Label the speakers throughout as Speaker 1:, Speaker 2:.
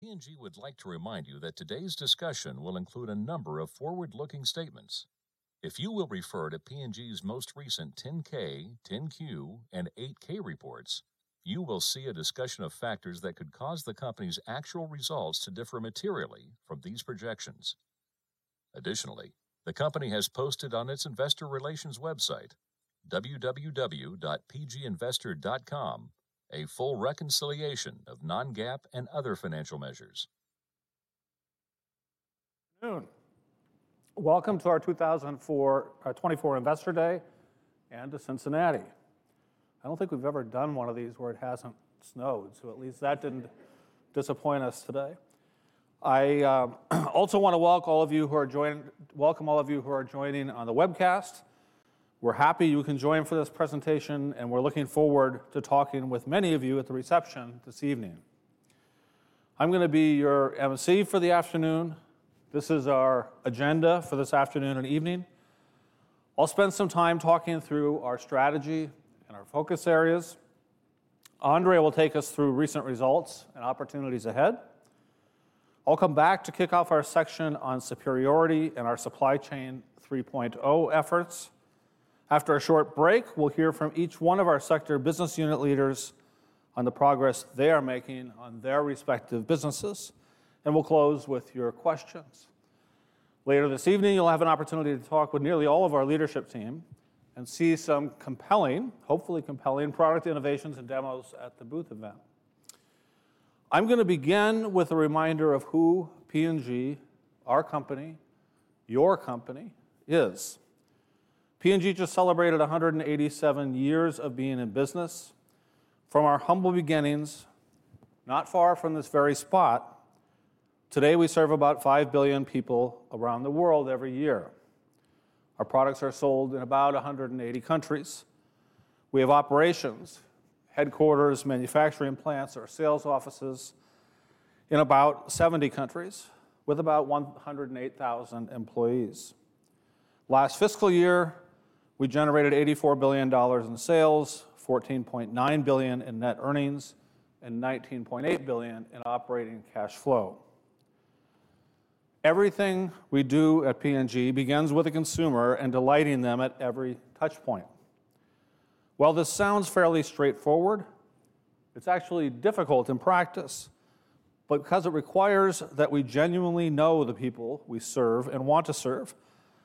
Speaker 1: P&G would like to remind you that today's discussion will include a number of forward-looking statements. If you will refer to P&G's most recent 10-K, 10-Q, and 8-K reports, you will see a discussion of factors that could cause the company's actual results to differ materially from these projections. Additionally, the company has posted on its investor relations website, www.pginvestor.com, a full reconciliation of non-GAAP and other financial measures.
Speaker 2: Good afternoon. Welcome to our 2024 Investor Day and to Cincinnati. I don't think we've ever done one of these where it hasn't snowed, so at least that didn't disappoint us today. I also want to welcome all of you who are joining on the webcast. We're happy you can join for this presentation, and we're looking forward to talking with many of you at the reception this evening. I'm going to be your emcee for the afternoon. This is our agenda for this afternoon and evening. I'll spend some time talking through our strategy and our focus areas. Andre will take us through recent results and opportunities ahead. I'll come back to kick off our section on superiority and our supply chain 3.0 efforts. After a short break, we'll hear from each one of our sector business unit leaders on the progress they are making on their respective businesses, and we'll close with your questions. Later this evening, you'll have an opportunity to talk with nearly all of our leadership team and see some compelling, hopefully compelling, product innovations and demos at the booth event. I'm going to begin with a reminder of who P&G, our company, your company is. P&G just celebrated 187 years of being in business. From our humble beginnings, not far from this very spot, today we serve about five billion people around the world every year. Our products are sold in about 180 countries. We have operations, headquarters, manufacturing plants, or sales offices in about 70 countries with about 108,000 employees. Last fiscal year, we generated $84 billion in sales, $14.9 billion in net earnings, and $19.8 billion in operating cash flow. Everything we do at P&G begins with a consumer and delighting them at every touchpoint. While this sounds fairly straightforward, it's actually difficult in practice because it requires that we genuinely know the people we serve and want to serve,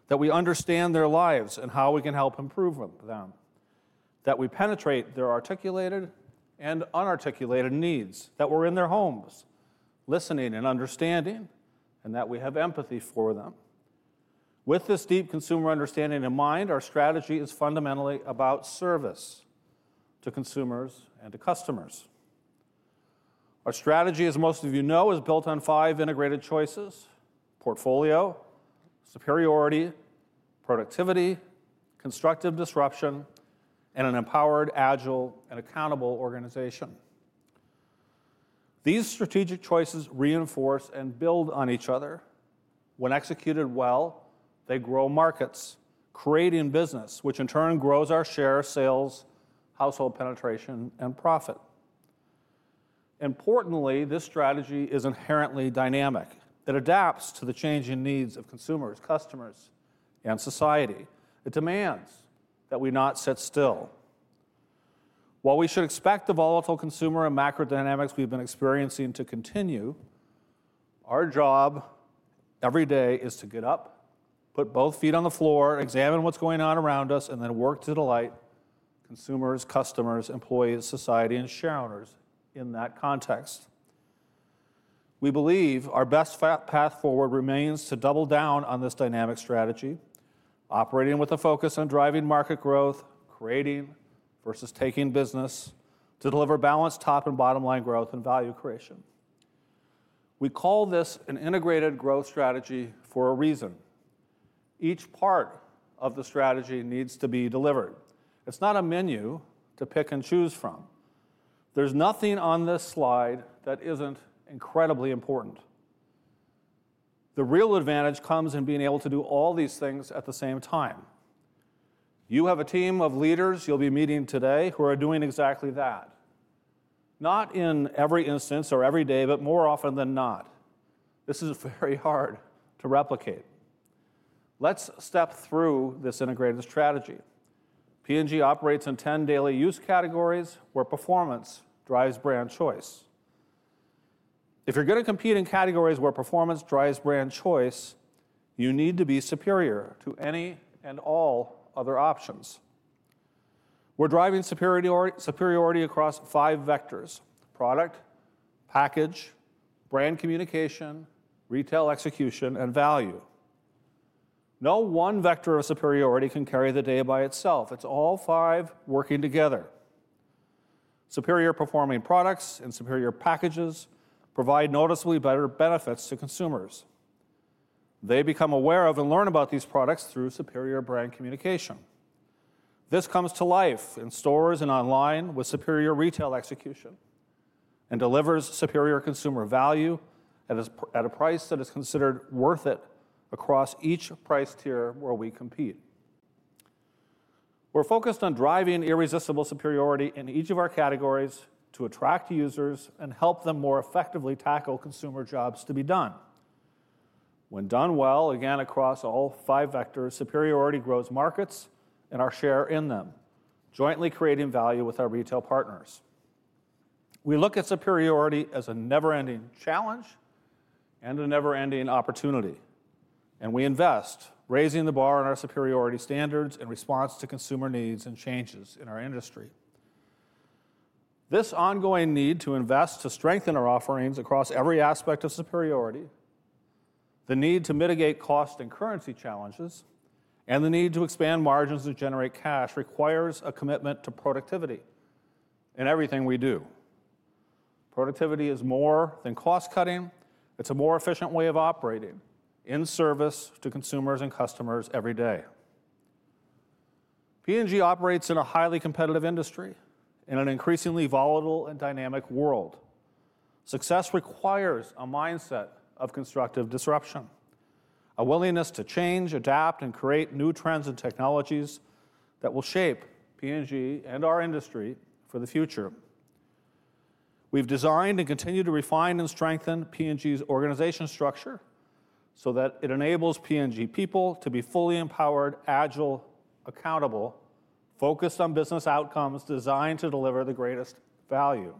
Speaker 2: that we understand their lives and how we can help improve them, that we penetrate their articulated and unarticulated needs, that we're in their homes listening and understanding, and that we have empathy for them. With this deep consumer understanding in mind, our strategy is fundamentally about service to consumers and to customers. Our strategy, as most of you know, is built on five integrated choices: portfolio, superiority, productivity, constructive disruption, and an empowered, agile, and accountable organization. These strategic choices reinforce and build on each other. When executed well, they grow markets, creating business, which in turn grows our share, sales, household penetration, and profit. Importantly, this strategy is inherently dynamic. It adapts to the changing needs of consumers, customers, and society. It demands that we not sit still. While we should expect the volatile consumer and macro dynamics we've been experiencing to continue, our job every day is to get up, put both feet on the floor, examine what's going on around us, and then work to delight consumers, customers, employees, society, and shareholders in that context. We believe our best path forward remains to double down on this dynamic strategy, operating with a focus on driving market growth, creating versus taking business to deliver balanced top and bottom line growth and value creation. We call this an integrated growth strategy for a reason. Each part of the strategy needs to be delivered. It's not a menu to pick and choose from. There's nothing on this slide that isn't incredibly important. The real advantage comes in being able to do all these things at the same time. You have a team of leaders you'll be meeting today who are doing exactly that, not in every instance or every day, but more often than not. This is very hard to replicate. Let's step through this integrated strategy. P&G operates in 10 daily use categories where performance drives brand choice. If you're going to compete in categories where performance drives brand choice, you need to be superior to any and all other options. We're driving superiority across five vectors: product, package, brand communication, retail execution, and value. No one vector of superiority can carry the day by itself. It's all five working together. Superior performing products and superior packages provide noticeably better benefits to consumers. They become aware of and learn about these products through superior brand communication. This comes to life in stores and online with superior retail execution and delivers superior consumer value at a price that is considered worth it across each price tier where we compete. We're focused on driving irresistible superiority in each of our categories to attract users and help them more effectively tackle consumer jobs to be done. When done well, again, across all five vectors, superiority grows markets and our share in them, jointly creating value with our retail partners. We look at superiority as a never-ending challenge and a never-ending opportunity, and we invest, raising the bar on our superiority standards in response to consumer needs and changes in our industry. This ongoing need to invest to strengthen our offerings across every aspect of superiority, the need to mitigate cost and currency challenges, and the need to expand margins to generate cash requires a commitment to productivity in everything we do. Productivity is more than cost-cutting. It's a more efficient way of operating in service to consumers and customers every day. P&G operates in a highly competitive industry in an increasingly volatile and dynamic world. Success requires a mindset of constructive disruption, a willingness to change, adapt, and create new trends and technologies that will shape P&G and our industry for the future. We've designed and continue to refine and strengthen P&G's organization structure so that it enables P&G people to be fully empowered, agile, accountable, focused on business outcomes, designed to deliver the greatest value.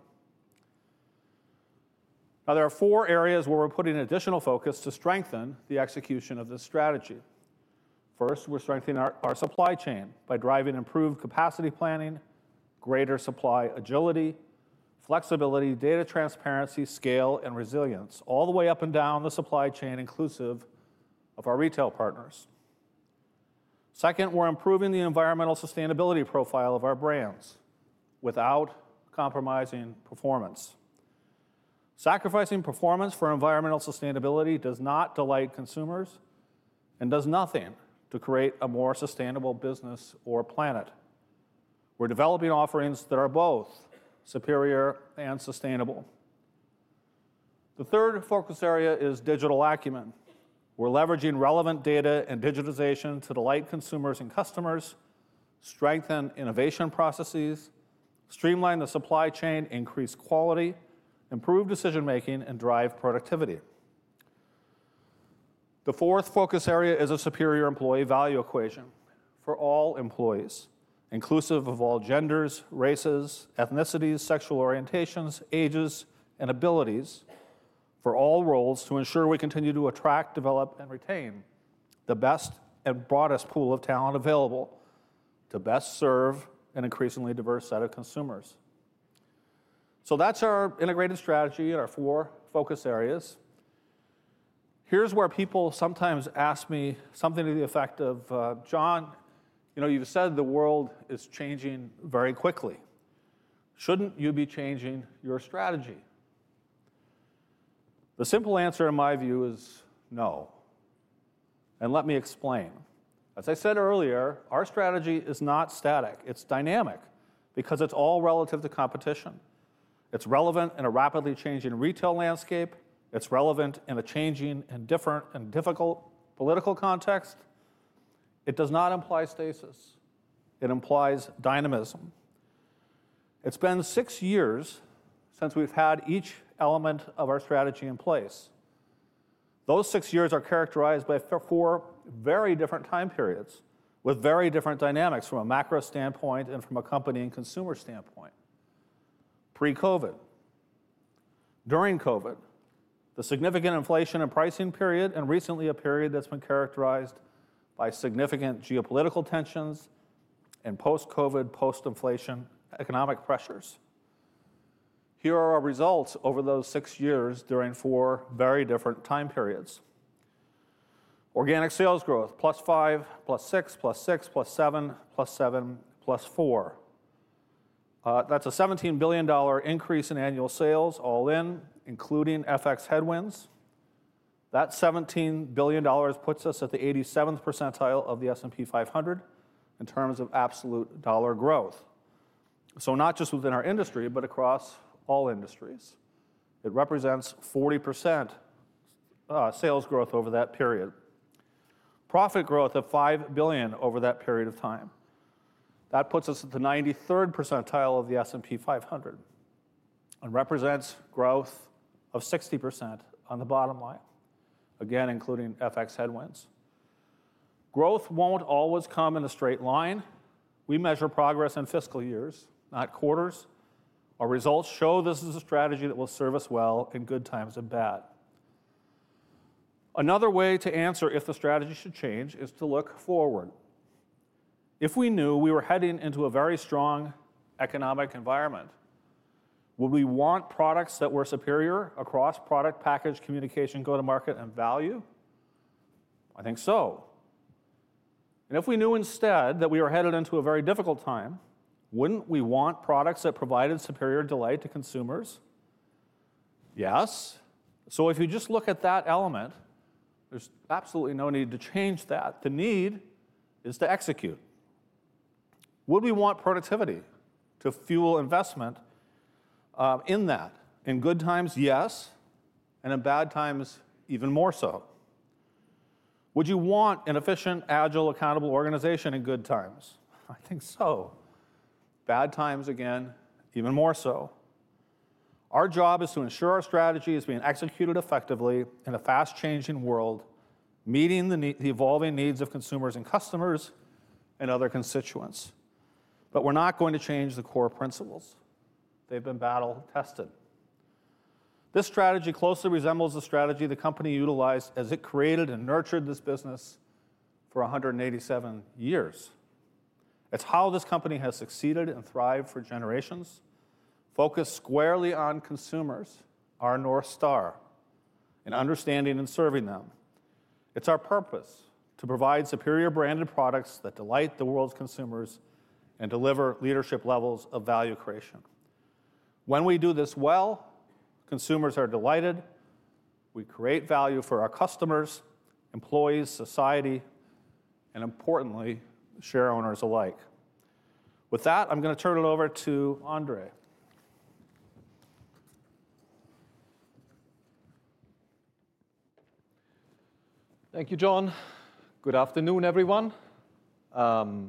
Speaker 2: Now, there are four areas where we're putting additional focus to strengthen the execution of this strategy. First, we're strengthening our supply chain by driving improved capacity planning, greater supply agility, flexibility, data transparency, scale, and resilience all the way up and down the supply chain, inclusive of our retail partners. Second, we're improving the environmental sustainability profile of our brands without compromising performance. Sacrificing performance for environmental sustainability does not delight consumers and does nothing to create a more sustainable business or planet. We're developing offerings that are both superior and sustainable. The third focus area is digital acumen. We're leveraging relevant data and digitization to delight consumers and customers, strengthen innovation processes, streamline the supply chain, increase quality, improve decision-making, and drive productivity. The fourth focus area is a superior employee value equation for all employees, inclusive of all genders, races, ethnicities, sexual orientations, ages, and abilities for all roles to ensure we continue to attract, develop, and retain the best and broadest pool of talent available to best serve an increasingly diverse set of consumers. So that's our integrated strategy and our four focus areas. Here's where people sometimes ask me something to the effect of, "John, you've said the world is changing very quickly. Shouldn't you be changing your strategy?" The simple answer, in my view, is no. And let me explain. As I said earlier, our strategy is not static. It's dynamic because it's all relative to competition. It's relevant in a rapidly changing retail landscape. It's relevant in a changing and different and difficult political context. It does not imply stasis. It implies dynamism. It's been six years since we've had each element of our strategy in place. Those six years are characterized by four very different time periods with very different dynamics from a macro standpoint and from a company and consumer standpoint: pre-COVID, during COVID, the significant inflation and pricing period, and recently a period that's been characterized by significant geopolitical tensions and post-COVID, post-inflation economic pressures. Here are our results over those six years during four very different time periods. Organic sales growth: +5%, +6%, +6%, +7%, +7%, +4%. That's a $17 billion increase in annual sales all in, including FX headwinds. That $17 billion puts us at the 87th percentile of the S&P 500 in terms of absolute dollar growth. So not just within our industry, but across all industries. It represents 40% sales growth over that period, profit growth of $5 billion over that period of time. That puts us at the 93rd percentile of the S&P 500 and represents growth of 60% on the bottom line, again, including FX headwinds. Growth won't always come in a straight line. We measure progress in fiscal years, not quarters. Our results show this is a strategy that will serve us well in good times and bad. Another way to answer if the strategy should change is to look forward. If we knew we were heading into a very strong economic environment, would we want products that were superior across product package, communication, go-to-market, and value? I think so, and if we knew instead that we were headed into a very difficult time, wouldn't we want products that provided superior delight to consumers? Yes. If you just look at that element, there's absolutely no need to change that. The need is to execute. Would we want productivity to fuel investment in that? In good times, yes. And in bad times, even more so. Would you want an efficient, agile, accountable organization in good times? I think so. Bad times, again, even more so. Our job is to ensure our strategy is being executed effectively in a fast-changing world, meeting the evolving needs of consumers and customers and other constituents. But we're not going to change the core principles. They've been battle-tested. This strategy closely resembles the strategy the company utilized as it created and nurtured this business for 187 years. It's how this company has succeeded and thrived for generations. Focused squarely on consumers, our North Star, and understanding and serving them. It's our purpose to provide superior branded products that delight the world's consumers and deliver leadership levels of value creation. When we do this well, consumers are delighted. We create value for our customers, employees, society, and importantly, shareholders alike. With that, I'm going to turn it over to Andre.
Speaker 3: Thank you, John. Good afternoon, everyone. As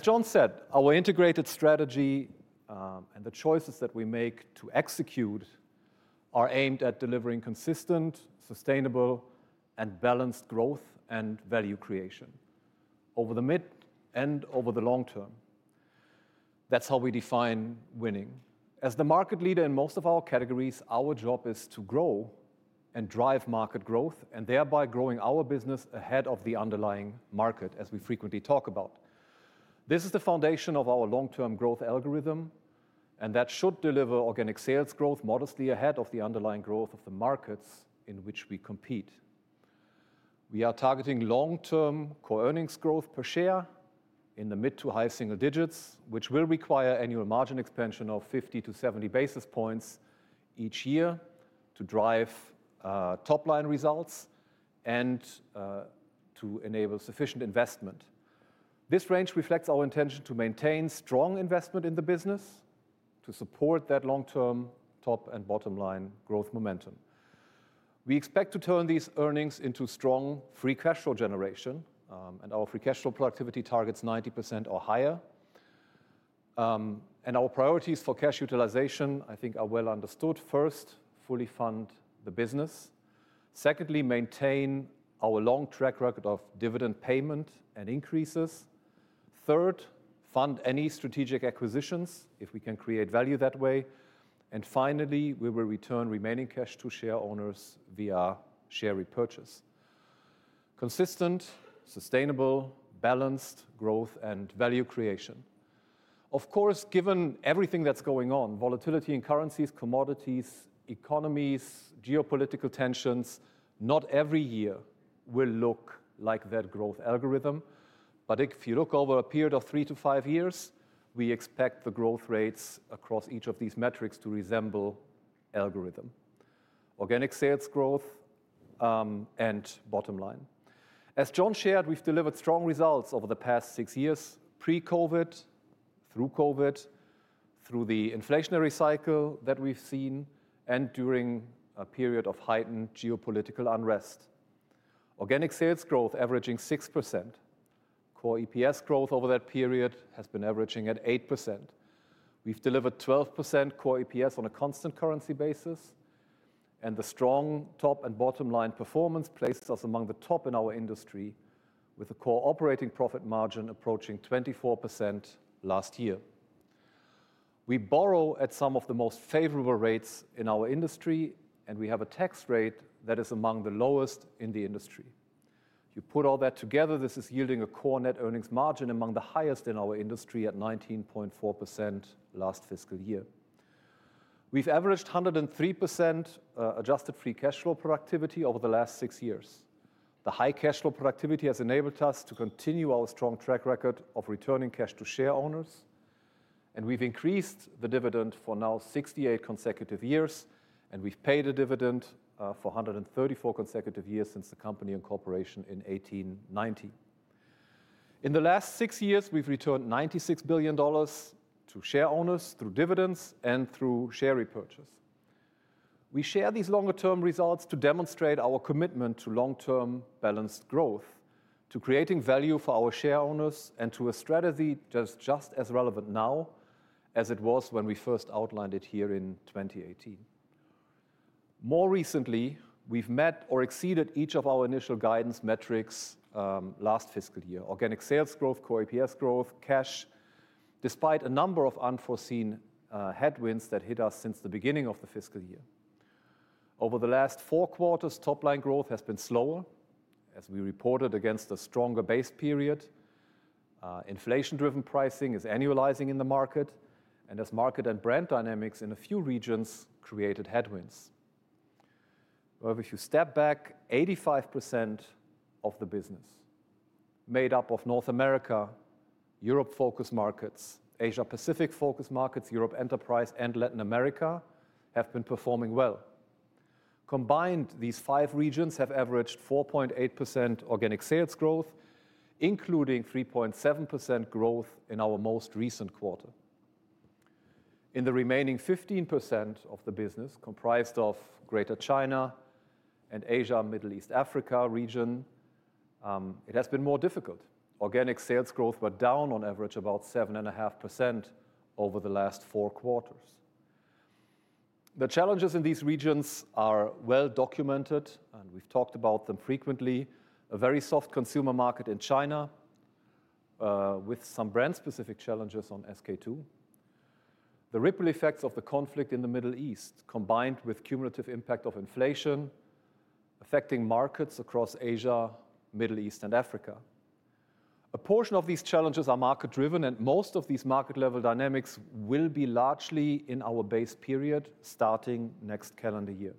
Speaker 3: John said, our integrated strategy and the choices that we make to execute are aimed at delivering consistent, sustainable, and balanced growth and value creation over the mid and over the long term. That's how we define winning. As the market leader in most of our categories, our job is to grow and drive market growth and thereby growing our business ahead of the underlying market, as we frequently talk about. This is the foundation of our long-term growth algorithm, and that should deliver organic sales growth modestly ahead of the underlying growth of the markets in which we compete. We are targeting long-term core earnings growth per share in the mid to high single digits, which will require annual margin expansion of 50-70 basis points each year to drive top-line results and to enable sufficient investment. This range reflects our intention to maintain strong investment in the business to support that long-term top and bottom line growth momentum. We expect to turn these earnings into strong free cash flow generation, and our free cash flow productivity targets 90% or higher. Our priorities for cash utilization, I think, are well understood. First, fully fund the business. Secondly, maintain our long track record of dividend payment and increases. Third, fund any strategic acquisitions if we can create value that way. And finally, we will return remaining cash to shareholders via share repurchase. Consistent, sustainable, balanced growth and value creation. Of course, given everything that's going on, volatility in currencies, commodities, economies, geopolitical tensions, not every year will look like that growth algorithm. But if you look over a period of three to five years, we expect the growth rates across each of these metrics to resemble algorithm: organic sales growth and bottom line. As John shared, we've delivered strong results over the past six years: pre-COVID, through COVID, through the inflationary cycle that we've seen, and during a period of heightened geopolitical unrest. Organic sales growth averaging 6%. Core EPS growth over that period has been averaging at 8%. We've delivered 12% core EPS on a constant currency basis. And the strong top and bottom line performance places us among the top in our industry, with a core operating profit margin approaching 24% last year. We borrow at some of the most favorable rates in our industry, and we have a tax rate that is among the lowest in the industry. You put all that together, this is yielding a core net earnings margin among the highest in our industry at 19.4% last fiscal year. We've averaged 103% adjusted free cash flow productivity over the last six years. The high cash flow productivity has enabled us to continue our strong track record of returning cash to shareholders. And we've increased the dividend for now 68 consecutive years, and we've paid a dividend for 134 consecutive years since the company incorporation in 1890. In the last six years, we've returned $96 billion to shareholders through dividends and through share repurchase. We share these longer-term results to demonstrate our commitment to long-term balanced growth, to creating value for our shareholders, and to a strategy that is just as relevant now as it was when we first outlined it here in 2018. More recently, we've met or exceeded each of our initial guidance metrics last fiscal year: organic sales growth, core EPS growth, cash, despite a number of unforeseen headwinds that hit us since the beginning of the fiscal year. Over the last four quarters, top-line growth has been slower, as we reported against a stronger base period. Inflation-driven pricing is annualizing in the market, and as market and brand dynamics in a few regions created headwinds. Well, if you step back, 85% of the business made up of North America, Europe-focused markets, Asia-Pacific-focused markets, Europe enterprise, and Latin America have been performing well. Combined, these five regions have averaged 4.8% organic sales growth, including 3.7% growth in our most recent quarter. In the remaining 15% of the business, comprised of Greater China and Asia-Middle East Africa region, it has been more difficult. Organic sales growth went down on average about 7.5% over the last four quarters. The challenges in these regions are well documented, and we've talked about them frequently. A very soft consumer market in China with some brand-specific challenges on SK-II The ripple effects of the conflict in the Middle East, combined with the cumulative impact of inflation affecting markets across Asia, Middle East, and Africa. A portion of these challenges are market-driven, and most of these market-level dynamics will be largely in our base period starting next calendar year.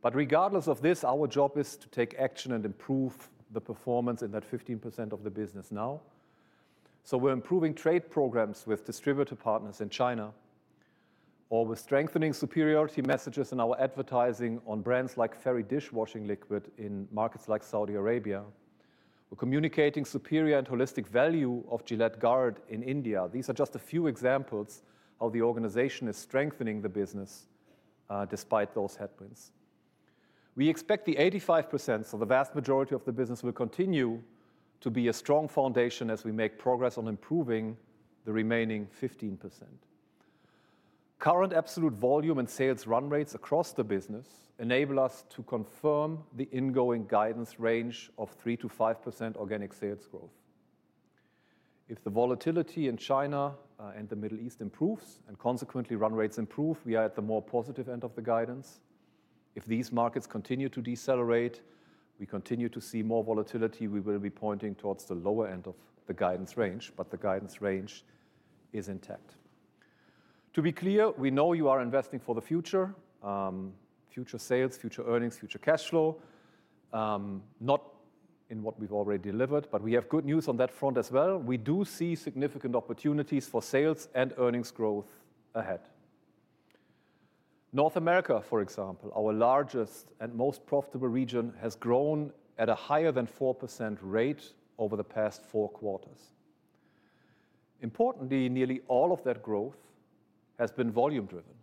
Speaker 3: But regardless of this, our job is to take action and improve the performance in that 15% of the business now. We're improving trade programs with distributor partners in China. Or we're strengthening superiority messages in our advertising on brands like Fairy dishwashing liquid in markets like Saudi Arabia. We're communicating superior and holistic value of Gillette Guard in India. These are just a few examples of how the organization is strengthening the business despite those headwinds. We expect the 85%, so the vast majority of the business, will continue to be a strong foundation as we make progress on improving the remaining 15%. Current absolute volume and sales run rates across the business enable us to confirm the ongoing guidance range of 3%-5% organic sales growth. If the volatility in China and the Middle East improves and consequently run rates improve, we are at the more positive end of the guidance. If these markets continue to decelerate, we continue to see more volatility, we will be pointing towards the lower end of the guidance range, but the guidance range is intact. To be clear, we know you are investing for the future: future sales, future earnings, future cash flow, not in what we've already delivered, but we have good news on that front as well. We do see significant opportunities for sales and earnings growth ahead. North America, for example, our largest and most profitable region, has grown at a higher than 4% rate over the past four quarters. Importantly, nearly all of that growth has been volume-driven: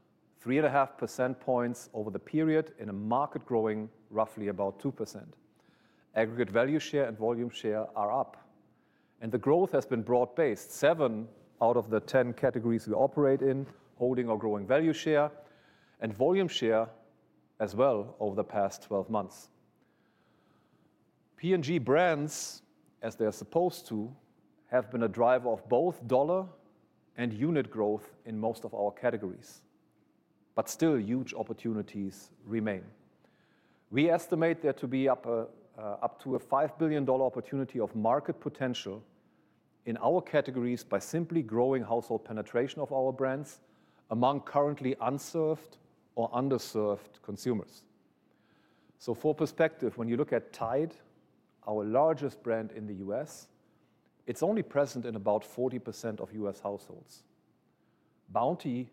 Speaker 3: 3.5 percentage points over the period in a market growing roughly about 2%. Aggregate value share and volume share are up. The growth has been broad-based: 7 out of the 10 categories we operate in holding or growing value share and volume share as well over the past 12 months. P&G brands, as they are supposed to, have been a driver of both dollar and unit growth in most of our categories. Still, huge opportunities remain. We estimate there to be up to a $5 billion opportunity of market potential in our categories by simply growing household penetration of our brands among currently unserved or underserved consumers. For perspective, when you look at Tide, our largest brand in the U.S., it's only present in about 40% of U.S. households. Bounty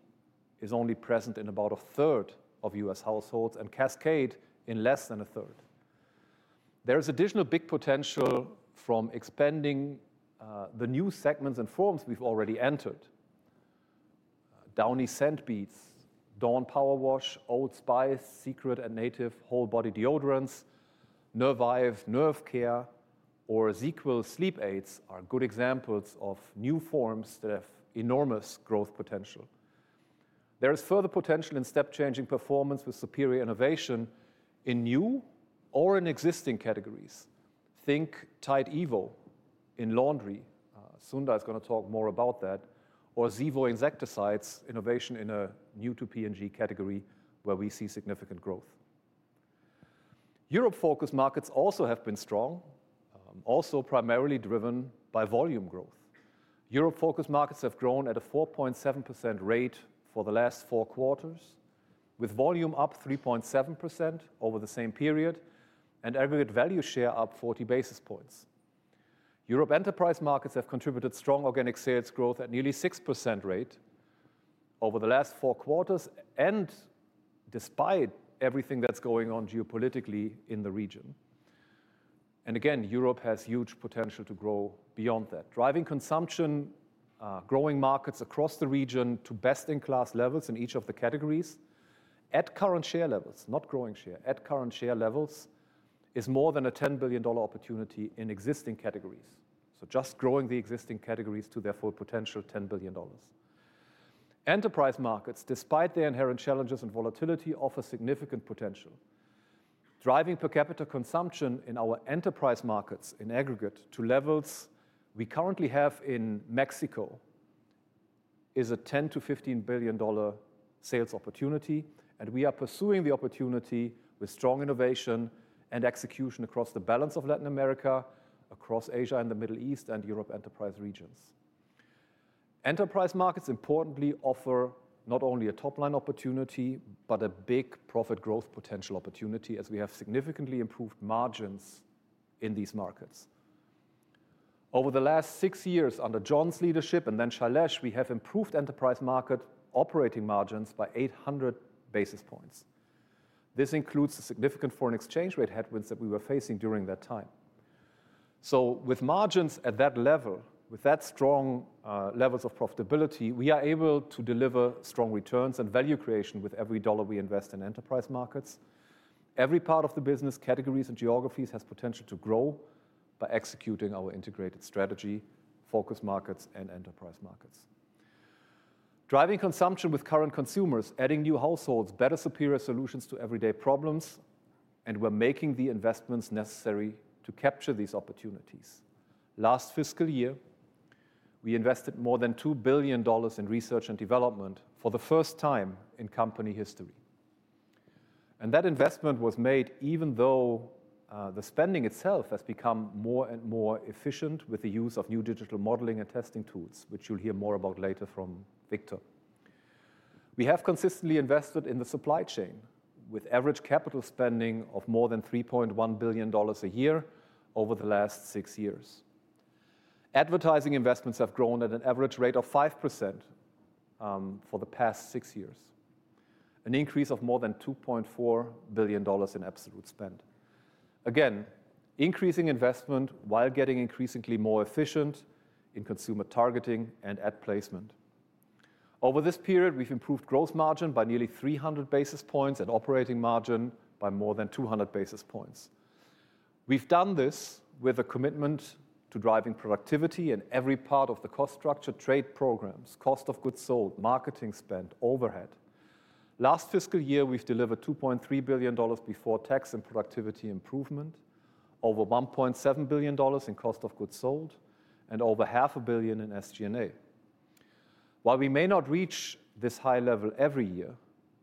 Speaker 3: is only present in about a third of U.S. households and Cascade in less than a third. There is additional big potential from expanding the new segments and forms we've already entered: Downy Scent Beads, Dawn Powerwash, Old Spice, Secret and Native Whole Body Deodorants, Nervive Nerve Care, or ZzzQuil Sleep Aids are good examples of new forms that have enormous growth potential. There is further potential in step-changing performance with superior innovation in new or in existing categories. Think Tide Evo in laundry. Sundar is going to talk more about that. Or Zevo Insecticides, innovation in a new-to-P&G category where we see significant growth. Europe-focused markets also have been strong, also primarily driven by volume growth. Europe-focused markets have grown at a 4.7% rate for the last four quarters, with volume up 3.7% over the same period and aggregate value share up 40 basis points. Europe enterprise markets have contributed strong organic sales growth at nearly 6% rate over the last four quarters and despite everything that's going on geopolitically in the region, and again, Europe has huge potential to grow beyond that. Driving consumption, growing markets across the region to best-in-class levels in each of the categories at current share levels, not growing share, at current share levels is more than a $10 billion opportunity in existing categories, so just growing the existing categories to their full potential, $10 billion. Enterprise markets, despite their inherent challenges and volatility, offer significant potential. Driving per capita consumption in our enterprise markets in aggregate to levels we currently have in Mexico is a $10-$15 billion sales opportunity, and we are pursuing the opportunity with strong innovation and execution across the balance of Latin America, across Asia and the Middle East, and Europe enterprise regions. Enterprise markets, importantly, offer not only a top-line opportunity but a big profit growth potential opportunity as we have significantly improved margins in these markets. Over the last six years under John's leadership and then Shailesh, we have improved enterprise market operating margins by 800 basis points. This includes the significant foreign exchange rate headwinds that we were facing during that time. So with margins at that level, with that strong levels of profitability, we are able to deliver strong returns and value creation with every dollar we invest in enterprise markets. Every part of the business, categories, and geographies has potential to grow by executing our integrated strategy, focus markets, and enterprise markets. Driving consumption with current consumers, adding new households, better superior solutions to everyday problems, and we're making the investments necessary to capture these opportunities. Last fiscal year, we invested more than $2 billion in research and development for the first time in company history. And that investment was made even though the spending itself has become more and more efficient with the use of new digital modeling and testing tools, which you'll hear more about later from Victor. We have consistently invested in the supply chain with average capital spending of more than $3.1 billion a year over the last six years. Advertising investments have grown at an average rate of 5% for the past six years, an increase of more than $2.4 billion in absolute spend. Again, increasing investment while getting increasingly more efficient in consumer targeting and ad placement. Over this period, we've improved gross margin by nearly 300 basis points and operating margin by more than 200 basis points. We've done this with a commitment to driving productivity in every part of the cost structure, trade programs, cost of goods sold, marketing spend, overhead. Last fiscal year, we've delivered $2.3 billion before tax and productivity improvement, over $1.7 billion in cost of goods sold, and over $500 million in SG&A. While we may not reach this high level every year,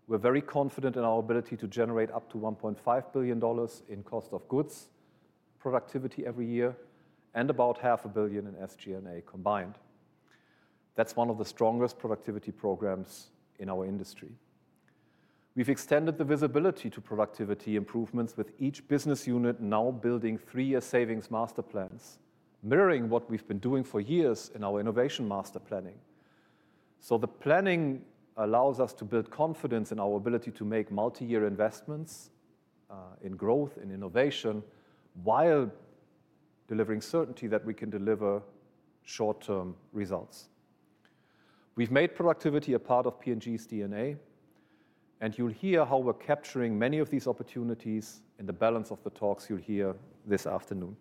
Speaker 3: we're very confident in our ability to generate up to $1.5 billion in cost of goods productivity every year and about $500 million in SG&A combined. That's one of the strongest productivity programs in our industry. We've extended the visibility to productivity improvements with each business unit now building three-year savings master plans, mirroring what we've been doing for years in our innovation master planning. So the planning allows us to build confidence in our ability to make multi-year investments in growth and innovation while delivering certainty that we can deliver short-term results. We've made productivity a part of P&G's DNA, and you'll hear how we're capturing many of these opportunities in the balance of the talks you'll hear this afternoon.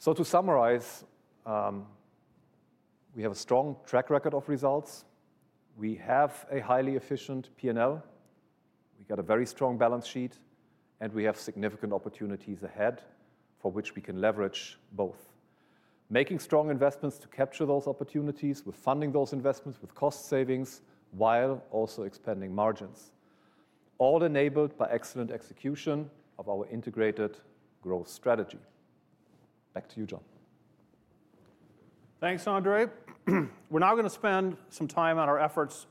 Speaker 3: So to summarize, we have a strong track record of results. We have a highly efficient P&L. We've got a very strong balance sheet, and we have significant opportunities ahead for which we can leverage both. Making strong investments to capture those opportunities with funding those investments, with cost savings, while also expanding margins, all enabled by excellent execution of our integrated growth strategy. Back to you, Jon.
Speaker 2: Thanks, Andre. We're now going to spend some time on our efforts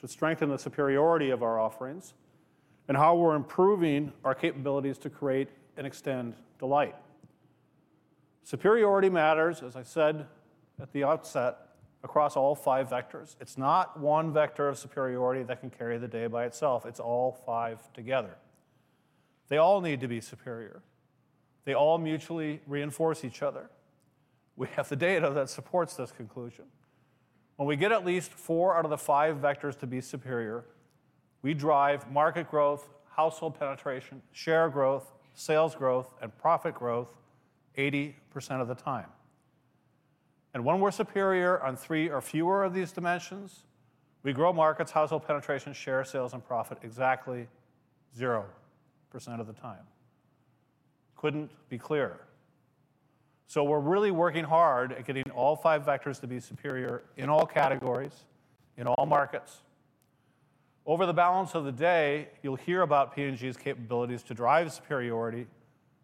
Speaker 2: to strengthen the superiority of our offerings and how we're improving our capabilities to create and extend delight. Superiority matters, as I said at the outset, across all five vectors. It's not one vector of superiority that can carry the day by itself. It's all five together. They all need to be superior. They all mutually reinforce each other. We have the data that supports this conclusion. When we get at least four out of the five vectors to be superior, we drive market growth, household penetration, share growth, sales growth, and profit growth 80% of the time. And when we're superior on three or fewer of these dimensions, we grow markets, household penetration, share sales, and profit exactly 0% of the time. Couldn't be clearer. So we're really working hard at getting all five vectors to be superior in all categories, in all markets. Over the balance of the day, you'll hear about P&G's capabilities to drive superiority,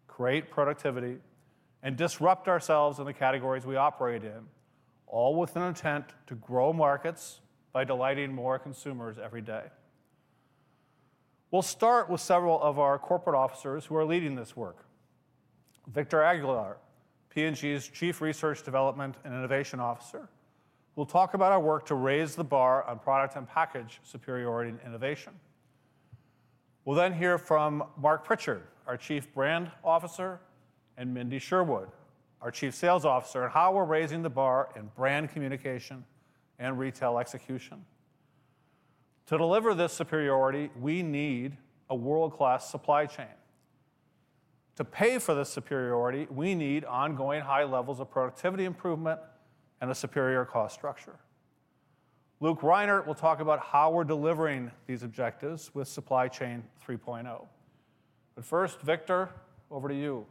Speaker 2: create productivity, and disrupt ourselves in the categories we operate in, all with an intent to grow markets by delighting more consumers every day. We'll start with several of our corporate officers who are leading this work. Victor Aguilar, P&G's Chief Research, Development, and Innovation Officer, will talk about our work to raise the bar on product and package superiority and innovation. We'll then hear from Mark Pritchard, our Chief Brand Officer, and Mindy Sherwood, our Chief Sales Officer, and how we're raising the bar in brand communication and retail execution. To deliver this superiority, we need a world-class supply chain. To pay for this superiority, we need ongoing high levels of productivity improvement and a superior cost structure. Luc Reynaert will talk about how we're delivering these objectives with Supply 3.0. But first, Victor Aguilar, over to you.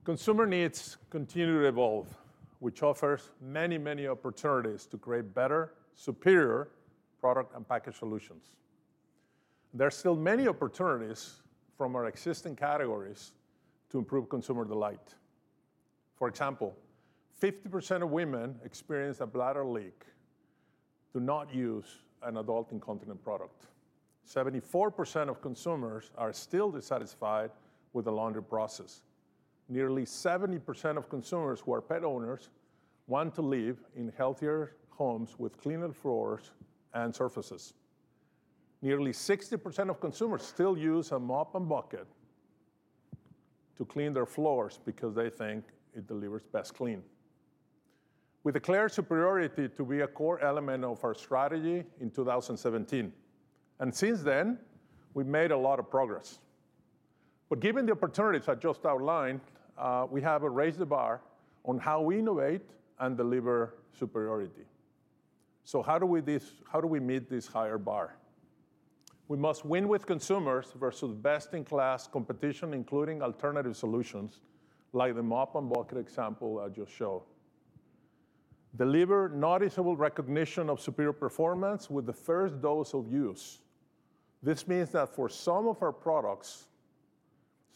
Speaker 4: Thank you, Jon. Consumer needs continue to evolve, which offers many, many opportunities to create better, superior product and package solutions. There are still many opportunities from our existing categories to improve consumer delight. For example, 50% of women experience a bladder leak do not use an adult incontinent product. 74% of consumers are still dissatisfied with the laundry process. Nearly 70% of consumers who are pet owners want to live in healthier homes with cleaner floors and surfaces. Nearly 60% of consumers still use a mop and bucket to clean their floors because they think it delivers best clean. We declare superiority to be a core element of our strategy in 2017, and since then, we've made a lot of progress, but given the opportunities I just outlined, we have raised the bar on how we innovate and deliver superiority, so how do we meet this higher bar? We must win with consumers versus best-in-class competition, including alternative solutions like the mop and bucket example I just showed. Deliver noticeable recognition of superior performance with the first dose of use. This means that for some of our products,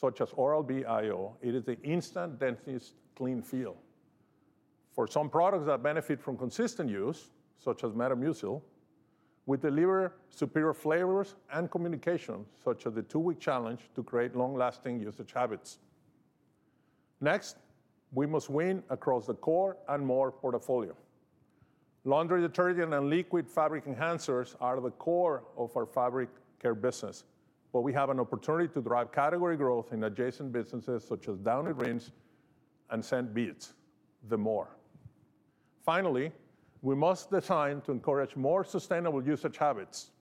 Speaker 4: such as Oral-B iO, it is the instant densest clean feel. For some products that benefit from consistent use, such as Metamucil, we deliver superior flavors and communication, such as the two-week challenge to create long-lasting usage habits. Next, we must win across the core and more portfolio. Laundry detergent and liquid fabric enhancers are the core of our fabric care business, but we have an opportunity to drive category growth in adjacent businesses such as Downy Rinse & Refresh and Downy Unstopables, the more. Finally, we must design to encourage more sustainable usage habits,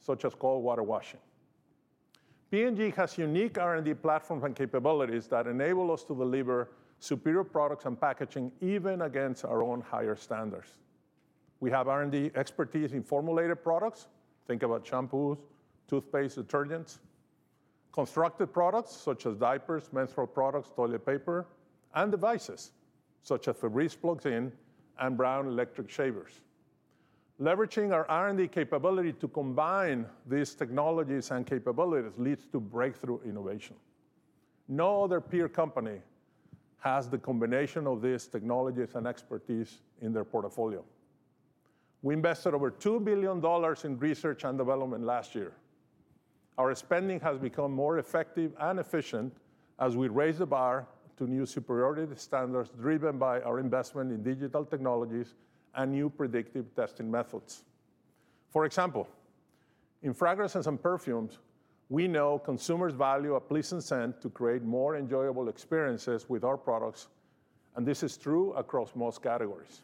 Speaker 4: such as cold water washing. P&G has unique R&D platforms and capabilities that enable us to deliver superior products and packaging even against our own higher standards. We have R&D expertise in formulated products. Think about shampoos, toothpaste, detergents, constructed products such as diapers, menstrual products, toilet paper, and devices such as Febreze plug-ins and Braun electric shavers. Leveraging our R&D capability to combine these technologies and capabilities leads to breakthrough innovation. No other peer company has the combination of these technologies and expertise in their portfolio. We invested over $2 billion in research and development last year. Our spending has become more effective and efficient as we raise the bar to new superiority standards driven by our investment in digital technologies and new predictive testing methods. For example, in fragrances and perfumes, we know consumers value a pleasant scent to create more enjoyable experiences with our products, and this is true across most categories.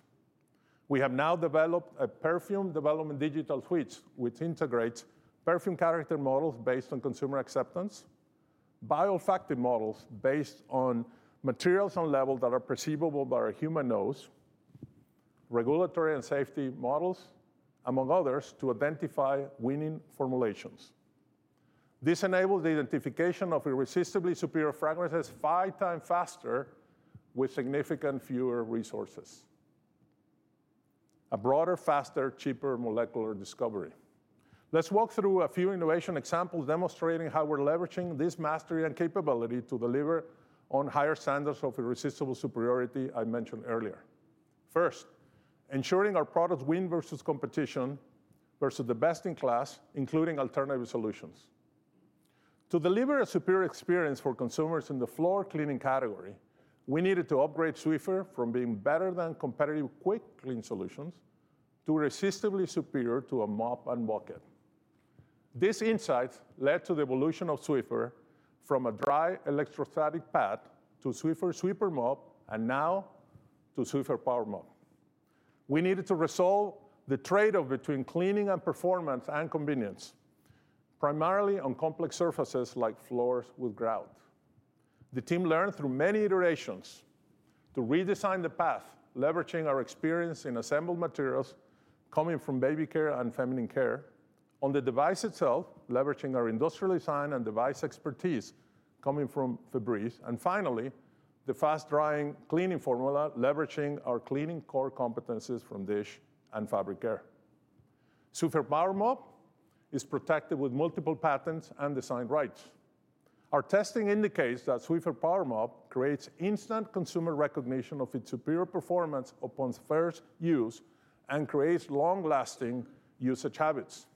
Speaker 4: We have now developed a perfume development digital suite which integrates perfume character models based on consumer acceptance, biofactory models based on materials and levels that are perceivable by our human nose, regulatory and safety models, among others, to identify winning formulations. This enables the identification of irresistibly superior fragrances five times faster with significant fewer resources. A broader, faster, cheaper molecular discovery. Let's walk through a few innovation examples demonstrating how we're leveraging this mastery and capability to deliver on higher standards of irresistible superiority I mentioned earlier. First, ensuring our products win versus competition versus the best in class, including alternative solutions. To deliver a superior experience for consumers in the floor cleaning category, we needed to upgrade Swiffer from being better than competitive quick clean solutions to irresistibly superior to a mop and bucket. This insight led to the evolution of Swiffer from a dry electrostatic pad to Swiffer Sweeper mop and now to Swiffer PowerMop. We needed to resolve the trade-off between cleaning and performance and convenience, primarily on complex surfaces like floors with grout. The team learned through many iterations to redesign the path, leveraging our experience in assembled materials coming from baby care and feminine care, on the device itself, leveraging our industrial design and device expertise coming from Febreze, and finally, the fast-drying cleaning formula, leveraging our cleaning core competencies from dish and fabric care. Swiffer PowerMop is protected with multiple patents and design rights. Our testing indicates that Swiffer PowerMop creates instant consumer recognition of its superior performance upon first use and creates long-lasting usage habits.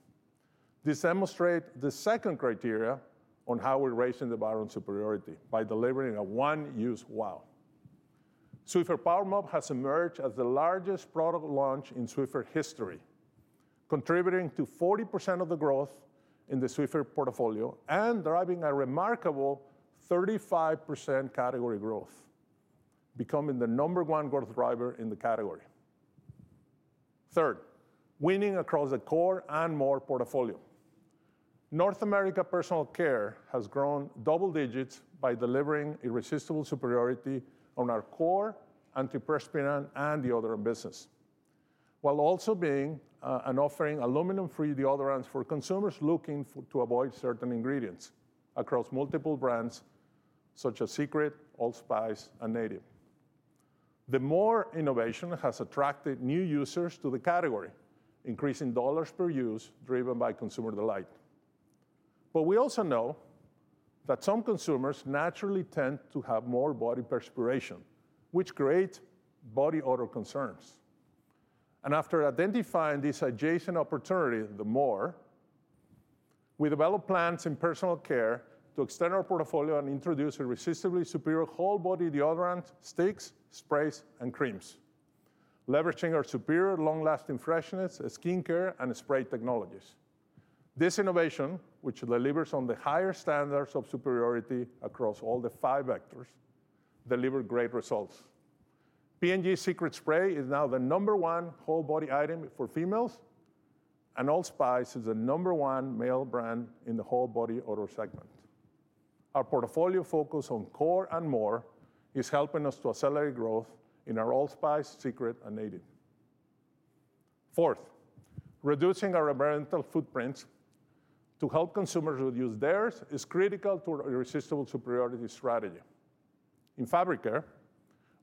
Speaker 4: This demonstrates the second criteria on how we're raising the bar on superiority by delivering a one-use wow. Swiffer PowerMop has emerged as the largest product launch in Swiffer history, contributing to 40% of the growth in the Swiffer portfolio and driving a remarkable 35% category growth, becoming the number one growth driver in the category. Third, winning across the core and more portfolio. North America personal care has grown double digits by delivering irresistible superiority on our core antiperspirant and deodorant business, while also being an offering aluminum-free deodorants for consumers looking to avoid certain ingredients across multiple brands such as Secret, Old Spice, and Native. Degree innovation has attracted new users to the category, increasing dollars per use driven by consumer delight. But we also know that some consumers naturally tend to have more body perspiration, which creates body odor concerns. And after identifying this adjacent opportunity, Degree, we developed plans in personal care to extend our portfolio and introduce irresistibly superior whole body deodorant sticks, sprays, and creams, leveraging our superior long-lasting freshness, skincare, and spray technologies. This innovation, which delivers on the higher standards of superiority across all the five vectors, delivers great results. P&G Secret Spray is now the number one whole body item for females, and Old Spice is the number one male brand in the whole body odor segment. Our portfolio focus on core and Degree is helping us to accelerate growth in our Old Spice, Secret, and Native. Fourth, reducing our environmental footprints to help consumers reduce theirs is critical to our irresistible superiority strategy. In fabric care,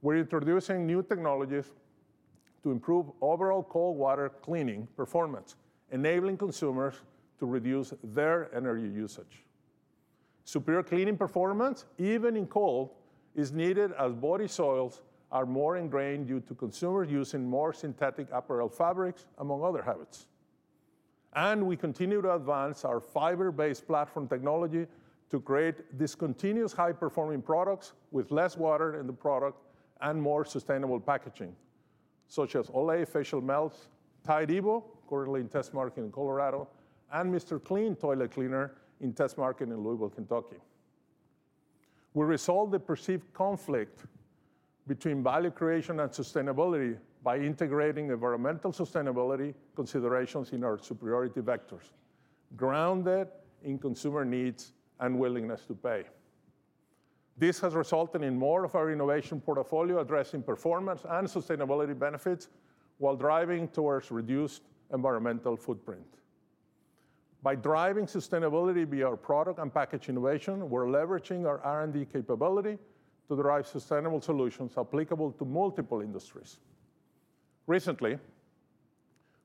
Speaker 4: we're introducing new technologies to improve overall cold water cleaning performance, enabling consumers to reduce their energy usage. Superior cleaning performance, even in cold, is needed as body soils are more ingrained due to consumers using more synthetic apparel fabrics, among other habits, and we continue to advance our fiber-based platform technology to create discontinuous high-performing products with less water in the product and more sustainable packaging, such as Olay Facial Melts, Tide evo currently in test market in Colorado, and Mr. Clean toilet cleaner in test market in Louisville, Kentucky. We resolved the perceived conflict between value creation and sustainability by integrating environmental sustainability considerations in our superiority vectors, grounded in consumer needs and willingness to pay. This has resulted in more of our innovation portfolio addressing performance and sustainability benefits while driving towards reduced environmental footprint. By driving sustainability via our product and package innovation, we're leveraging our R&D capability to drive sustainable solutions applicable to multiple industries. Recently,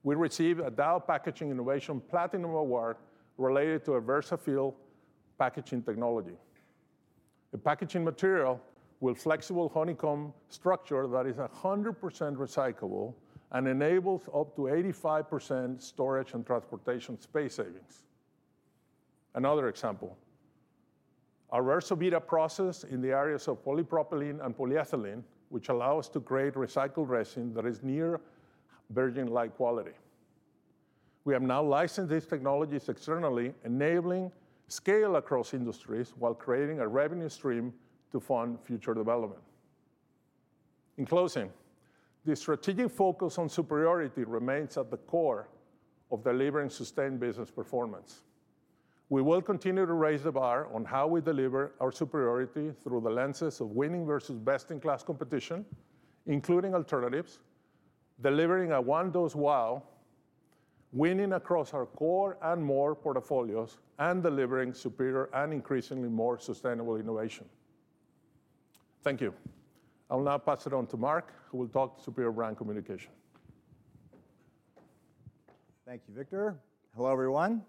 Speaker 4: we received a Dow Packaging Innovation Platinum Award related to a Versafield packaging technology. A packaging material with flexible honeycomb structure that is 100% recyclable and enables up to 85% storage and transportation space savings. Another example, our Versavita process in the areas of polypropylene and polyethylene, which allows us to create recycled resin that is near virgin-like quality. We have now licensed these technologies externally, enabling scale across industries while creating a revenue stream to fund future development. In closing, the strategic focus on superiority remains at the core of delivering sustained business performance. We will continue to raise the bar on how we deliver our superiority through the lenses of winning versus best-in-class competition, including alternatives, delivering a one-dose wow, winning across our core and more portfolios, and delivering superior and increasingly more sustainable innovation.
Speaker 2: Thank you. I'll now pass it on to Mark, who will talk to Superior Brand Communication.
Speaker 5: Thank you, Victor. Hello, everyone.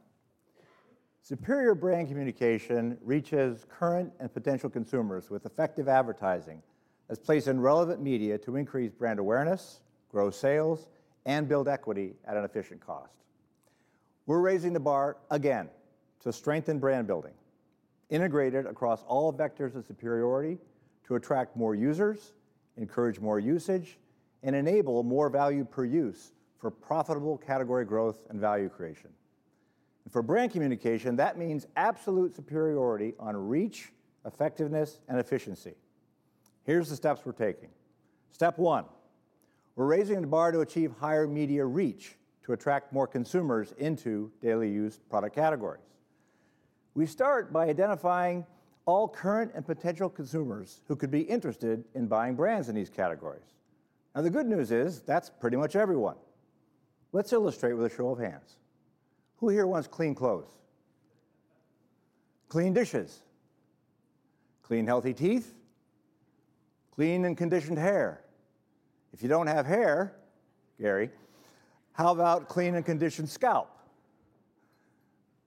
Speaker 5: Superior Brand Communication reaches current and potential consumers with effective advertising that's placed in relevant media to increase brand awareness, grow sales, and build equity at an efficient cost. We're raising the bar again to strengthen brand building, integrated across all vectors of superiority to attract more users, encourage more usage, and enable more value per use for profitable category growth and value creation. And for brand communication, that means absolute superiority on reach, effectiveness, and efficiency. Here's the steps we're taking. Step one, we're raising the bar to achieve higher media reach to attract more consumers into daily-used product categories. We start by identifying all current and potential consumers who could be interested in buying brands in these categories. Now, the good news is that's pretty much everyone. Let's illustrate with a show of hands. Who here wants clean clothes? Clean dishes. Clean healthy teeth. Clean and conditioned hair. If you don't have hair, Gary, how about clean and conditioned scalp?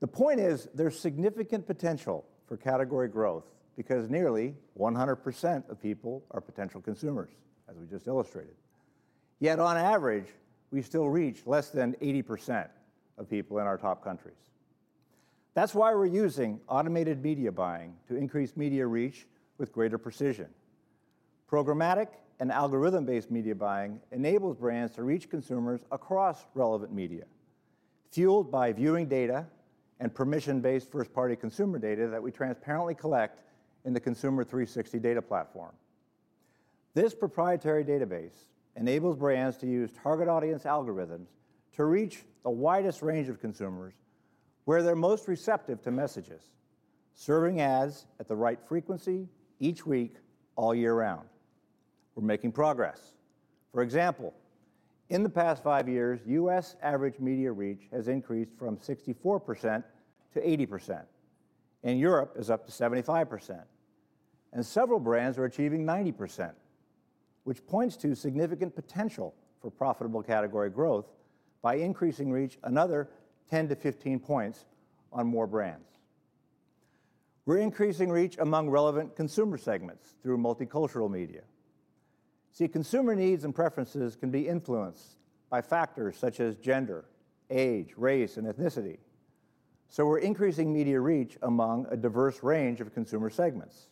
Speaker 5: The point is there's significant potential for category growth because nearly 100% of people are potential consumers, as we just illustrated. Yet, on average, we still reach less than 80% of people in our top countries. That's why we're using automated media buying to increase media reach with greater precision. Programmatic and algorithm-based media buying enables brands to reach consumers across relevant media, fueled by viewing data and permission-based first-party consumer data that we transparently collect in the Consumer 360 data platform. This proprietary database enables brands to use target audience algorithms to reach the widest range of consumers where they're most receptive to messages, serving ads at the right frequency each week, all year round. We're making progress. For example, in the past five years, U.S. average media reach has increased from 64%-80%. In Europe, it's up to 75%, and several brands are achieving 90%, which points to significant potential for profitable category growth by increasing reach another 10-15 points on more brands. We're increasing reach among relevant consumer segments through multicultural media. See, consumer needs and preferences can be influenced by factors such as gender, age, race, and ethnicity. We're increasing media reach among a diverse range of consumer segments.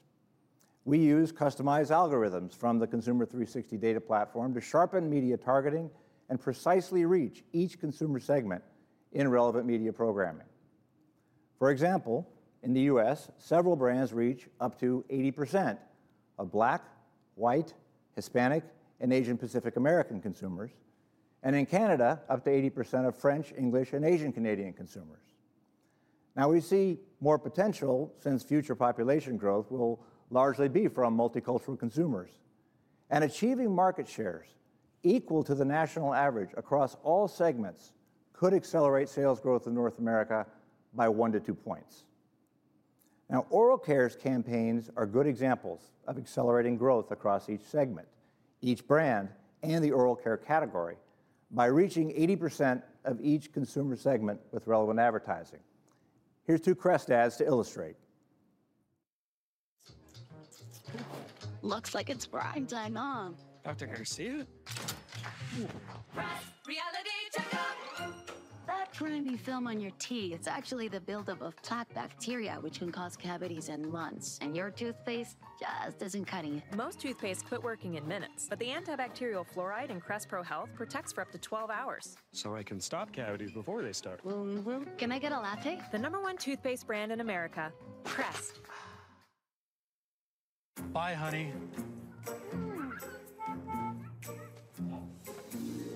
Speaker 5: We use customized algorithms from the Consumer 360 data platform to sharpen media targeting and precisely reach each consumer segment in relevant media programming. For example, in the U.S., several brands reach up to 80% of Black, White, Hispanic, and Asian Pacific American consumers, and in Canada, up to 80% of French, English, and Asian Canadian consumers. Now, we see more potential since future population growth will largely be from multicultural consumers. Achieving market shares equal to the national average across all segments could accelerate sales growth in North America by one to two points. Oral care's campaigns are good examples of accelerating growth across each segment, each brand, and the oral care category by reaching 80% of each consumer segment with relevant advertising. Here's two Crest ads to illustrate. Looks like it's Brian's dynamo. Dr. Garcia? Crest Reality Checkup. That grimy film on your teeth, it's actually the buildup of plaque bacteria, which can cause cavities and more. And your toothpaste just isn't cutting it. Most toothpastes quit working in minutes, but the antibacterial fluoride in Crest Pro-Health protects for up to 12 hours. So I can stop cavities before they start. Can I get a latte? The number one toothpaste brand in America, Crest. Bye, honey.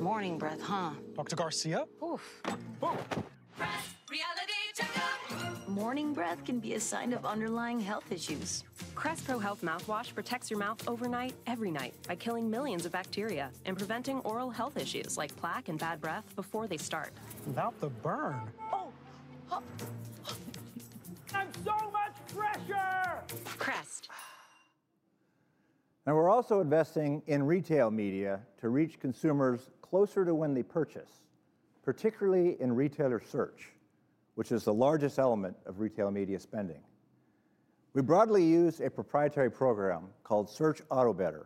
Speaker 5: Morning breath, huh? Dr. Garcia? Oof. Crest Reality Checkup. Morning breath can be a sign of underlying health issues. Crest Pro-Health mouthwash protects your mouth overnight, every night, by killing millions of bacteria and preventing oral health issues like plaque and bad breath before they start. Without the burn. Oh. I'm so much fresher! Crest. Now, we're also investing in retail media to reach consumers closer to when they purchase, particularly in retailer search, which is the largest element of retail media spending. We broadly use a proprietary program called Search AutoBidder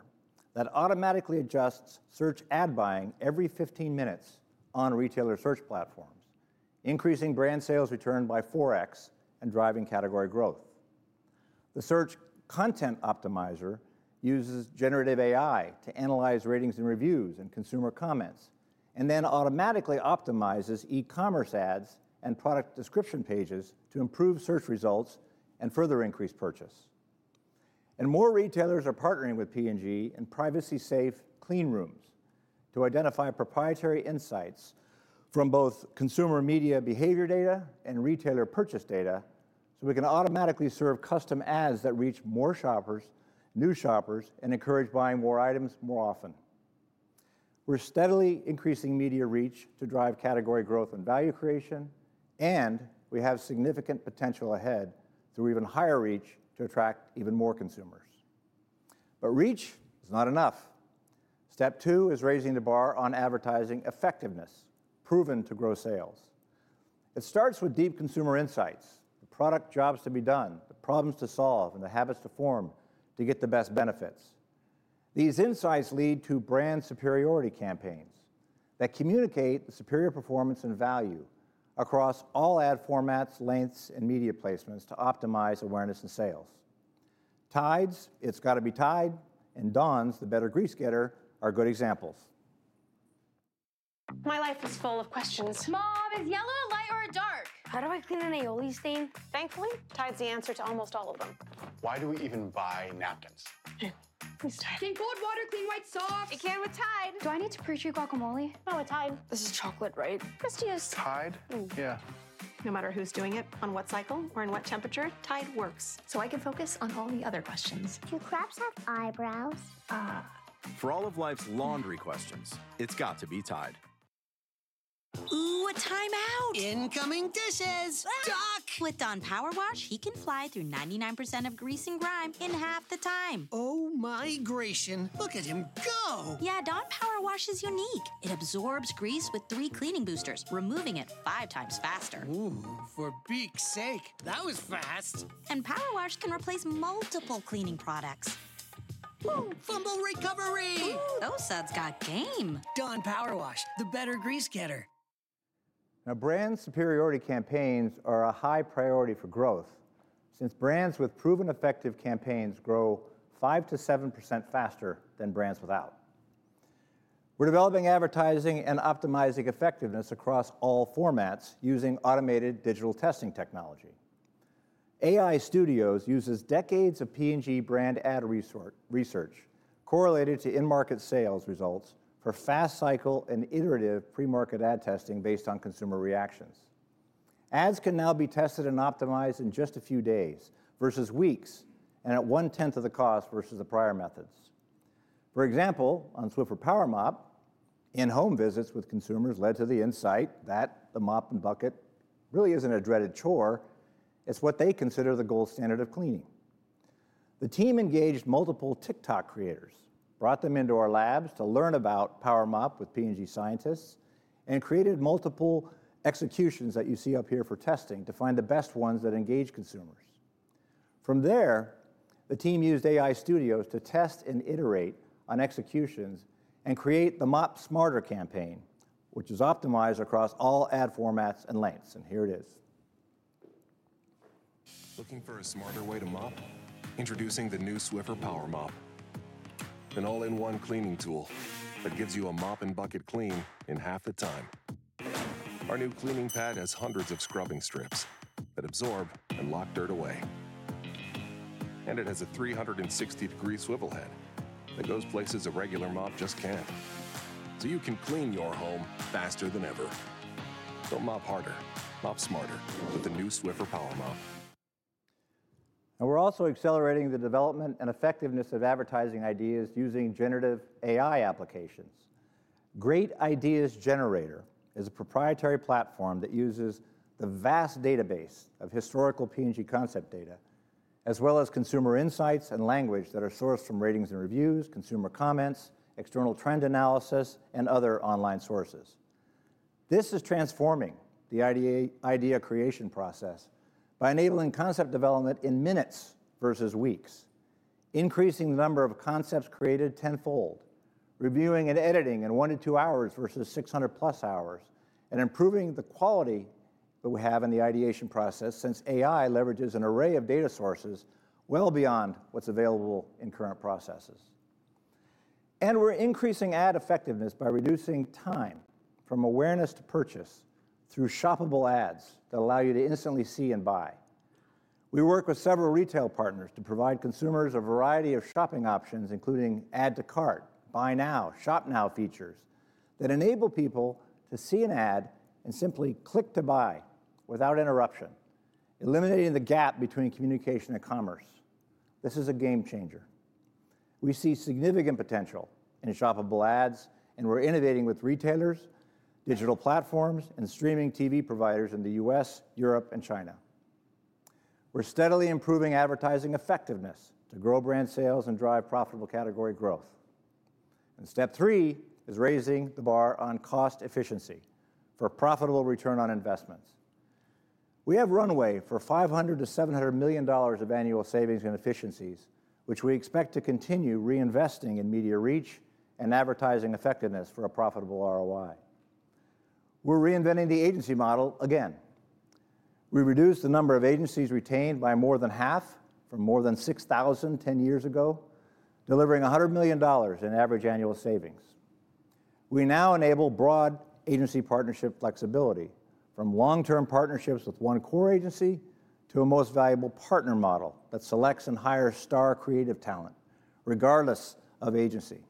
Speaker 5: that automatically adjusts search ad buying every 15 minutes on retailer search platforms, increasing brand sales return by 4x and driving category growth. The search content optimizer uses generative AI to analyze ratings and reviews and consumer comments, and then automatically optimizes e-commerce ads and product description pages to improve search results and further increase purchase, and more retailers are partnering with P&G in privacy-safe clean rooms to identify proprietary insights from both consumer media behavior data and retailer purchase data so we can automatically serve custom ads that reach more shoppers, new shoppers, and encourage buying more items more often. We're steadily increasing media reach to drive category growth and value creation, and we have significant potential ahead through even higher reach to attract even more consumers. But reach is not enough. Step two is raising the bar on advertising effectiveness, proven to grow sales. It starts with deep consumer insights, the product jobs to be done, the problems to solve, and the habits to form to get the best benefits. These insights lead to brand superiority campaigns that communicate the superior performance and value across all ad formats, lengths, and media placements to optimize awareness and sales. Tide's, it's got to be Tide, and Dawn's, the better grease getter, are good examples. My life is full of questions. Mom, is yellow a light or a dark? How do I clean an oily stain? Thankfully, Tide's the answer to almost all of them. Why do we even buy napkins? Please, Tide. Sink board, water, clean white, soft. It can't with Tide. Do I need to pre-treat guacamole? No, with Tide. This is chocolate, right? Crispiest. Tide. Yeah. No matter who's doing it, on what cycle, or in what temperature, Tide works. So I can focus on all the other questions. Do crabs have eyebrows? For all of life's laundry questions, it's got to be Tide. Ooh, a timeout. Incoming dishes. Stuck. With Dawn Powerwash, he can fly through 99% of grease and grime in half the time. Oh, migration. Look at him go. Yeah, Dawn Powerwash is unique. It absorbs grease with three cleaning boosters, removing it five times faster. Ooh, for a beak's sake. That was fast. And Powerwash can replace multiple cleaning products. Woo, fumble recovery. Those suds got game. Dawn Powerwash, the better grease getter. Now, brand superiority campaigns are a high priority for growth since brands with proven effective campaigns grow 5%-7% faster than brands without. We're developing advertising and optimizing effectiveness across all formats using automated digital testing technology. AI Studios uses decades of P&G brand ad research correlated to in-market sales results for fast-cycle and iterative pre-market ad testing based on consumer reactions. Ads can now be tested and optimized in just a few days versus weeks and at one-tenth of the cost versus the prior methods. For example, on Swiffer PowerMop, in-home visits with consumers led to the insight that the mop and bucket really isn't a dreaded chore. It's what they consider the gold standard of cleaning. The team engaged multiple TikTok creators, brought them into our labs to learn about PowerMop with P&G scientists, and created multiple executions that you see up here for testing to find the best ones that engage consumers. From there, the team used AI Studios to test and iterate on executions and create the Mop Smarter campaign, which is optimized across all ad formats and lengths. And here it is. Looking for a smarter way to mop? Introducing the new Swiffer PowerMop, an all-in-one cleaning tool that gives you a mop and bucket clean in half the time. Our new cleaning pad has hundreds of scrubbing strips that absorb and lock dirt away. And it has a 360-degree swivel head that goes places a regular mop just can't. So you can clean your home faster than ever. Don't mop harder. Mop smarter with the new Swiffer PowerMop. Now, we're also accelerating the development and effectiveness of advertising ideas using generative AI applications. Great Ideas Generator is a proprietary platform that uses the vast database of historical P&G concept data, as well as consumer insights and language that are sourced from ratings and reviews, consumer comments, external trend analysis, and other online sources. This is transforming the idea creation process by enabling concept development in minutes versus weeks, increasing the number of concepts created tenfold, reviewing and editing in one to two hours versus 600-plus hours, and improving the quality that we have in the ideation process since AI leverages an array of data sources well beyond what's available in current processes. And we're increasing ad effectiveness by reducing time from awareness to purchase through shoppable ads that allow you to instantly see and buy. We work with several retail partners to provide consumers a variety of shopping options, including add-to-cart, buy now, shop now features that enable people to see an ad and simply click to buy without interruption, eliminating the gap between communication and commerce. This is a game changer. We see significant potential in shoppable ads, and we're innovating with retailers, digital platforms, and streaming TV providers in the U.S., Europe, and China. We're steadily improving advertising effectiveness to grow brand sales and drive profitable category growth. And step three is raising the bar on cost efficiency for a profitable return on investments. We have runway for $500-$700 milli on of annual savings and efficiencies, which we expect to continue reinvesting in media reach and advertising effectiveness for a profitable ROI. We're reinventing the agency model again. We reduced the number of agencies retained by more than half from more than 6,000 10 years ago, delivering $100 million in average annual savings. We now enable broad agency partnership flexibility from long-term partnerships with one core agency to a most valuable partner model that selects and hires star creative talent regardless of agency.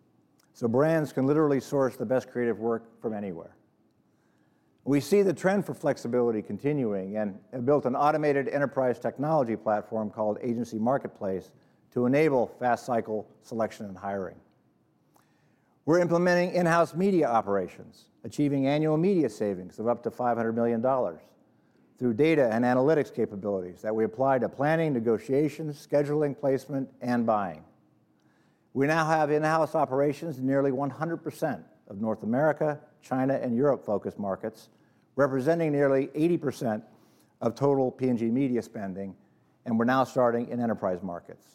Speaker 5: So brands can literally source the best creative work from anywhere. We see the trend for flexibility continuing and have built an automated enterprise technology platform called Agency Marketplace to enable fast-cycle selection and hiring. We're implementing in-house media operations, achieving annual media savings of up to $500 million through data and analytics capabilities that we apply to planning, negotiations, scheduling, placement, and buying. We now have in-house operations in nearly 100% of North America, China, and Europe-focused markets, representing nearly 80% of total P&G media spending, and we're now starting in enterprise markets.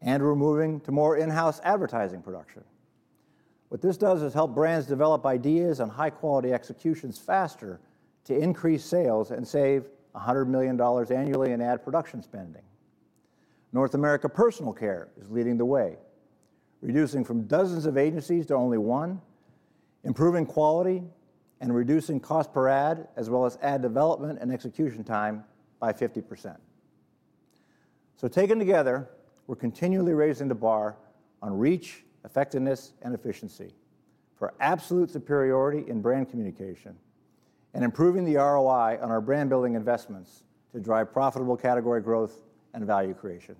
Speaker 5: And we're moving to more in-house advertising production. What this does is help brands develop ideas and high-quality executions faster to increase sales and save $100 million annually in ad production spending. North America personal care is leading the way, reducing from dozens of agencies to only one, improving quality, and reducing cost per ad, as well as ad development and execution time by 50%. So taken together, we're continually raising the bar on reach, effectiveness, and efficiency for absolute superiority in brand communication and improving the ROI on our brand-building investments to drive profitable category growth and value creation.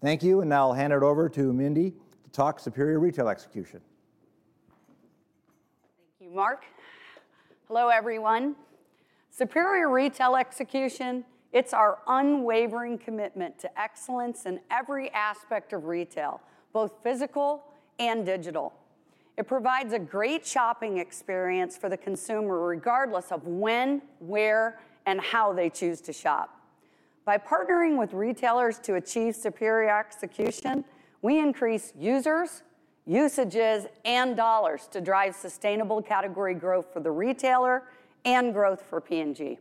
Speaker 5: Thank you, and now I'll hand it over to Mindy to talk superior retail execution.
Speaker 6: Thank you, Mark. Hello, everyone. Superior retail execution, it's our unwavering commitment to excellence in every aspect of retail, both physical and digital. It provides a great shopping experience for the consumer regardless of when, where, and how they choose to shop. By partnering with retailers to achieve superior execution, we increase users, usages, and dollars to drive sustainable category growth for the retailer and growth for P&G.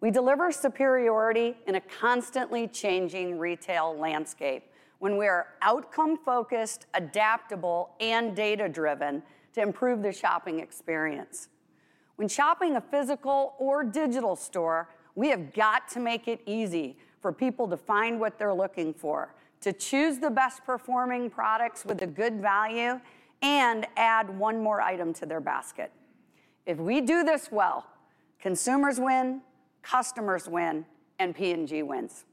Speaker 6: We deliver superiority in a constantly changing retail landscape when we are outcome-focused, adaptable, and data-driven to improve the shopping experience. When shopping a physical or digital store, we have got to make it easy for people to find what they're looking for, to choose the best-performing products with a good value, and add one more item to their basket. If we do this well, consumers win, customers win, and P&G wins.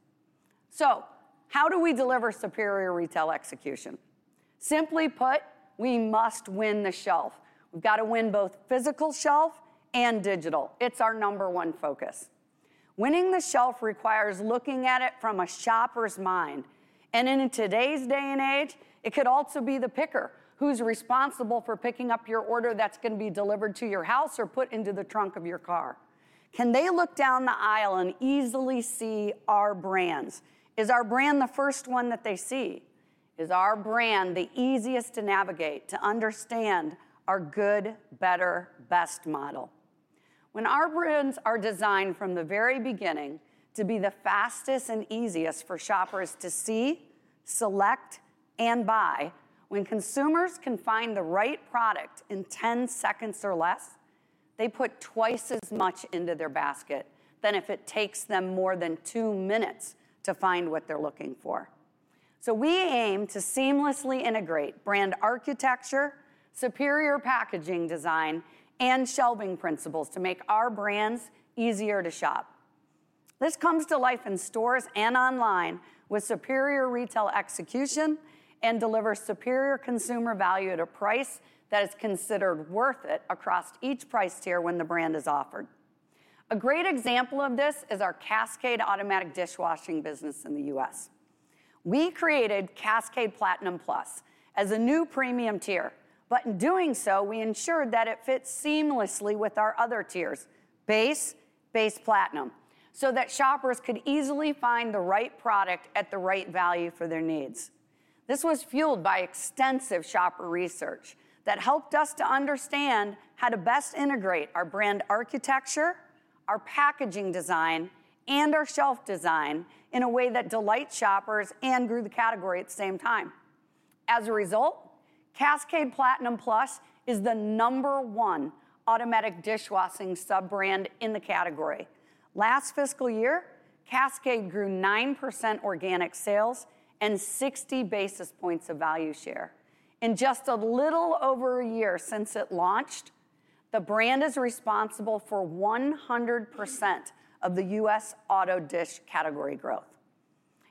Speaker 6: So how do we deliver superior retail execution? Simply put, we must win the shelf. We've got to win both physical shelf and digital. It's our number one focus.
Speaker 2: Winning the shelf requires looking at it from a shopper's mind. In today's day and age, it could also be the picker who's responsible for picking up your order that's going to be delivered to your house or put into the trunk of your car. Can they look down the aisle and easily see our brands? Is our brand the first one that they see? Is our brand the easiest to navigate, to understand our good, better, best model? When our brands are designed from the very beginning to be the fastest and easiest for shoppers to see, select, and buy, when consumers can find the right product in 10 seconds or less, they put twice as much into their basket than if it takes them more than two minutes to find what they're looking for. So we aim to seamlessly integrate brand architecture, superior packaging design, and shelving principles to make our brands easier to shop. This comes to life in stores and online with superior retail execution and delivers superior consumer value at a price that is considered worth it across each price tier when the brand is offered. A great example of this is our Cascade automatic dishwashing business in the U.S. We created Cascade Platinum Plus as a new premium tier, but in doing so, we ensured that it fit seamlessly with our other tiers, Base, Base, Platinum, so that shoppers could easily find the right product at the right value for their needs. This was fueled by extensive shopper research that helped us to understand how to best integrate our brand architecture, our packaging design, and our shelf design in a way that delights shoppers and grew the category at the same time. As a result, Cascade Platinum Plus is the number one automatic dishwashing sub-brand in the category. Last fiscal year, Cascade grew 9% organic sales and 60 basis points of value share. In just a little over a year since it launched, the brand is responsible for 100% of the U.S. auto dish category growth.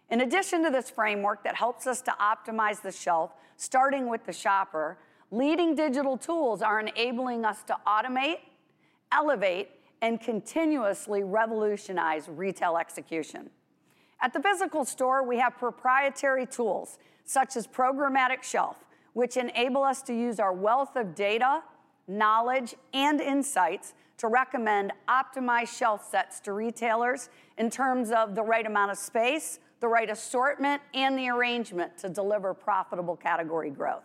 Speaker 2: In addition to this framework that helps us to optimize the shelf starting with the shopper, leading digital tools are enabling us to automate, elevate, and continuously revolutionize retail execution. At the physical store, we have proprietary tools such as Programmatic Shelf, which enable us to use our wealth of data, knowledge, and insights to recommend optimized shelf sets to retailers in terms of the right amount of space, the right assortment, and the arrangement to deliver profitable category growth.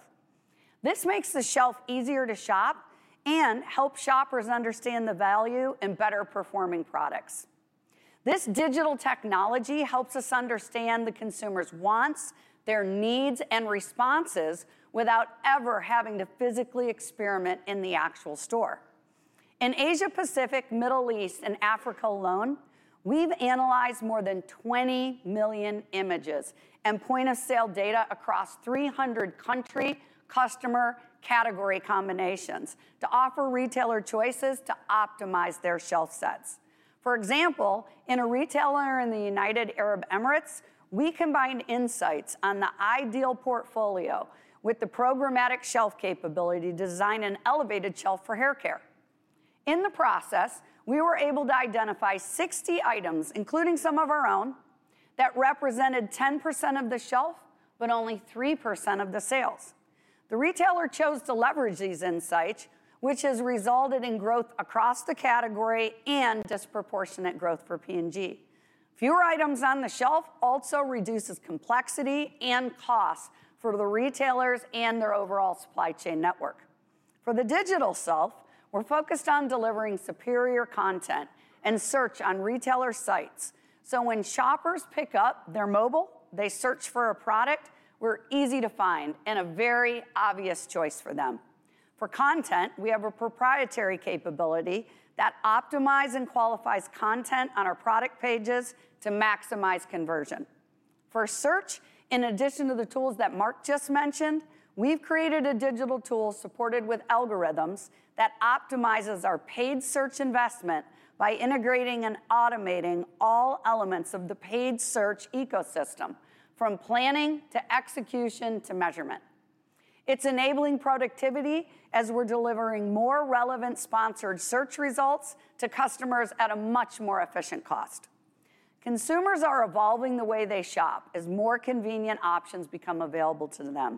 Speaker 2: This makes the shelf easier to shop and helps shoppers understand the value in better-performing products. This digital technology helps us understand the consumer's wants, their needs, and responses without ever having to physically experiment in the actual store. In Asia-Pacific, Middle East, and Africa alone, we've analyzed more than 20 million images and point-of-sale data across 300 country customer category combinations to offer retailer choices to optimize their shelf sets. For example, in a retailer in the United Arab Emirates, we combined insights on the ideal portfolio with the programmatic shelf capability to design an elevated shelf for haircare. In the process, we were able to identify 60 items, including some of our own, that represented 10% of the shelf, but only 3% of the sales. The retailer chose to leverage these insights, which has resulted in growth across the category and disproportionate growth for P&G. Fewer items on the shelf also reduces complexity and cost for the retailers and their overall supply chain network. For the digital shelf, we're focused on delivering superior content and search on retailer sites. So when shoppers pick up their mobile, they search for a product where it's easy to find and a very obvious choice for them. For content, we have a proprietary capability that optimizes and qualifies content on our product pages to maximize conversion. For search, in addition to the tools that Mark just mentioned, we've created a digital tool supported with algorithms that optimizes our paid search investment by integrating and automating all elements of the paid search ecosystem, from planning to execution to measurement. It's enabling productivity as we're delivering more relevant sponsored search results to customers at a much more efficient cost. Consumers are evolving the way they shop as more convenient options become available to them.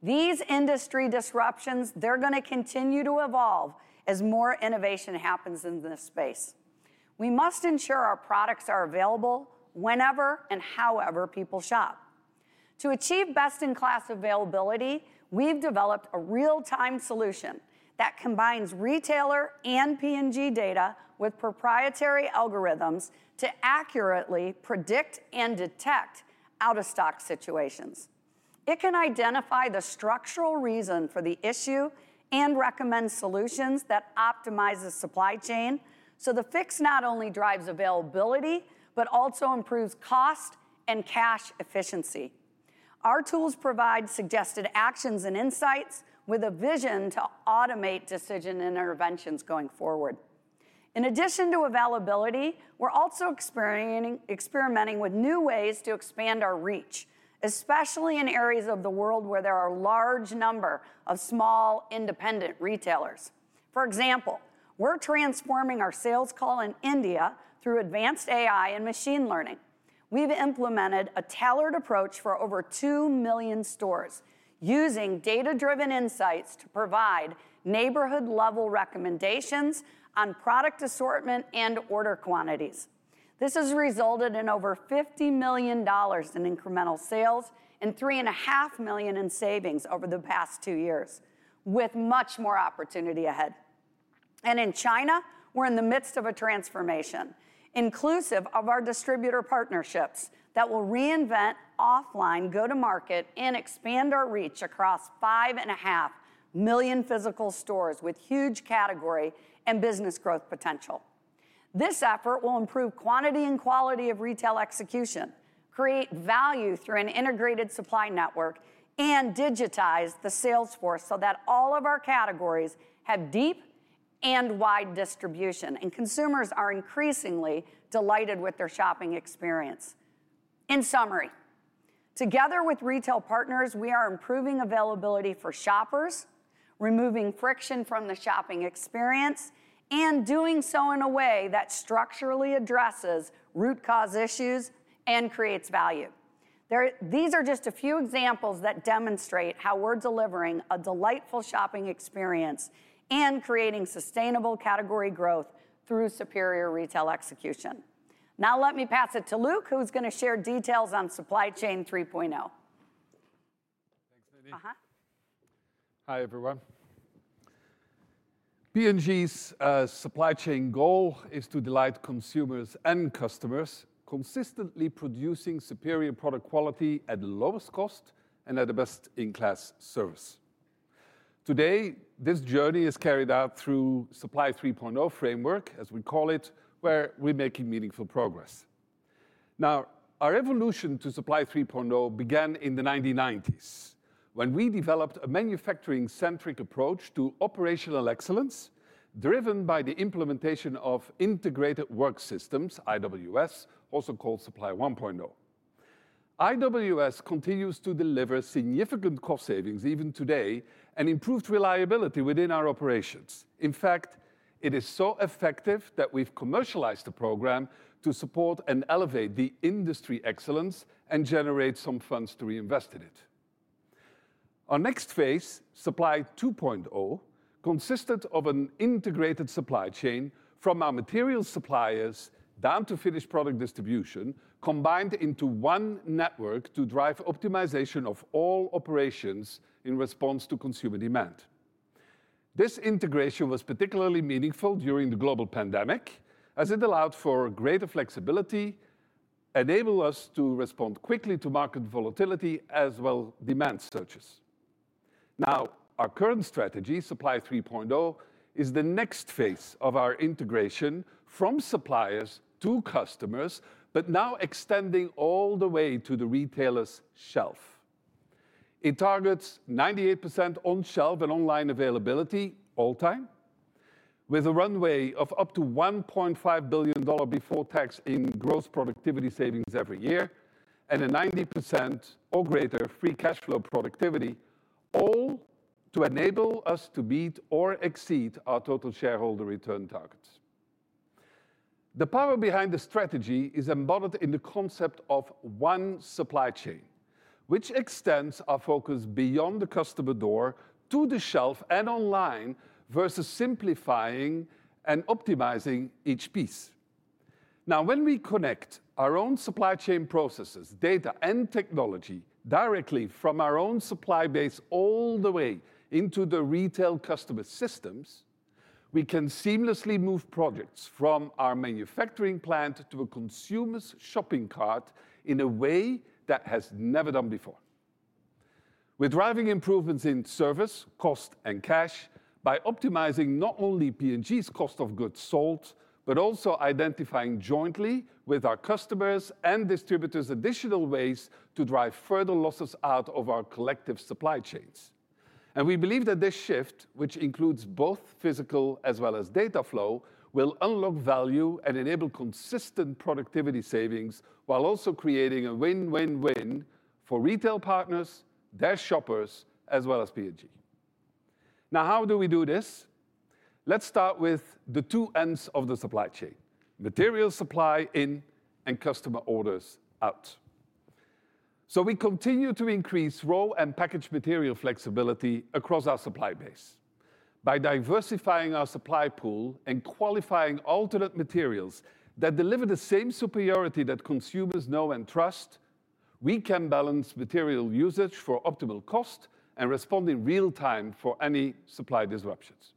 Speaker 2: These industry disruptions, they're going to continue to evolve as more innovation happens in this space. We must ensure our products are available whenever and however people shop. To achieve best-in-class availability, we've developed a real-time solution that combines retailer and P&G data with proprietary algorithms to accurately predict and detect out-of-stock situations. It can identify the structural reason for the issue and recommend solutions that optimize the supply chain, so the fix not only drives availability, but also improves cost and cash efficiency. Our tools provide suggested actions and insights with a vision to automate decision interventions going forward. In addition to availability, we're also experimenting with new ways to expand our reach, especially in areas of the world where there are a large number of small independent retailers. For example, we're transforming our sales call in India through advanced AI and machine learning. We've implemented a tailored approach for over 2 million stores using data-driven insights to provide neighborhood-level recommendations on product assortment and order quantities. This has resulted in over $50 million in incremental sales and $3.5 million in savings over the past two years, with much more opportunity ahead. And in China, we're in the midst of a transformation inclusive of our distributor partnerships that will reinvent offline go-to-market and expand our reach across 5.5 million physical stores with huge category and business growth potential. This effort will improve quantity and quality of retail execution, create value through an integrated supply network, and digitize the sales force so that all of our categories have deep and wide distribution, and consumers are increasingly delighted with their shopping experience. In summary, together with retail partners, we are improving availability for shoppers, removing friction from the shopping experience, and doing so in a way that structurally addresses root cause issues and creates value. These are just a few examples that demonstrate how we're delivering a delightful shopping experience and creating sustainable category growth through superior retail execution. Now let me pass it to Luc, who's going to share details on Supply 3.0.
Speaker 7: Thanks, Mindy. Hi, everyone. P&G's supply chain goal is to delight consumers and customers, consistently producing superior product quality at the lowest cost and at the best-in-class service. Today, this journey is carried out through the Supply 3.0 framework, as we call it, where we're making meaningful progress. Now, our evolution to Supply 3.0 began in the 1990s when we developed a manufacturing-centric approach to operational excellence driven by the implementation of Integrated Work Systems, IWS, also called Supply 1.0. IWS continues to deliver significant cost savings even today and improved reliability within our operations. In fact, it is so effective that we've commercialized the program to support and elevate the industry excellence and generate some funds to reinvest in it. Our next phase, Supply 2.0, consisted of an integrated supply chain from our materials suppliers down to finished product distribution combined into one network to drive optimization of all operations in response to consumer demand. This integration was particularly meaningful during the global pandemic as it allowed for greater flexibility, enabled us to respond quickly to market volatility as well as demand surges. Now, our current strategy, Supply 3.0, is the next phase of our integration from suppliers to customers, but now extending all the way to the retailer's shelf. It targets 98% on-shelf and online availability all time, with a runway of up to $1.5 billion before tax in gross productivity savings every year and a 90% or greater free cash flow productivity, all to enable us to meet or exceed our total shareholder return targets. The power behind the strategy is embodied in the concept of one supply chain, which extends our focus beyond the customer door to the shelf and online versus simplifying and optimizing each piece. Now, when we connect our own supply chain processes, data, and technology directly from our own supply base all the way into the retail customer systems, we can seamlessly move projects from our manufacturing plant to a consumer's shopping cart in a way that has never done before. We're driving improvements in service, cost, and cash by optimizing not only P&G's cost of goods sold, but also identifying jointly with our customers and distributors additional ways to drive further losses out of our collective supply chains. And we believe that this shift, which includes both physical as well as data flow, will unlock value and enable consistent productivity savings while also creating a win-win-win for retail partners, their shoppers, as well as P&G. Now, how do we do this? Let's start with the two ends of the supply chain: material supply in and customer orders out. So we continue to increase raw and packaged material flexibility across our supply base. By diversifying our supply pool and qualifying alternate materials that deliver the same superiority that consumers know and trust, we can balance material usage for optimal cost and respond in real time for any supply disruptions.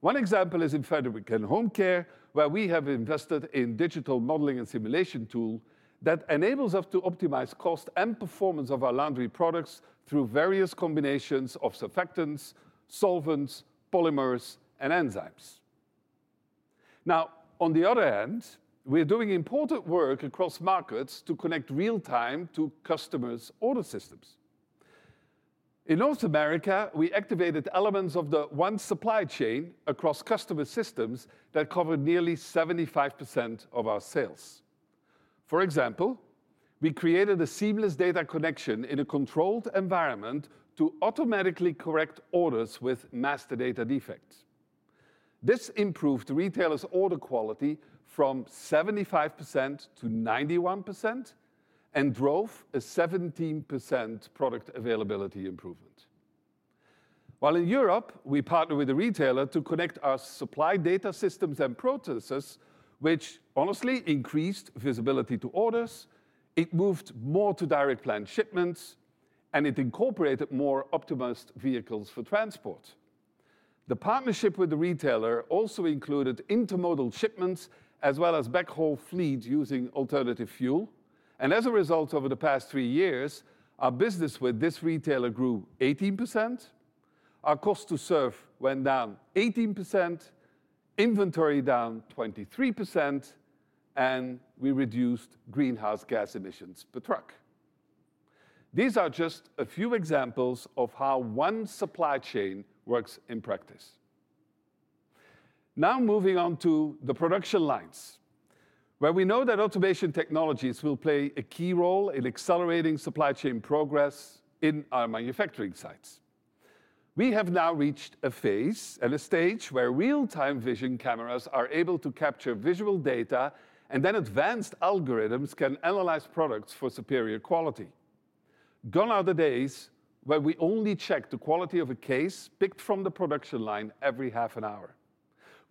Speaker 7: One example is in Fabric and Home Care, where we have invested in a digital modeling and simulation tool that enables us to optimize cost and performance of our laundry products through various combinations of surfactants, solvents, polymers, and enzymes. Now, on the other hand, we're doing important work across markets to connect real time to customers' order systems. In North America, we activated elements of the one supply chain across customer systems that covered nearly 75% of our sales. For example, we created a seamless data connection in a controlled environment to automatically correct orders with master data defects. This improved retailers' order quality from 75% to 91% and drove a 17% product availability improvement. While in Europe, we partnered with a retailer to connect our supply data systems and processes, which honestly increased visibility to orders. It moved more to direct line shipments, and it incorporated more optimized vehicles for transport. The partnership with the retailer also included intermodal shipments as well as backhaul fleets using alternative fuel, and as a result, over the past three years, our business with this retailer grew 18%. Our cost to serve went down 18%, inventory down 23%, and we reduced greenhouse gas emissions per truck. These are just a few examples of how one supply chain works in practice. Now moving on to the production lines, where we know that automation technologies will play a key role in accelerating supply chain progress in our manufacturing sites. We have now reached a phase and a stage where real-time vision cameras are able to capture visual data, and then advanced algorithms can analyze products for superior quality. Gone are the days where we only checked the quality of a case picked from the production line every half an hour.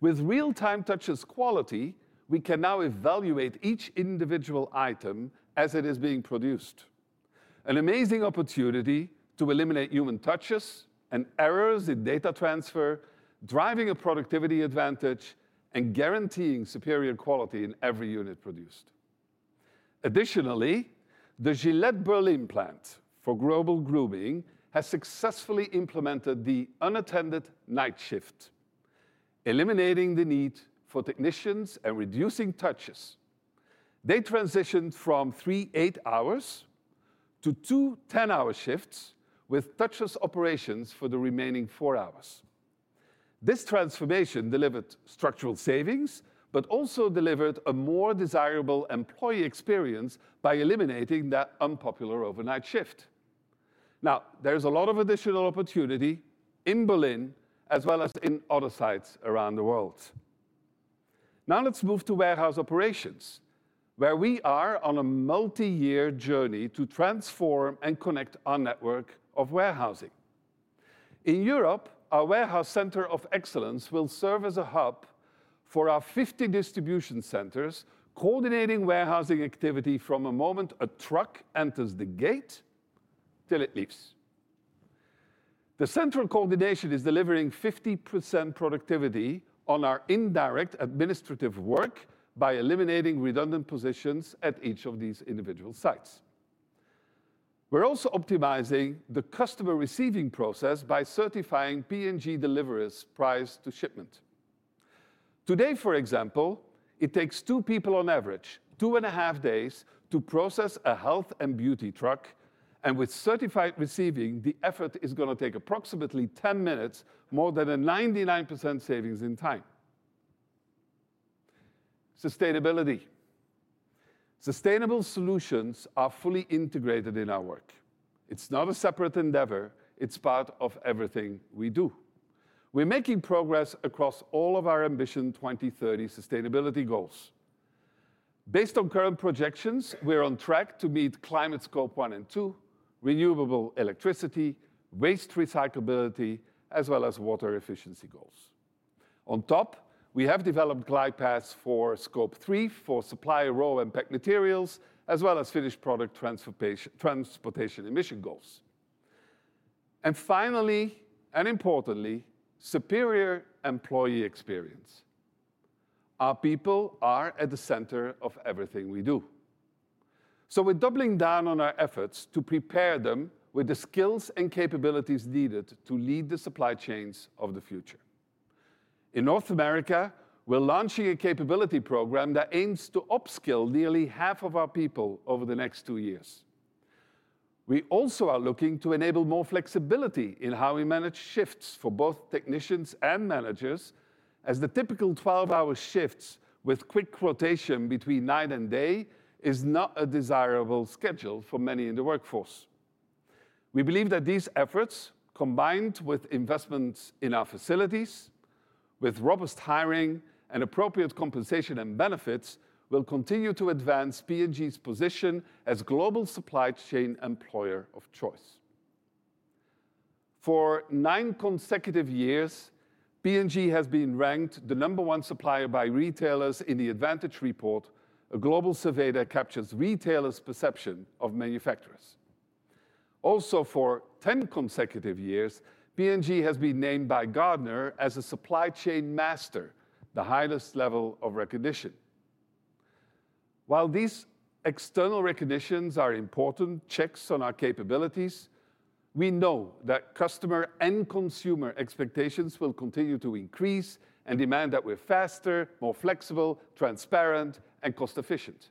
Speaker 7: With real-time touchless quality, we can now evaluate each individual item as it is being produced. An amazing opportunity to eliminate human touches and errors in data transfer, driving a productivity advantage and guaranteeing superior quality in every unit produced. Additionally, the Gillette Berlin plant for global grooming has successfully implemented the unattended night shift, eliminating the need for technicians and reducing touches. They transitioned from three eight-hour to two ten-hour shifts with touchless operations for the remaining four hours. This transformation delivered structural savings, but also delivered a more desirable employee experience by eliminating that unpopular overnight shift. Now, there's a lot of additional opportunity in Berlin as well as in other sites around the world. Now let's move to warehouse operations, where we are on a multi-year journey to transform and connect our network of warehousing. In Europe, our warehouse center of excellence will serve as a hub for our 50 distribution centers, coordinating warehousing activity from the moment a truck enters the gate till it leaves. The central coordination is delivering 50% productivity on our indirect administrative work by eliminating redundant positions at each of these individual sites. We're also optimizing the customer receiving process by certifying P&G deliverers' price to shipment. Today, for example, it takes two people on average, two and a half days to process a health and beauty truck, and with certified receiving, the effort is going to take approximately 10 minutes more than a 99% savings in time. Sustainability. Sustainable solutions are fully integrated in our work. It's not a separate endeavor. It's part of everything we do. We're making progress across all of our Ambition 2030 sustainability goals. Based on current projections, we're on track to meet climate scope one and two, renewable electricity, waste recyclability, as well as water efficiency goals. On top, we have developed glide paths for scope three for supply raw and packed materials, as well as finished product transportation emission goals. And finally, and importantly, superior employee experience. Our people are at the center of everything we do. So we're doubling down on our efforts to prepare them with the skills and capabilities needed to lead the supply chains of the future. In North America, we're launching a capability program that aims to upskill nearly half of our people over the next two years. We also are looking to enable more flexibility in how we manage shifts for both technicians and managers, as the typical 12-hour shifts with quick rotation between night and day is not a desirable schedule for many in the workforce. We believe that these efforts, combined with investments in our facilities, with robust hiring and appropriate compensation and benefits, will continue to advance P&G's position as global supply chain employer of choice. For nine consecutive years, P&G has been ranked the number one supplier by retailers in the Advantage Report, a global survey that captures retailers' perception of manufacturers. Also, for 10 consecutive years, P&G has been named by Gartner as a Supply Chain Master, the highest level of recognition. While these external recognitions are important checks on our capabilities, we know that customer and consumer expectations will continue to increase and demand that we're faster, more flexible, transparent, and cost-efficient.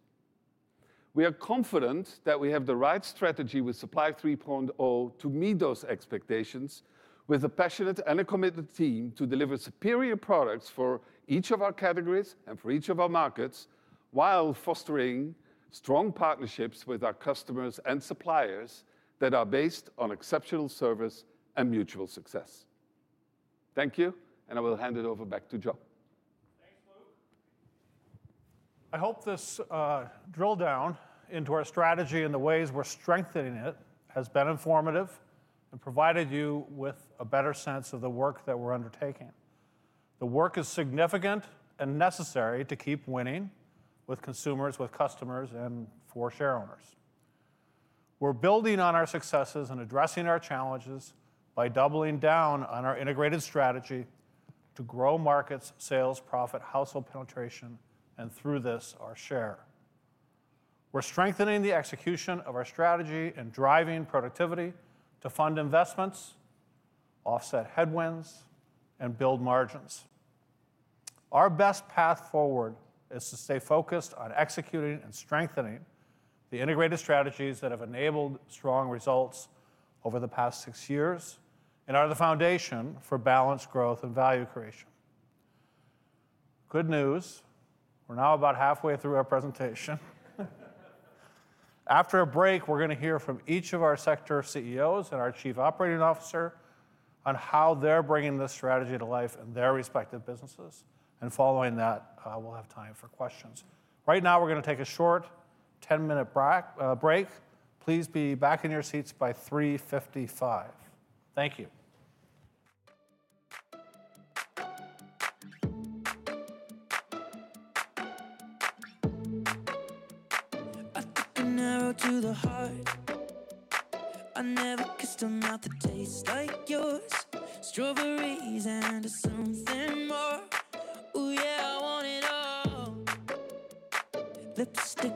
Speaker 7: We are confident that we have the right strategy with Supply 3.0 to meet those expectations with a passionate and a committed team to deliver superior products for each of our categories and for each of our markets, while fostering strong partnerships with our customers and suppliers that are based on exceptional service and mutual success. Thank you, and I will hand it over back to Joe.
Speaker 8: Thanks, Luc. I hope this drill down into our strategy and the ways we're strengthening it has been informative and provided you with a better sense of the work that we're undertaking. The work is significant and necessary to keep winning with consumers, with customers, and for share owners. We're building on our successes and addressing our challenges by doubling down on our integrated strategy to grow markets, sales, profit, household penetration, and through this, our share. We're strengthening the execution of our strategy and driving productivity to fund investments, offset headwinds, and build margins. Our best path forward is to stay focused on executing and strengthening the integrated strategies that have enabled strong results over the past six years and are the foundation for balanced growth and value creation. Good news. We're now about halfway through our presentation. After a break, we're going to hear from each of our sector CEOs and our Chief Operating Officer on how they're bringing this strategy to life in their respective businesses. And following that, we'll have time for questions. Right now, we're going to take a short 10-minute break. Please be back in your seats by 3:55 P.M. Thank you. I took an arrow to the heart. I never kissed a mouth that tastes like yours. Strawberries and something more. Ooh, yeah, I want it all. Lipstick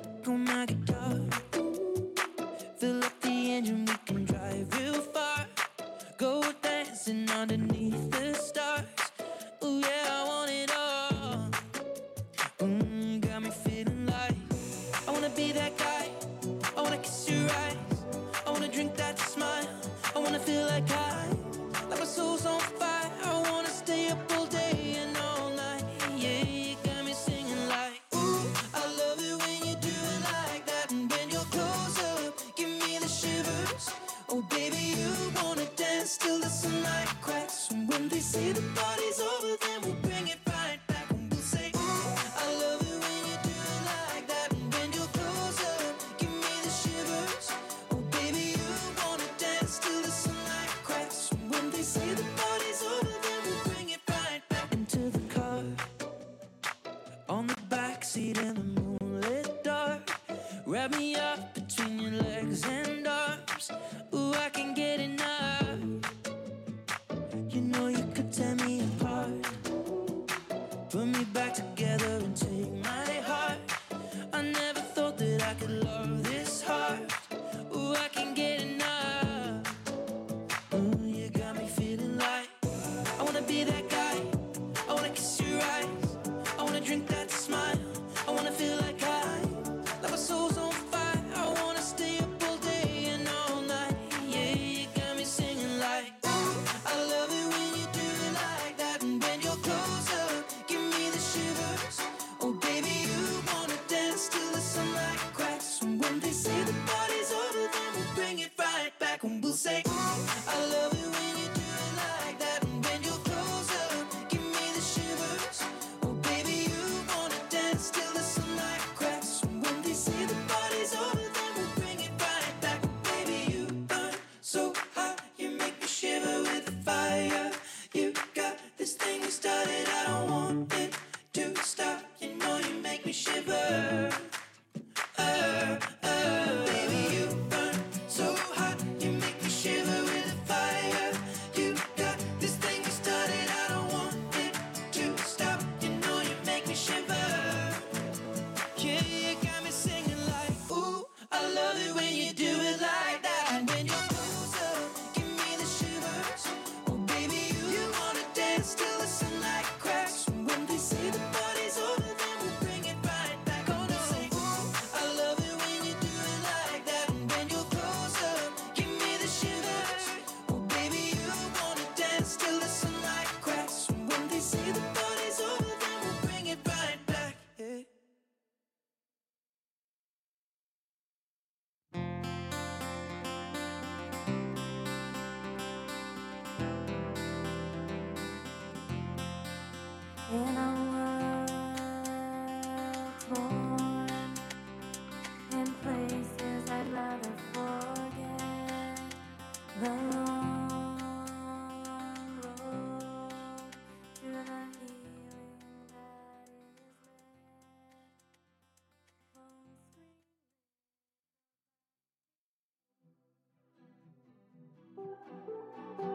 Speaker 8: on my guitar. Feel like the engine. We can drive real far. Go dancing underneath the stars. Ooh, yeah, I want it all. Got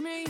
Speaker 8: me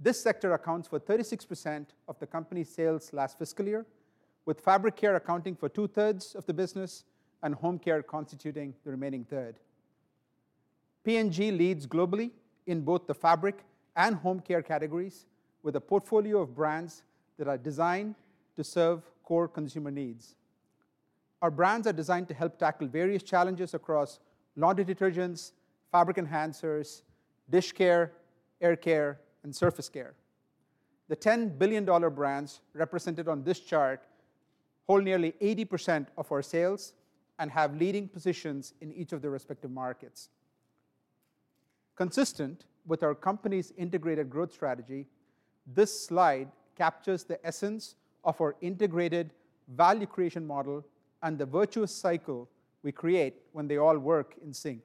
Speaker 2: This sector accounts for 36% of the company's sales last fiscal year, with fabric care accounting for two-thirds of the business and home care constituting the remaining third. P&G leads globally in both the fabric and home care categories, with a portfolio of brands that are designed to serve core consumer needs.
Speaker 9: Our brands are designed to help tackle various challenges across laundry detergents, fabric enhancers, dish care, air care, and surface care. The $10 billion brands represented on this chart hold nearly 80% of our sales and have leading positions in each of their respective markets. Consistent with our company's integrated growth strategy, this slide captures the essence of our integrated value creation model and the virtuous cycle we create when they all work in sync.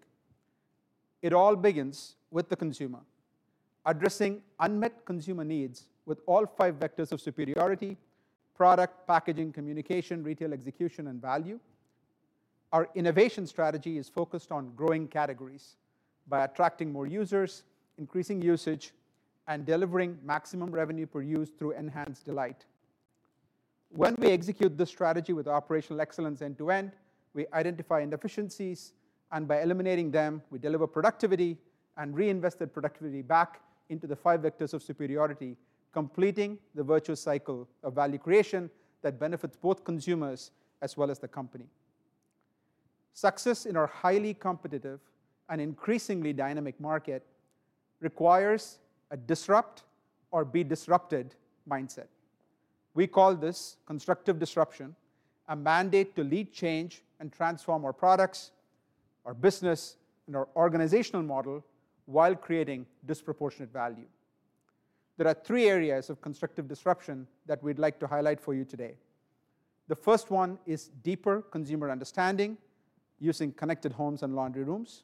Speaker 9: It all begins with the consumer, addressing unmet consumer needs with all five vectors of superiority: product, packaging, communication, retail execution, and value. Our innovation strategy is focused on growing categories by attracting more users, increasing usage, and delivering maximum revenue per use through enhanced delight. When we execute this strategy with operational excellence end-to-end, we identify inefficiencies, and by eliminating them, we deliver productivity and reinvest that productivity back into the five vectors of superiority, completing the virtuous cycle of value creation that benefits both consumers as well as the company. Success in our highly competitive and increasingly dynamic market requires a disrupt or be disrupted mindset. We call this constructive disruption, a mandate to lead change and transform our products, our business, and our organizational model while creating disproportionate value. There are three areas of constructive disruption that we'd like to highlight for you today. The first one is deeper consumer understanding using connected homes and laundry rooms.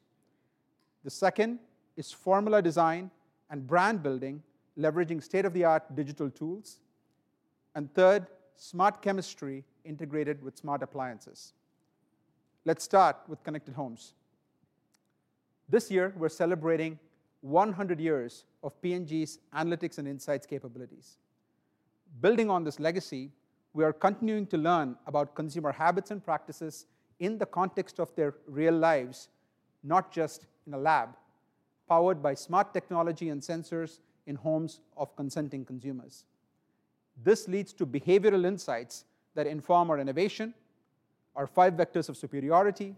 Speaker 9: The second is formula design and brand building leveraging state-of-the-art digital tools. And third, smart chemistry integrated with smart appliances. Let's start with connected homes. This year, we're celebrating 100 years of P&G's analytics and insights capabilities. Building on this legacy, we are continuing to learn about consumer habits and practices in the context of their real lives, not just in a lab, powered by smart technology and sensors in homes of consenting consumers. This leads to behavioral insights that inform our innovation, our five vectors of superiority,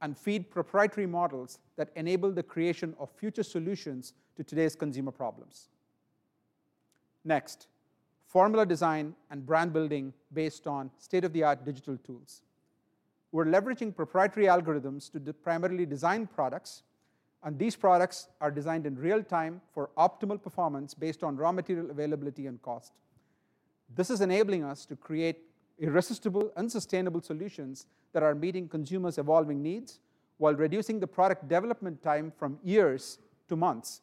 Speaker 9: and feed proprietary models that enable the creation of future solutions to today's consumer problems. Next, formula design and brand building based on state-of-the-art digital tools. We're leveraging proprietary algorithms to primarily design products, and these products are designed in real time for optimal performance based on raw material availability and cost. This is enabling us to create irresistible, sustainable solutions that are meeting consumers' evolving needs while reducing the product development time from years to months,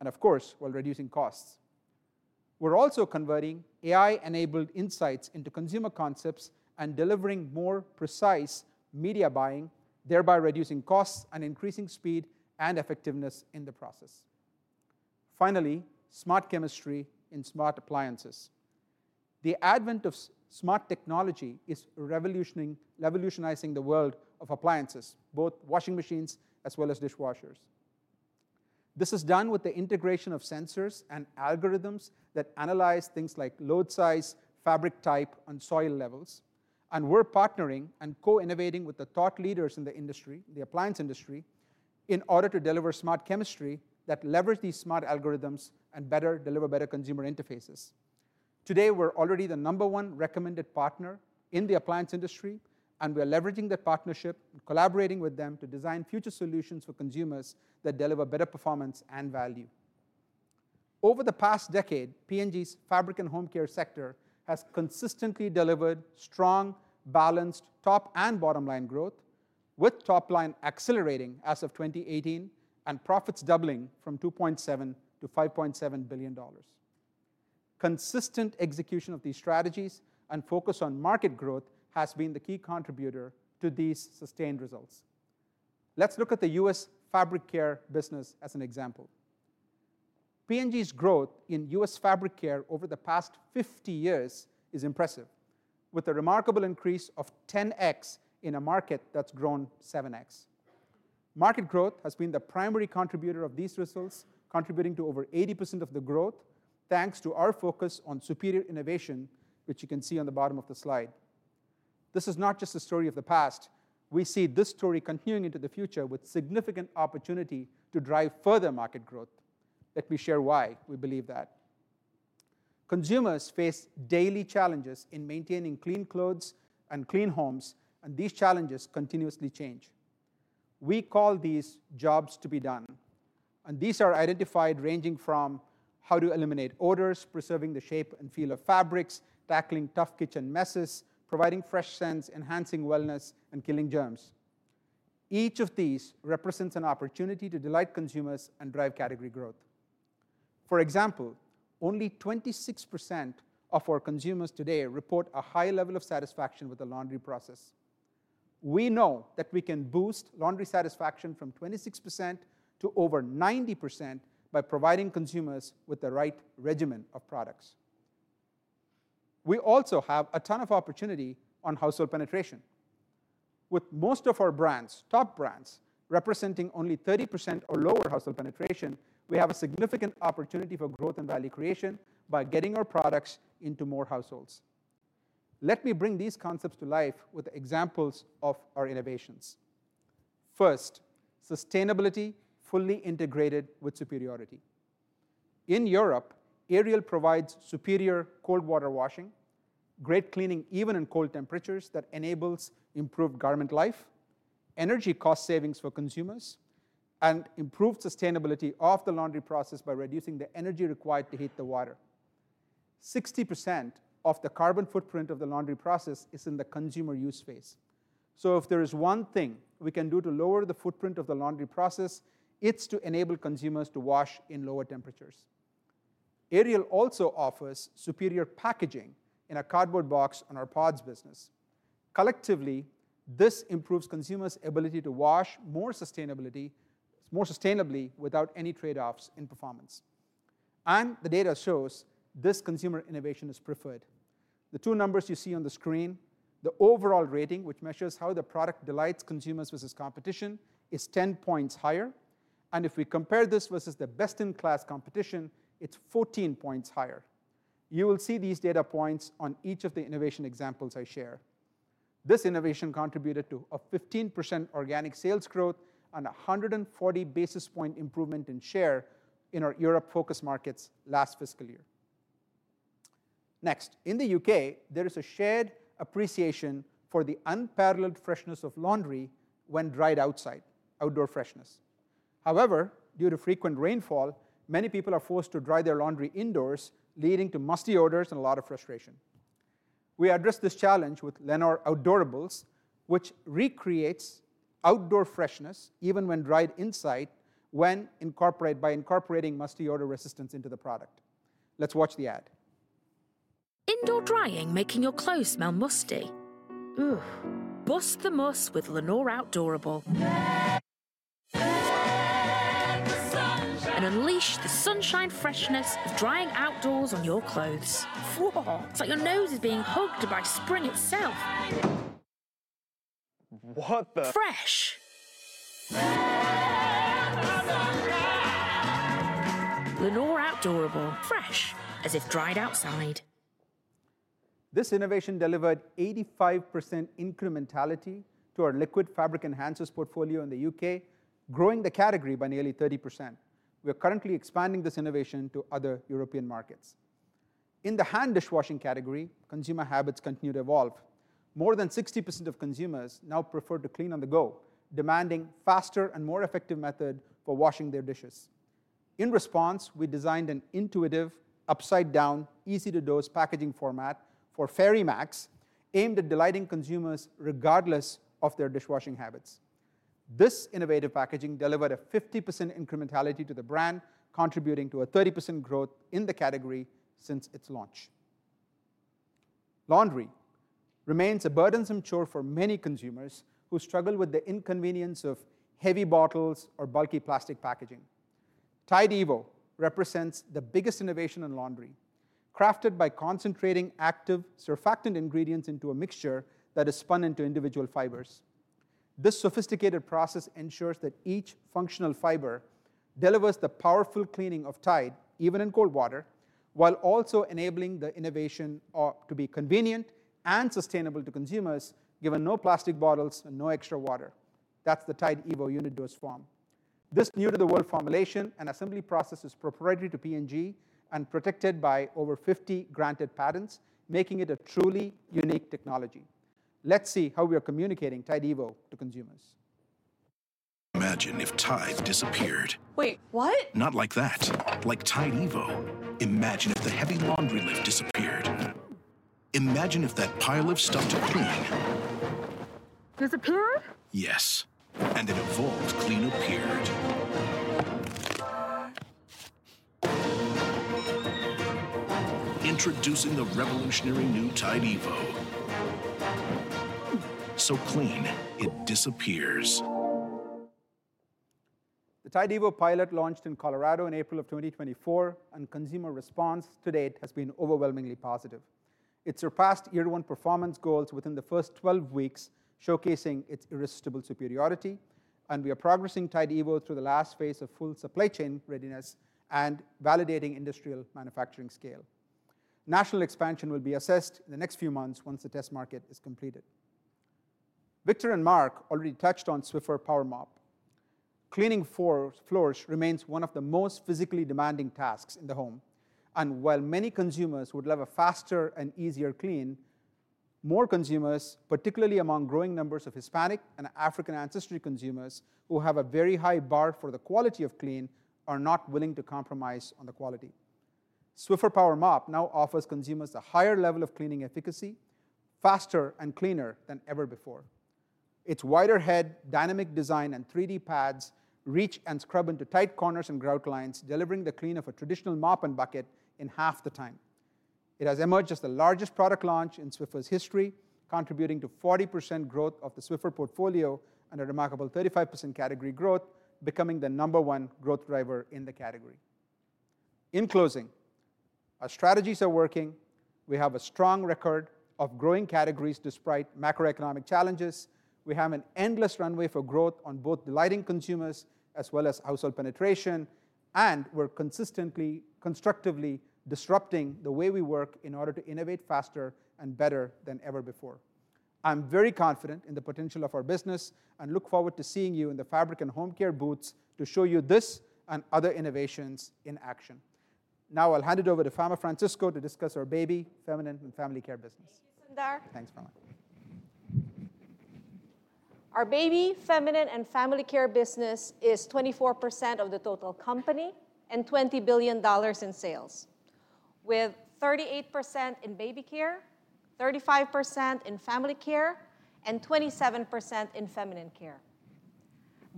Speaker 9: and of course, while reducing costs. We're also converting AI-enabled insights into consumer concepts and delivering more precise media buying, thereby reducing costs and increasing speed and effectiveness in the process. Finally, smart chemistry in smart appliances. The advent of smart technology is revolutionizing the world of appliances, both washing machines as well as dishwashers. This is done with the integration of sensors and algorithms that analyze things like load size, fabric type, and soil levels. And we're partnering and co-innovating with the thought leaders in the industry, the appliance industry, in order to deliver smart chemistry that leverages these smart algorithms and better delivers consumer interfaces. Today, we're already the number one recommended partner in the appliance industry, and we're leveraging that partnership and collaborating with them to design future solutions for consumers that deliver better performance and value. Over the past decade, P&G's fabric and home care sector has consistently delivered strong, balanced top and bottom line growth, with top line accelerating as of 2018 and profits doubling from $2.7-$5.7 billion. Consistent execution of these strategies and focus on market growth has been the key contributor to these sustained results. Let's look at the U.S. fabric care business as an example. P&G's growth in U.S. fabric care over the past 50 years is impressive, with a remarkable increase of 10X in a market that's grown 7X. Market growth has been the primary contributor of these results, contributing to over 80% of the growth, thanks to our focus on superior innovation, which you can see on the bottom of the slide. This is not just a story of the past. We see this story continuing into the future with significant opportunity to drive further market growth. Let me share why we believe that. Consumers face daily challenges in maintaining clean clothes and clean homes, and these challenges continuously change. We call these jobs to be done, and these are identified ranging from how to eliminate odors, preserving the shape and feel of fabrics, tackling tough kitchen messes, providing fresh scents, enhancing wellness, and killing germs. Each of these represents an opportunity to delight consumers and drive category growth. For example, only 26% of our consumers today report a high level of satisfaction with the laundry process. We know that we can boost laundry satisfaction from 26% to over 90% by providing consumers with the right regimen of products. We also have a ton of opportunity on household penetration. With most of our brands, top brands, representing only 30% or lower household penetration, we have a significant opportunity for growth and value creation by getting our products into more households. Let me bring these concepts to life with examples of our innovations. First, sustainability fully integrated with superiority. In Europe, Ariel provides superior cold water washing, great cleaning even in cold temperatures that enables improved garment life, energy cost savings for consumers, and improved sustainability of the laundry process by reducing the energy required to heat the water. 60% of the carbon footprint of the laundry process is in the consumer use space. So if there is one thing we can do to lower the footprint of the laundry process, it's to enable consumers to wash in lower temperatures. Ariel also offers superior packaging in a cardboard box on our pods business. Collectively, this improves consumers' ability to wash more sustainably without any trade-offs in performance. And the data shows this consumer innovation is preferred. The two numbers you see on the screen, the overall rating, which measures how the product delights consumers versus competition, is 10 points higher. And if we compare this versus the best-in-class competition, it's 14 points higher. You will see these data points on each of the innovation examples I share. This innovation contributed to a 15% organic sales growth and a 140 basis point improvement in share in our Europe-focused markets last fiscal year. Next, in the UK, there is a shared appreciation for the unparalleled freshness of laundry when dried outside, outdoor freshness. However, due to frequent rainfall, many people are forced to dry their laundry indoors, leading to musty odors and a lot of frustration. We addressed this challenge with Lenor Outdoorables, which recreates outdoor freshness even when dried inside by incorporating musty odor resistance into the product. Let's watch the ad. Indoor drying making your clothes smell musty. Ooh. Bust the muss with Lenor Outdoorables. And unleash the sunshine freshness of drying outdoors on your clothes. It's like your nose is being hugged by spring itself. What the... Fresh. Lenor Outdoorables. Fresh as if dried outside. This innovation delivered 85% incrementality to our liquid fabric enhancers portfolio in the U.K., growing the category by nearly 30%. We are currently expanding this innovation to other European markets. In the hand dishwashing category, consumer habits continue to evolve. More than 60% of consumers now prefer to clean on the go, demanding faster and more effective methods for washing their dishes. In response, we designed an intuitive, upside-down, easy-to-dose packaging format for Fairy Max, aimed at delighting consumers regardless of their dishwashing habits. This innovative packaging delivered a 50% incrementality to the brand, contributing to a 30% growth in the category since its launch. Laundry remains a burdensome chore for many consumers who struggle with the inconvenience of heavy bottles or bulky plastic packaging. Tide evo represents the biggest innovation in laundry, crafted by concentrating active surfactant ingredients into a mixture that is spun into individual fibers. This sophisticated process ensures that each functional fiber delivers the powerful cleaning of Tide, even in cold water, while also enabling the innovation to be convenient and sustainable to consumers, given no plastic bottles and no extra water. That's the Tide evo unit dose form. This new-to-the-world formulation and assembly process is proprietary to P&G and protected by over 50 granted patents, making it a truly unique technology. Let's see how we are communicating Tide evo to consumers. Imagine if Tide disappeared. Wait, what? Not like that. Like Tide evo. Imagine if the heavy laundry lift disappeared. Imagine if that pile of stuff to clean... Disappeared? Yes. And an evolved clean appeared. Introducing the revolutionary new Tide evo. So clean, it disappears. The Tide evo pilot launched in Colorado in April of 2024, and consumer response to date has been overwhelmingly positive. It surpassed year-one performance goals within the first 12 weeks, showcasing its irresistible superiority. And we are progressing Tide evo through the last phase of full supply chain readiness and validating industrial manufacturing scale. National expansion will be assessed in the next few months once the test market is completed. Victor and Mark already touched on Swiffer PowerMop. Cleaning floors remains one of the most physically demanding tasks in the home, and while many consumers would love a faster and easier clean, more consumers, particularly among growing numbers of Hispanic and African ancestry consumers who have a very high bar for the quality of clean, are not willing to compromise on the quality. Swiffer PowerMop now offers consumers a higher level of cleaning efficacy, faster and cleaner than ever before. Its wider head, dynamic design, and 3D pads reach and scrub into tight corners and grout lines, delivering the clean of a traditional mop and bucket in half the time. It has emerged as the largest product launch in Swiffer's history, contributing to 40% growth of the Swiffer portfolio and a remarkable 35% category growth, becoming the number one growth driver in the category. In closing, our strategies are working. We have a strong record of growing categories despite macroeconomic challenges. We have an endless runway for growth on both delighting consumers as well as household penetration, and we're consistently, constructively disrupting the way we work in order to innovate faster and better than ever before. I'm very confident in the potential of our business and look forward to seeing you in the fabric and home care booths to show you this and other innovations in action. Now I'll hand it over to Fama Francisco to discuss our Baby, Feminine and Family Care business.
Speaker 10: Thank you, Sundar.
Speaker 9: Thanks, Fama.
Speaker 10: Our Baby, Feminine and Family Care business is 24% of the total company and $20 billion in sales, with 38% in baby care, 35% in family care, and 27% in feminine care.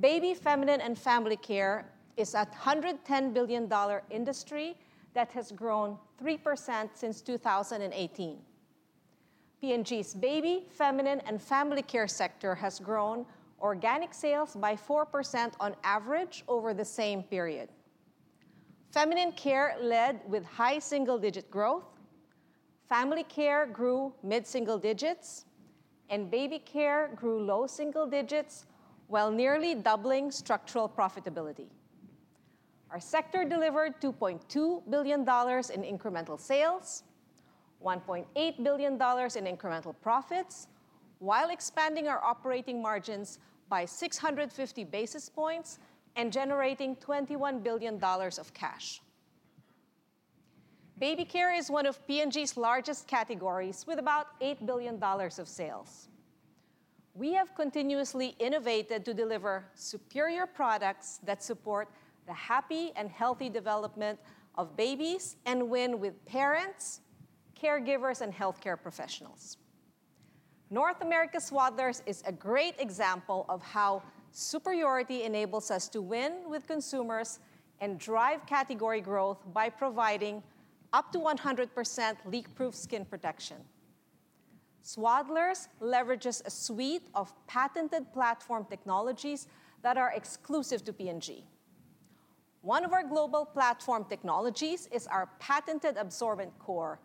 Speaker 10: Baby, Feminine and Family Care is a $110 billion industry that has grown 3% since 2018. P&G's baby, feminine, and family care sector has grown organic sales by 4% on average over the same period. Feminine care led with high single-digit growth. Family care grew mid-single digits, and baby care grew low single digits, while nearly doubling structural profitability. Our sector delivered $2.2 billion in incremental sales, $1.8 billion in incremental profits, while expanding our operating margins by 650 basis points and generating $21 billion of cash. Baby care is one of P&G's largest categories with about $8 billion of sales. We have continuously innovated to deliver superior products that support the happy and healthy development of babies and win with parents, caregivers, and healthcare professionals. Pampers Swaddlers is a great example of how superiority enables us to win with consumers and drive category growth by providing up to 100% leak-proof skin protection. Swaddlers leverages a suite of patented platform technologies that are exclusive to P&G. One of our global platform technologies is our patented absorbent core,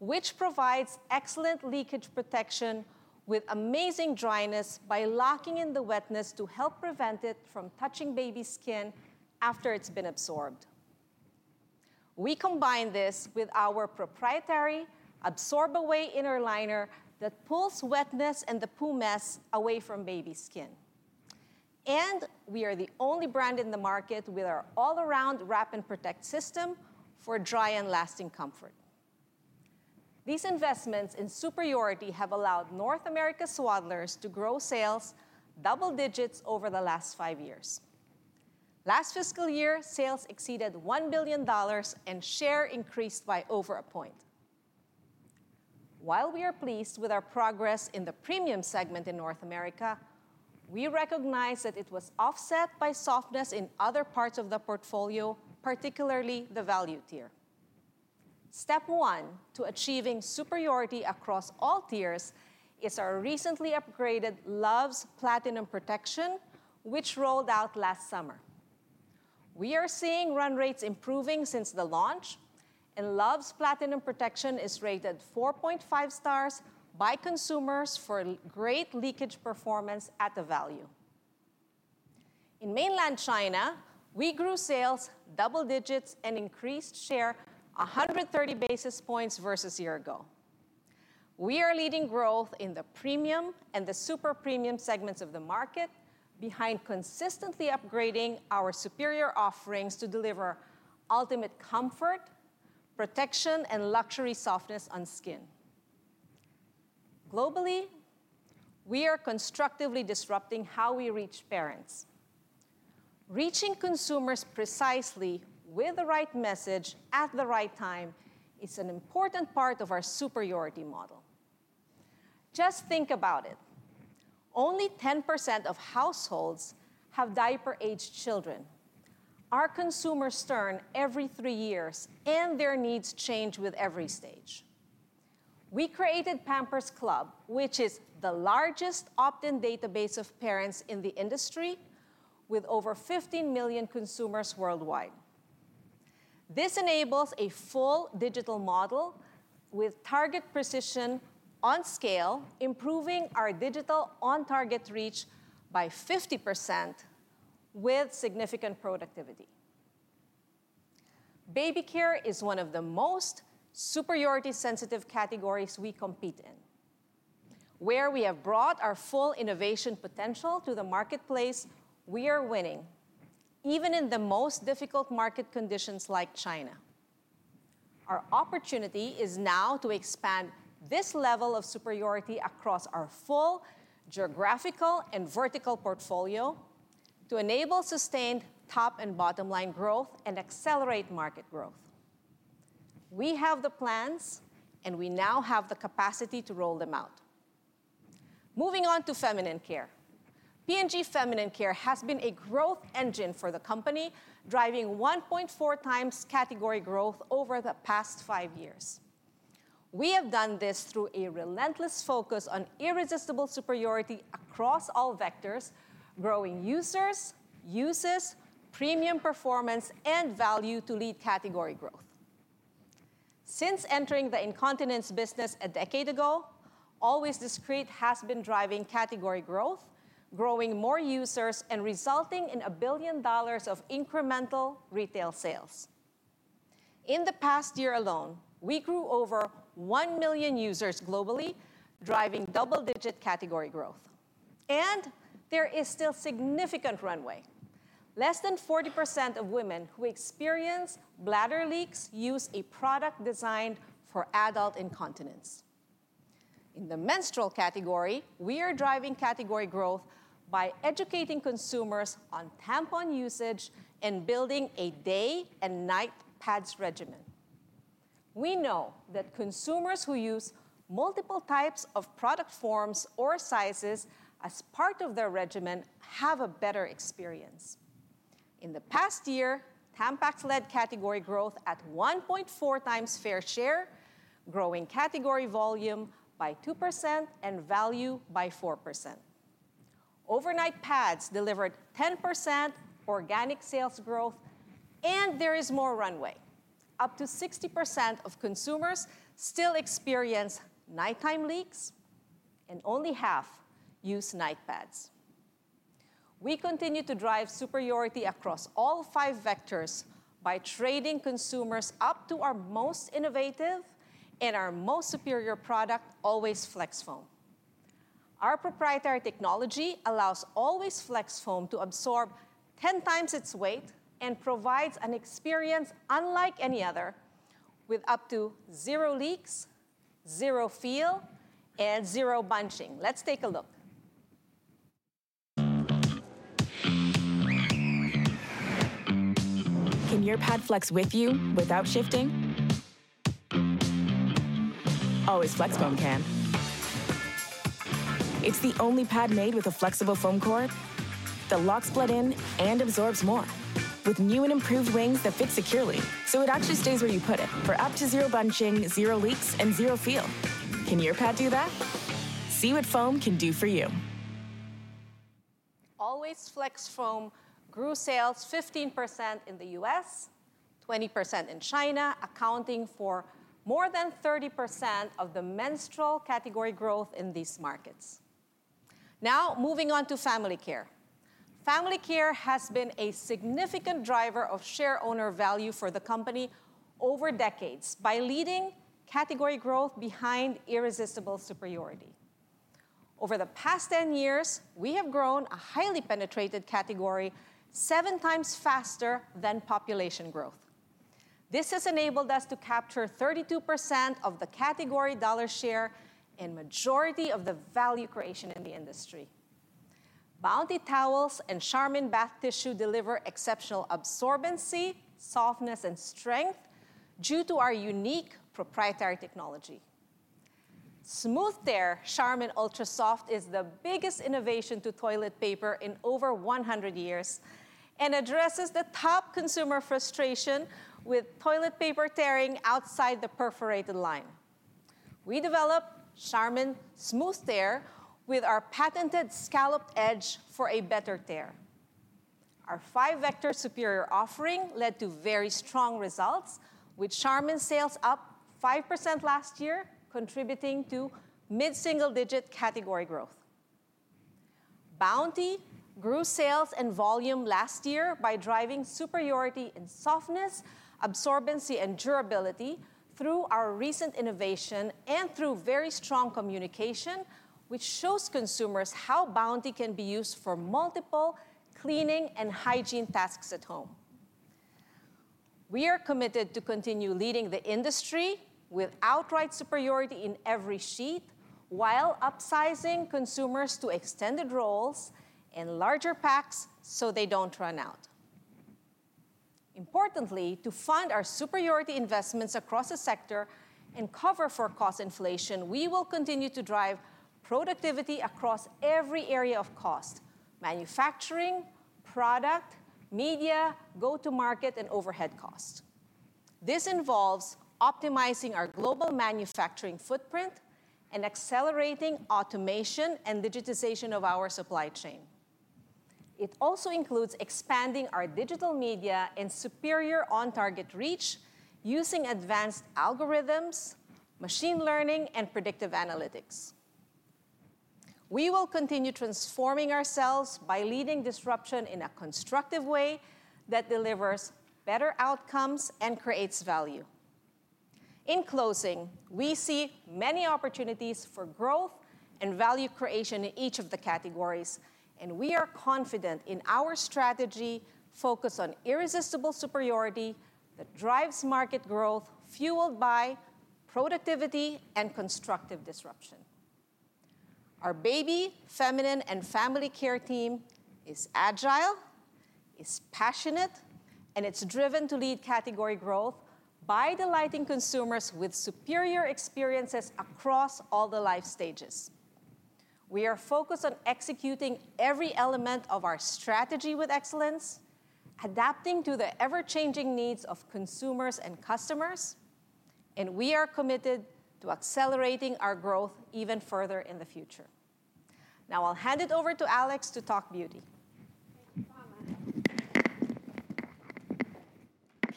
Speaker 10: which provides excellent leakage protection with amazing dryness by locking in the wetness to help prevent it from touching baby skin after it's been absorbed. We combine this with our proprietary absorb-away inner liner that pulls wetness and the poo mess away from baby skin. And we are the only brand in the market with our all-around wrap and protect system for dry and lasting comfort. These investments in superiority have allowed North America Swaddlers to grow sales double digits over the last five years. Last fiscal year, sales exceeded $1 billion and share increased by over a point. While we are pleased with our progress in the premium segment in North America, we recognize that it was offset by softness in other parts of the portfolio, particularly the value tier. Step one to achieving superiority across all tiers is our recently upgraded Luvs Platinum Protection, which rolled out last summer. We are seeing run rates improving since the launch, and Luvs Platinum Protection is rated 4.5 stars by consumers for great leakage performance at the value. In mainland China, we grew sales double digits and increased share 130 basis points versus a year ago. We are leading growth in the premium and the super premium segments of the market, behind consistently upgrading our superior offerings to deliver ultimate comfort, protection, and luxury softness on skin. Globally, we are constructively disrupting how we reach parents. Reaching consumers precisely with the right message at the right time is an important part of our superiority model. Just think about it. Only 10% of households have diaper-aged children. Our consumers turn every three years, and their needs change with every stage. We created Pampers Club, which is the largest opt-in database of parents in the industry, with over 15 million consumers worldwide. This enables a full digital model with target precision on scale, improving our digital on-target reach by 50% with significant productivity. Baby care is one of the most superiority-sensitive categories we compete in. Where we have brought our full innovation potential to the marketplace, we are winning, even in the most difficult market conditions like China. Our opportunity is now to expand this level of superiority across our full geographical and vertical portfolio to enable sustained top and bottom line growth and accelerate market growth. We have the plans, and we now have the capacity to roll them out. Moving on to feminine care. P&G feminine care has been a growth engine for the company, driving 1.4 times category growth over the past five years. We have done this through a relentless focus on irresistible superiority across all vectors, growing users, uses, premium performance, and value to lead category growth. Since entering the incontinence business a decade ago, Always Discreet has been driving category growth, growing more users and resulting in $1 billion of incremental retail sales. In the past year alone, we grew over 1 million users globally, driving double-digit category growth. And there is still significant runway. Less than 40% of women who experience bladder leaks use a product designed for adult incontinence. In the menstrual category, we are driving category growth by educating consumers on tampon usage and building a day and night pads regimen. We know that consumers who use multiple types of product forms or sizes as part of their regimen have a better experience. In the past year, Tampax led category growth at 1.4 times fair share, growing category volume by 2% and value by 4%. Overnight pads delivered 10% organic sales growth, and there is more runway. Up to 60% of consumers still experience nighttime leaks, and only half use night pads. We continue to drive superiority across all five vectors by trading consumers up to our most innovative and our most superior product, Always FlexFoam. Our proprietary technology allows Always FlexFoam to absorb 10 times its weight and provides an experience unlike any other, with up to zero leaks, zero feel, and zero bunching. Let's take a look. Can your pad flex with you without shifting? Always FlexFoam can. It's the only pad made with a flexible foam cord that locks blood in and absorbs more, with new and improved wings that fit securely, so it actually stays where you put it for up to zero bunching, zero leaks, and zero feel. Can your pad do that? See what foam can do for you. Always FlexFoam grew sales 15% in the U.S., 20% in China, accounting for more than 30% of the menstrual category growth in these markets. Now moving on to Family Care. Family Care has been a significant driver of shareholder value for the company over decades by leading category growth behind irresistible superiority. Over the past 10 years, we have grown a highly penetrated category seven times faster than population growth. This has enabled us to capture 32% of the category dollar share and majority of the value creation in the industry. Bounty Towels and Charmin bath tissue deliver exceptional absorbency, softness, and strength due to our unique proprietary technology. Smooth Tear Charmin Ultra Soft is the biggest innovation to toilet paper in over 100 years and addresses the top consumer frustration with toilet paper tearing outside the perforated line. We develop Charmin Smooth Tear with our patented scalloped edge for a better tear. Our five-vector superior offering led to very strong results, with Charmin sales up 5% last year, contributing to mid-single digit category growth. Bounty grew sales and volume last year by driving superiority in softness, absorbency, and durability through our recent innovation and through very strong communication, which shows consumers how Bounty can be used for multiple cleaning and hygiene tasks at home. We are committed to continue leading the industry with outright superiority in every sheet while upsizing consumers to extended rolls and larger packs so they don't run out. Importantly, to fund our superiority investments across the sector and cover for cost inflation, we will continue to drive productivity across every area of cost: manufacturing, product, media, go-to-market, and overhead costs. This involves optimizing our global manufacturing footprint and accelerating automation and digitization of our supply chain. It also includes expanding our digital media and superior on-target reach using advanced algorithms, machine learning, and predictive analytics. We will continue transforming ourselves by leading disruption in a constructive way that delivers better outcomes and creates value. In closing, we see many opportunities for growth and value creation in each of the categories, and we are confident in our strategy focused on irresistible superiority that drives market growth fueled by productivity and constructive disruption. Our baby, feminine, and family care team is agile, is passionate, and it's driven to lead category growth by delighting consumers with superior experiences across all the life stages. We are focused on executing every element of our strategy with excellence, adapting to the ever-changing needs of consumers and customers, and we are committed to accelerating our growth even further in the future. Now I'll hand it over to Alex to talk beauty.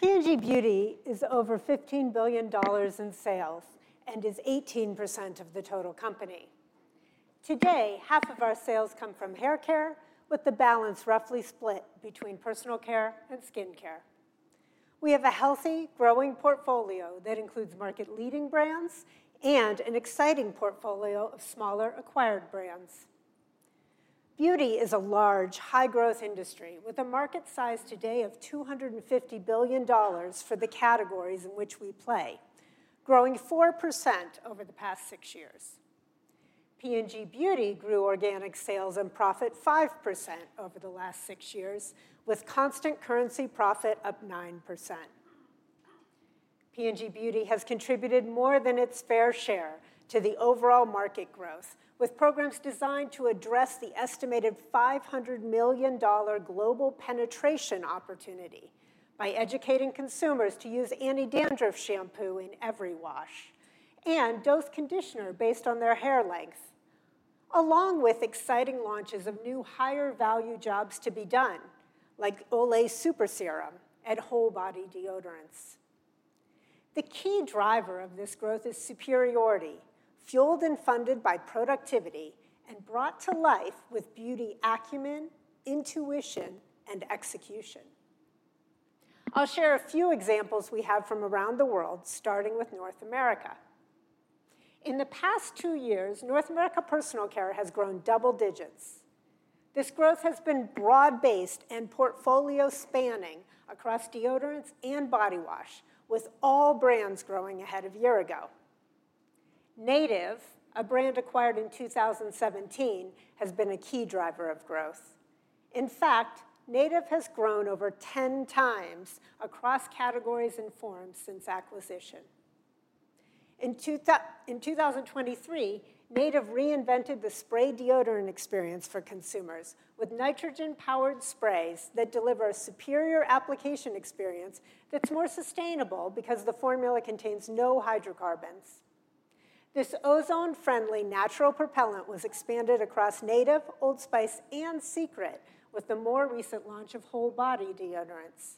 Speaker 11: P&G Beauty is over $15 billion in sales and is 18% of the total company. Today, half of our sales come from haircare, with the balance roughly split between personal care and skincare. We have a healthy, growing portfolio that includes market-leading brands and an exciting portfolio of smaller acquired brands. Beauty is a large, high-growth industry with a market size today of $250 billion for the categories in which we play, growing 4% over the past six years. P&G Beauty grew organic sales and profit 5% over the last six years, with constant currency profit up 9%. P&G Beauty has contributed more than its fair share to the overall market growth, with programs designed to address the estimated $500 million global penetration opportunity by educating consumers to use anti-dandruff shampoo in every wash and dose conditioner based on their hair length, along with exciting launches of new higher-value jobs to be done, like Olay Super Serum and Whole Body Deodorants. The key driver of this growth is superiority, fueled and funded by productivity and brought to life with beauty acumen, intuition, and execution. I'll share a few examples we have from around the world, starting with North America. In the past two years, North America personal care has grown double digits. This growth has been broad-based and portfolio-spanning across deodorants and body wash, with all brands growing ahead of a year ago. Native, a brand acquired in 2017, has been a key driver of growth. In fact, Native has grown over 10 times across categories and forms since acquisition. In 2023, Native reinvented the spray deodorant experience for consumers with nitrogen-powered sprays that deliver a superior application experience that's more sustainable because the formula contains no hydrocarbons. This ozone-friendly natural propellant was expanded across Native, Old Spice, and Secret with the more recent launch of Whole Body Deodorants.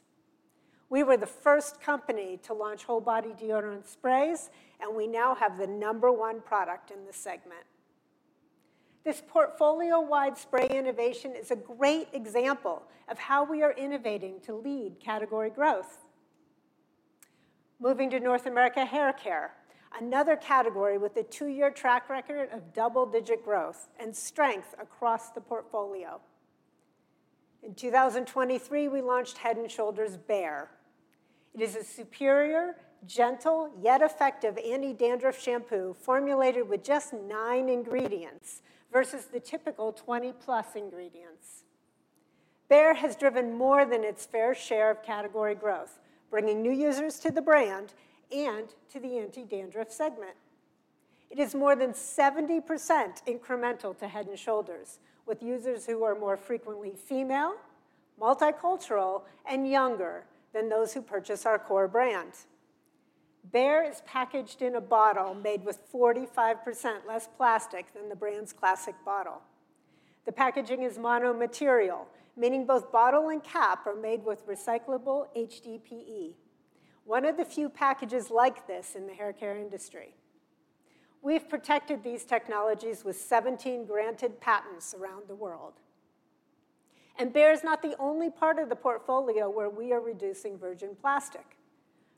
Speaker 11: We were the first company to launch Whole Body Deodorant sprays, and we now have the number one product in the segment. This portfolio-wide spray innovation is a great example of how we are innovating to lead category growth. Moving to North America haircare, another category with a two-year track record of double-digit growth and strength across the portfolio. In 2023, we launched Head & Shoulders Bare. It is a superior, gentle, yet effective anti-dandruff shampoo formulated with just nine ingredients versus the typical 20-plus ingredients. Bare has driven more than its fair share of category growth, bringing new users to the brand and to the anti-dandruff segment. It is more than 70% incremental to Head & Shoulders, with users who are more frequently female, multicultural, and younger than those who purchase our core brand. Bare is packaged in a bottle made with 45% less plastic than the brand's classic bottle. The packaging is mono material, meaning both bottle and cap are made with recyclable HDPE, one of the few packages like this in the haircare industry. We've protected these technologies with 17 granted patents around the world. Bare is not the only part of the portfolio where we are reducing virgin plastic.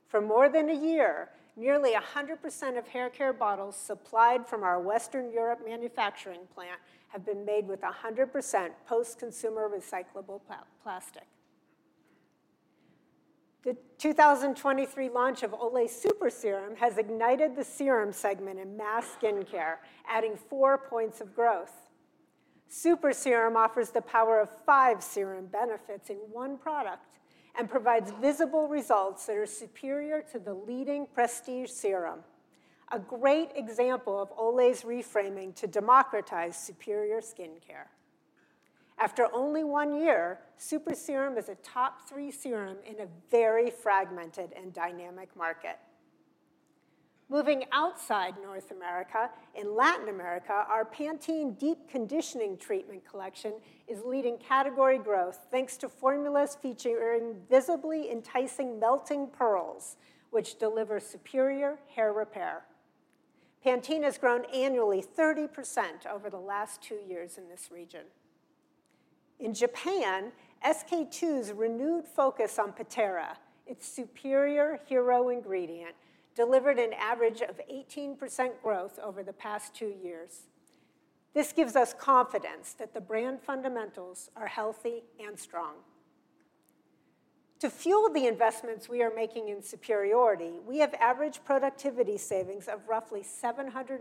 Speaker 11: For more than a year, nearly 100% of haircare bottles supplied from our Western Europe manufacturing plant have been made with 100% post-consumer recyclable plastic. The 2023 launch of Olay Super Serum has ignited the serum segment in mass skincare, adding four points of growth. Super Serum offers the power of five serum benefits in one product and provides visible results that are superior to the leading prestige serum, a great example of Olay's reframing to democratize superior skincare. After only one year, Super Serum is a top three serum in a very fragmented and dynamic market. Moving outside North America, in Latin America, our Pantene Deep Conditioning Treatment collection is leading category growth thanks to formulas featuring visibly enticing melting pearls, which deliver superior hair repair. Pantene has grown annually 30% over the last two years in this region. In Japan, SK-II's renewed focus on Pitera, its superior hero ingredient, delivered an average of 18% growth over the past two years. This gives us confidence that the brand fundamentals are healthy and strong. To fuel the investments we are making in superiority, we have average productivity savings of roughly $750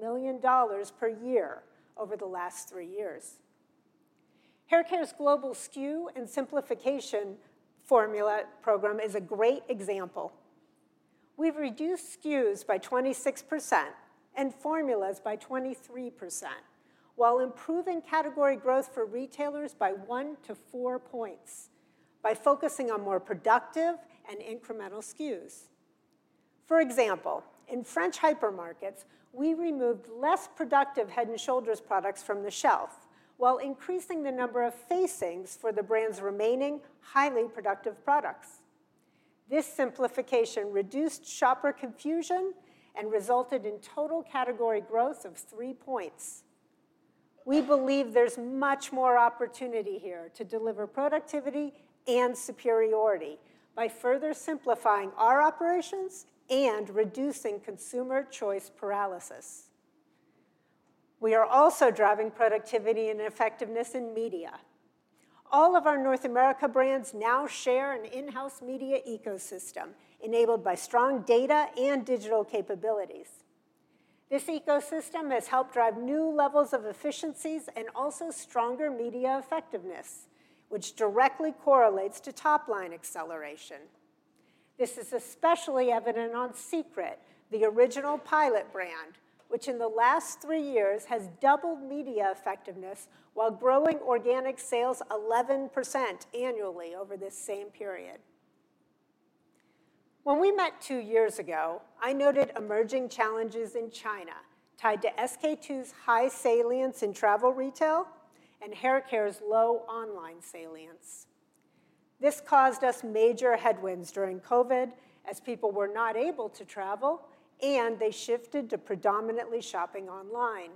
Speaker 11: million per year over the last three years. Haircare's global SKU and simplification formula program is a great example. We've reduced SKUs by 26% and formulas by 23%, while improving category growth for retailers by one to four points by focusing on more productive and incremental SKUs. For example, in French hypermarkets, we removed less productive Head & Shoulders products from the shelf while increasing the number of facings for the brand's remaining highly productive products. This simplification reduced shopper confusion and resulted in total category growth of three points. We believe there's much more opportunity here to deliver productivity and superiority by further simplifying our operations and reducing consumer choice paralysis. We are also driving productivity and effectiveness in media. All of our North America brands now share an in-house media ecosystem enabled by strong data and digital capabilities. This ecosystem has helped drive new levels of efficiencies and also stronger media effectiveness, which directly correlates to top-line acceleration. This is especially evident on Secret, the original pilot brand, which in the last three years has doubled media effectiveness while growing organic sales 11% annually over this same period. When we met two years ago, I noted emerging challenges in China tied to SK-II's high salience in travel retail and haircare's low online salience. This caused us major headwinds during COVID as people were not able to travel, and they shifted to predominantly shopping online.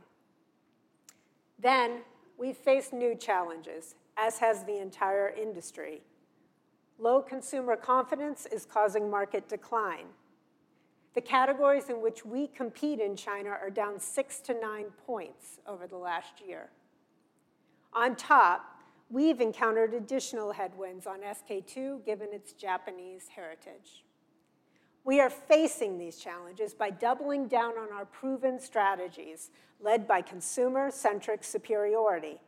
Speaker 11: Then we faced new challenges, as has the entire industry. Low consumer confidence is causing market decline. The categories in which we compete in China are down six-to-nine points over the last year. On top, we've encountered additional headwinds on SK-II given its Japanese heritage. We are facing these challenges by doubling down on our proven strategies led by consumer-centric superiority.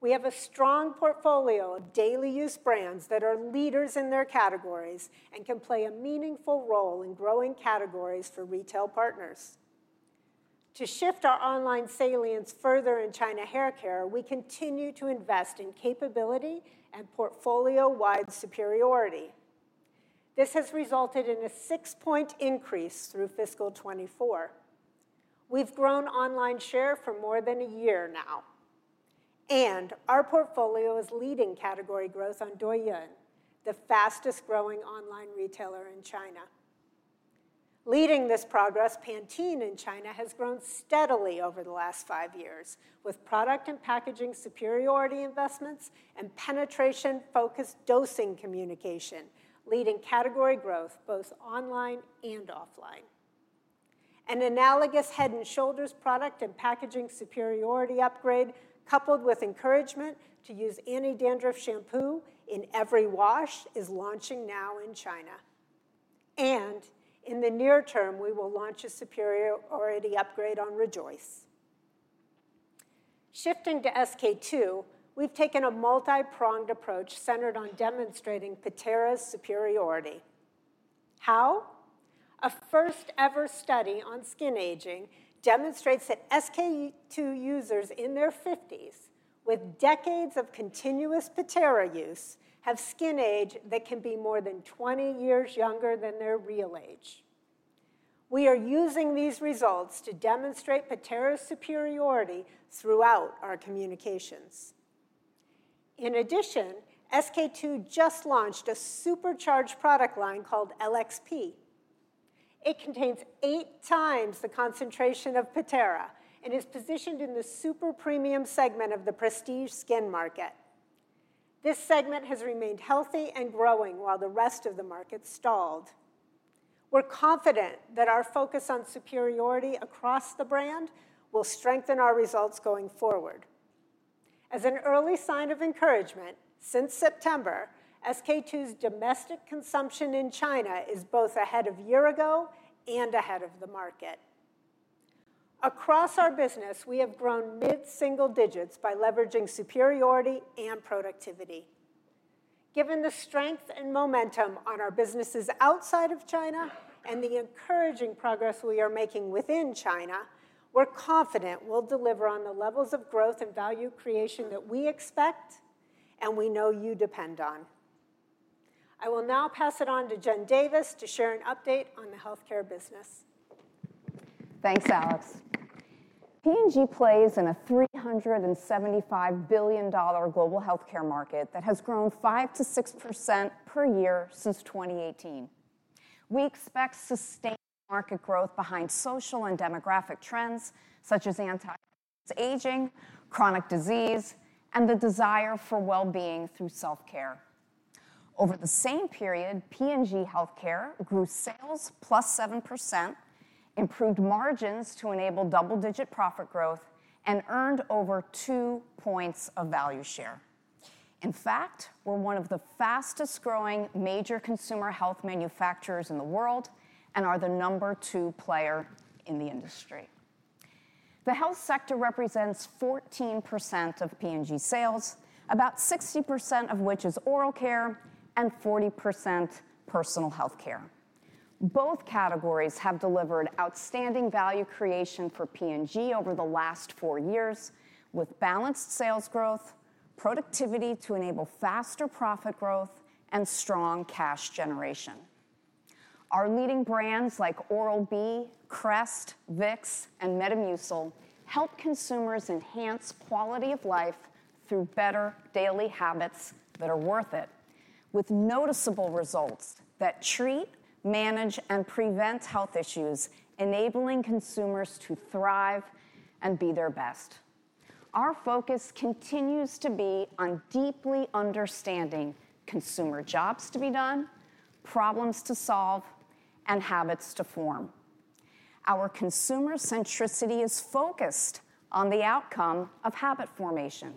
Speaker 11: We have a strong portfolio of daily-use brands that are leaders in their categories and can play a meaningful role in growing categories for retail partners. To shift our online salience further in China haircare, we continue to invest in capability and portfolio-wide superiority. This has resulted in a six-point increase through fiscal 2024. We've grown online share for more than a year now, and our portfolio is leading category growth on Douyin, the fastest-growing online retailer in China. Leading this progress, Pantene in China has grown steadily over the last five years with product and packaging superiority investments and penetration-focused dosing communication, leading category growth both online and offline. An analogous Head & Shoulders product and packaging superiority upgrade, coupled with encouragement to use anti-dandruff shampoo in every wash, is launching now in China, and in the near term, we will launch a superiority upgrade on Rejoice. Shifting to SK-II, we've taken a multi-pronged approach centered on demonstrating Pitera's superiority. How? A first-ever study on skin aging demonstrates that SK-II users in their 50s, with decades of continuous Pitera use, have skin age that can be more than 20 years younger than their real age. We are using these results to demonstrate Pitera's superiority throughout our communications. In addition, SK-II just launched a supercharged product line called LXP. It contains eight times the concentration of Pitera and is positioned in the super premium segment of the prestige skin market. This segment has remained healthy and growing while the rest of the market stalled. We're confident that our focus on superiority across the brand will strengthen our results going forward. As an early sign of encouragement, since September, SK-II's domestic consumption in China is both ahead of a year ago and ahead of the market. Across our business, we have grown mid-single digits by leveraging superiority and productivity. Given the strength and momentum on our businesses outside of China and the encouraging progress we are making within China, we're confident we'll deliver on the levels of growth and value creation that we expect and we know you depend on. I will now pass it on to Jen Davis to share an update on the healthcare business.
Speaker 12: Thanks, Alex. P&G plays in a $375 billion global healthcare market that has grown 5%-6% per year since 2018. We expect sustained market growth behind social and demographic trends such as anti-aging, chronic disease, and the desire for well-being through self-care. Over the same period, P&G Healthcare grew sales plus 7%, improved margins to enable double-digit profit growth, and earned over two points of value share. In fact, we're one of the fastest-growing major consumer health manufacturers in the world and are the number two player in the industry. The health sector represents 14% of P&G sales, about 60% of which is oral care and 40% personal healthcare. Both categories have delivered outstanding value creation for P&G over the last four years, with balanced sales growth, productivity to enable faster profit growth, and strong cash generation. Our leading brands like Oral-B, Crest, Vicks, and Metamucil help consumers enhance quality of life through better daily habits that are worth it, with noticeable results that treat, manage, and prevent health issues, enabling consumers to thrive and be their best. Our focus continues to be on deeply understanding consumer jobs to be done, problems to solve, and habits to form. Our consumer centricity is focused on the outcome of habit formation,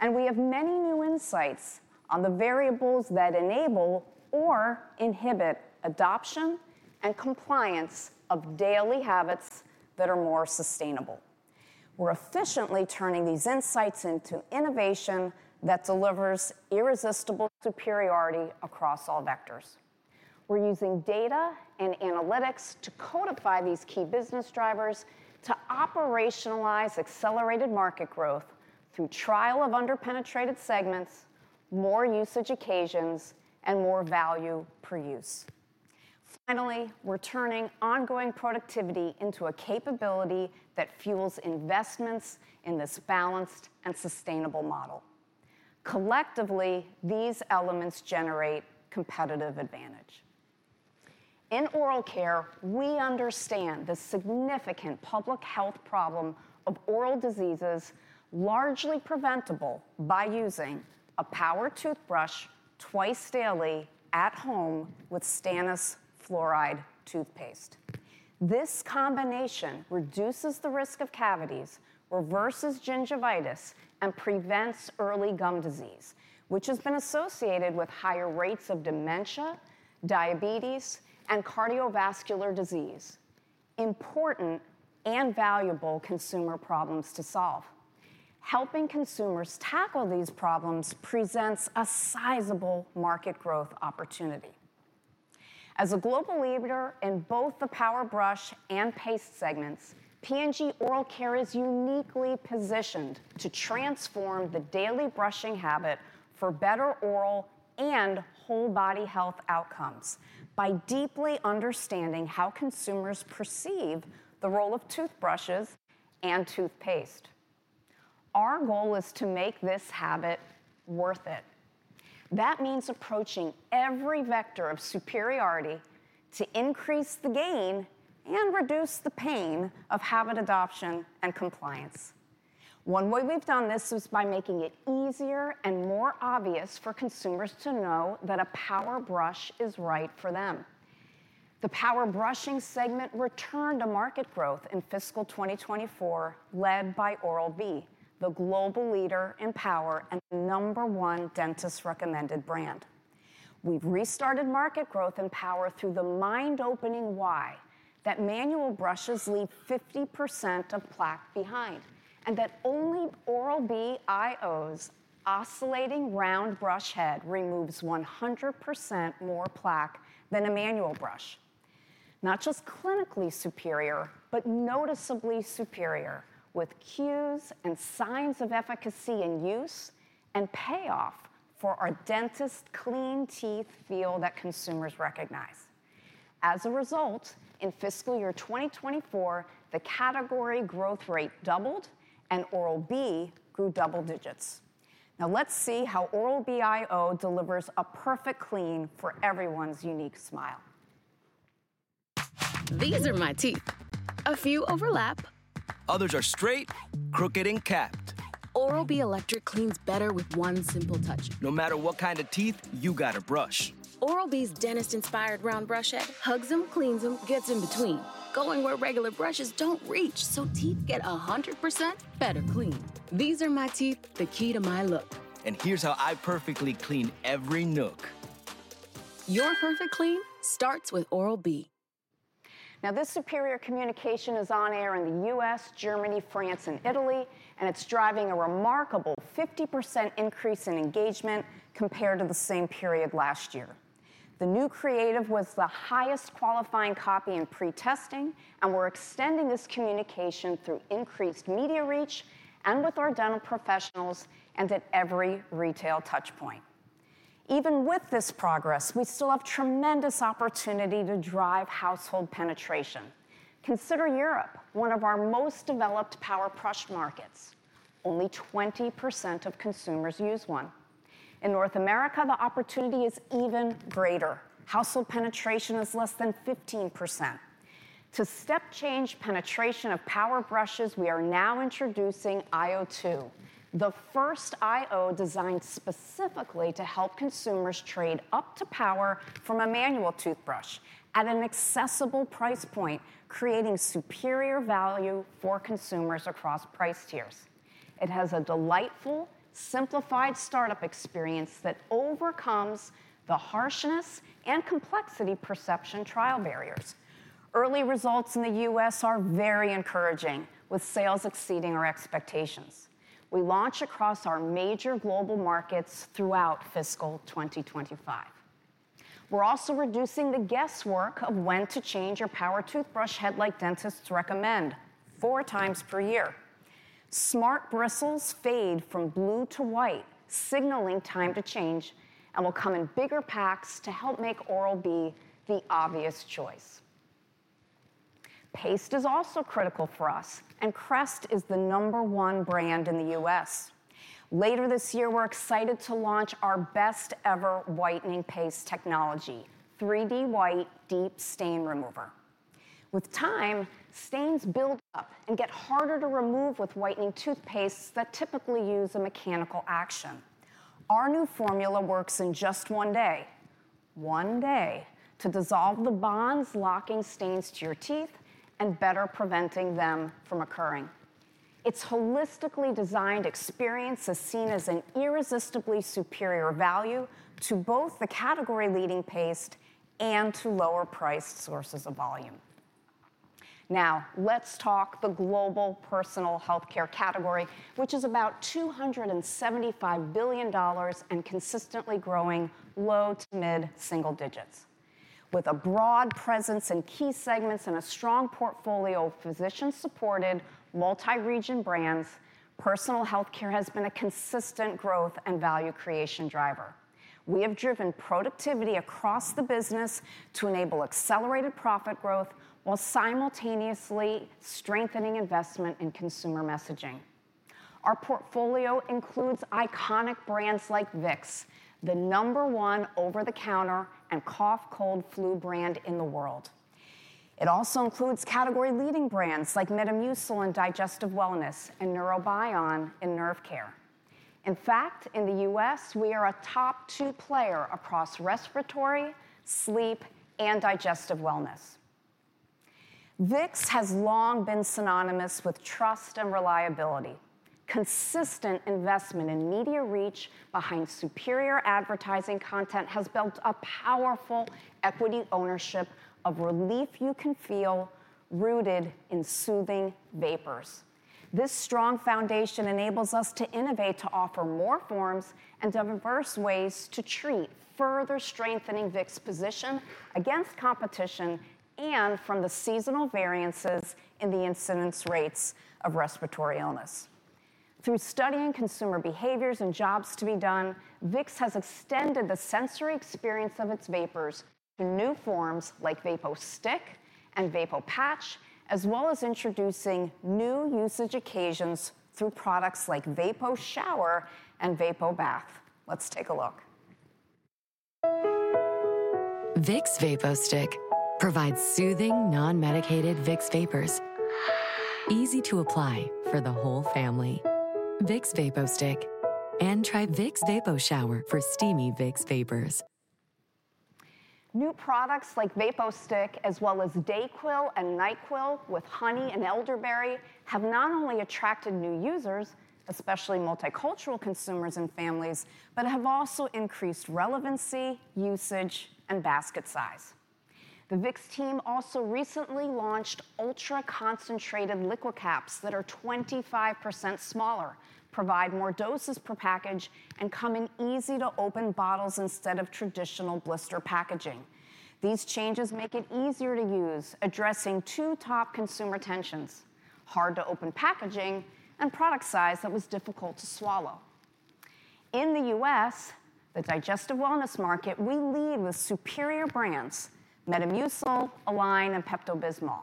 Speaker 12: and we have many new insights on the variables that enable or inhibit adoption and compliance of daily habits that are more sustainable. We're efficiently turning these insights into innovation that delivers irresistible superiority across all vectors. We're using data and analytics to codify these key business drivers to operationalize accelerated market growth through trial of under-penetrated segments, more usage occasions, and more value per use. Finally, we're turning ongoing productivity into a capability that fuels investments in this balanced and sustainable model. Collectively, these elements generate competitive advantage. In oral care, we understand the significant public health problem of oral diseases largely preventable by using a power toothbrush twice daily at home with stannous fluoride toothpaste. This combination reduces the risk of cavities, reverses gingivitis, and prevents early gum disease, which has been associated with higher rates of dementia, diabetes, and cardiovascular disease. Important and valuable consumer problems to solve. Helping consumers tackle these problems presents a sizable market growth opportunity. As a global leader in both the power brush and paste segments, P&G Oral Care is uniquely positioned to transform the daily brushing habit for better oral and whole body health outcomes by deeply understanding how consumers perceive the role of toothbrushes and toothpaste. Our goal is to make this habit worth it. That means approaching every vector of superiority to increase the gain and reduce the pain of habit adoption and compliance. One way we've done this is by making it easier and more obvious for consumers to know that a power brush is right for them. The power brushing segment returned to market growth in fiscal 2024, led by Oral-B, the global leader in power and the number one dentist-recommended brand. We've restarted market growth in power through the mind-opening why that manual brushes leave 50% of plaque behind and that only Oral-B iO's oscillating round brush head removes 100% more plaque than a manual brush. Not just clinically superior, but noticeably superior, with cues and signs of efficacy in use and payoff for our dentist-clean teeth feel that consumers recognize. As a result, in fiscal year 2024, the category growth rate doubled and Oral-B grew double digits. Now let's see how Oral-B iO delivers a perfect clean for everyone's unique smile. These are my teeth. A few overlap. Others are straight, crooked, and capped. Oral-B Electric cleans better with one simple touch. No matter what kind of teeth, you got a brush. Oral-B's dentist-inspired round brush head hugs them, cleans them, gets in between, going where regular brushes don't reach, so teeth get 100% better cleaned. These are my teeth, the key to my look. And here's how I perfectly clean every nook. Your perfect clean starts with Oral-B. Now this superior communication is on air in the U.S., Germany, France, and Italy, and it's driving a remarkable 50% increase in engagement compared to the same period last year. The new creative was the highest qualifying copy in pre-testing, and we're extending this communication through increased media reach and with our dental professionals and at every retail touchpoint. Even with this progress, we still have tremendous opportunity to drive household penetration. Consider Europe, one of our most developed power brush markets. Only 20% of consumers use one. In North America, the opportunity is even greater. Household penetration is less than 15%. To step change penetration of power brushes, we are now introducing iO2, the first iO designed specifically to help consumers trade up to power from a manual toothbrush at an accessible price point, creating superior value for consumers across price tiers. It has a delightful, simplified startup experience that overcomes the harshness and complexity perception trial barriers. Early results in the U.S. are very encouraging, with sales exceeding our expectations. We launch across our major global markets throughout fiscal 2025. We're also reducing the guesswork of when to change your power toothbrush head like dentists recommend four times per year. Smart bristles fade from blue to white, signaling time to change, and will come in bigger packs to help make Oral-B the obvious choice. Paste is also critical for us, and Crest is the number one brand in the U.S. Later this year, we're excited to launch our best-ever whitening paste technology, 3D White Deep Stain Remover. With time, stains build up and get harder to remove with whitening toothpastes that typically use a mechanical action. Our new formula works in just one day, one day to dissolve the bonds locking stains to your teeth and better preventing them from occurring. Its holistically designed experience is seen as an irresistibly superior value to both the category-leading paste and to lower-priced sources of volume. Now let's talk the global personal healthcare category, which is about $275 billion and consistently growing low to mid-single digits. With a broad presence in key segments and a strong portfolio of physician-supported multi-region brands, personal healthcare has been a consistent growth and value creation driver. We have driven productivity across the business to enable accelerated profit growth while simultaneously strengthening investment in consumer messaging. Our portfolio includes iconic brands like Vicks, the number one over-the-counter and cough cold flu brand in the world. It also includes category-leading brands like Metamucil in digestive wellness and Neurobion in nerve care. In fact, in the U.S., we are a top two player across respiratory, sleep, and digestive wellness. Vicks has long been synonymous with trust and reliability. Consistent investment in media reach behind superior advertising content has built a powerful equity ownership of relief you can feel rooted in soothing vapors. This strong foundation enables us to innovate to offer more forms and diverse ways to treat, further strengthening Vicks' position against competition and from the seasonal variances in the incidence rates of respiratory illness. Through studying consumer behaviors and jobs to be done, Vicks has extended the sensory experience of its vapors to new forms like Vicks VapoStick and Vicks VapoPatch, as well as introducing new usage occasions through products like Vicks VapoShower and Vicks VapoBath. Let's take a look. Vicks VapoStick provides soothing non-medicated Vicks vapors. Easy to apply for the whole family. Vicks VapoStick and try Vicks VapoShower for steamy Vicks vapors. New products like Vicks VapoStick, as well as DayQuil and NyQuil with honey and elderberry, have not only attracted new users, especially multicultural consumers and families, but have also increased relevancy, usage, and basket size. The Vicks team also recently launched ultra-concentrated liquid caps that are 25% smaller, provide more doses per package, and come in easy-to-open bottles instead of traditional blister packaging. These changes make it easier to use, addressing two top consumer tensions: hard-to-open packaging and product size that was difficult to swallow. In the U.S., the digestive wellness market, we lead with superior brands: Metamucil, Align, and Pepto-Bismol.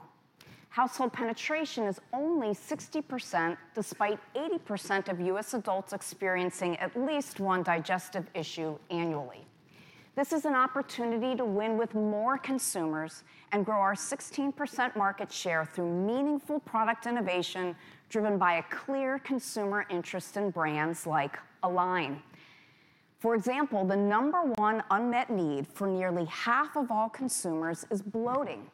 Speaker 12: Household penetration is only 60%, despite 80% of U.S. adults experiencing at least one digestive issue annually. This is an opportunity to win with more consumers and grow our 16% market share through meaningful product innovation driven by a clear consumer interest in brands like Align. For example, the number one unmet need for nearly half of all consumers is bloating,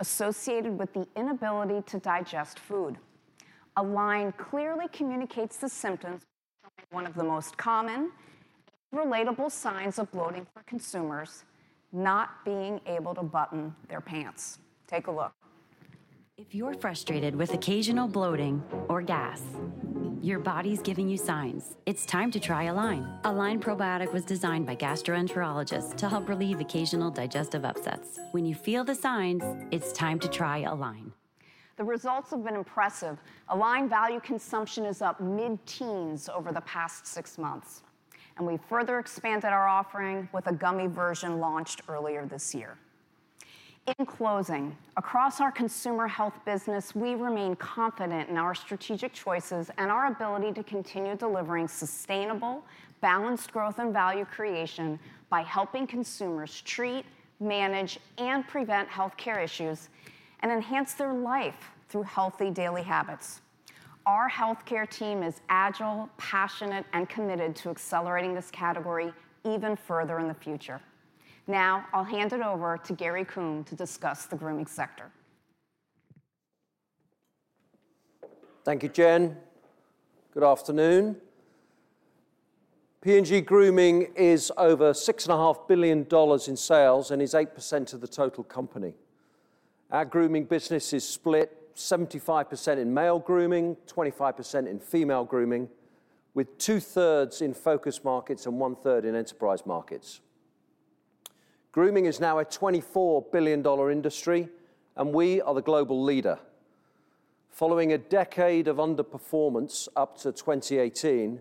Speaker 12: associated with the inability to digest food. Align clearly communicates the symptoms, one of the most common and relatable signs of bloating for consumers: not being able to button their pants. Take a look. If you're frustrated with occasional bloating or gas, your body's giving you signs. It's time to try Align. Align probiotic was designed by gastroenterologists to help relieve occasional digestive upsets. When you feel the signs, it's time to try Align. The results have been impressive. Align value consumption is up mid-teens over the past six months, and we've further expanded our offering with a gummy version launched earlier this year. In closing, across our consumer health business, we remain confident in our strategic choices and our ability to continue delivering sustainable, balanced growth and value creation by helping consumers treat, manage, and prevent healthcare issues and enhance their life through healthy daily habits. Our healthcare team is agile, passionate, and committed to accelerating this category even further in the future. Now I'll hand it over to Gary Kuhn to discuss the grooming sector.
Speaker 13: Thank you, Jen. Good afternoon. P&G Grooming is over $6.5 billion in sales and is 8% of the total company. Our grooming business is split 75% in male grooming, 25% in female grooming, with two-thirds in focus markets and one-third in enterprise markets. Grooming is now a $24 billion industry, and we are the global leader. Following a decade of underperformance up to 2018,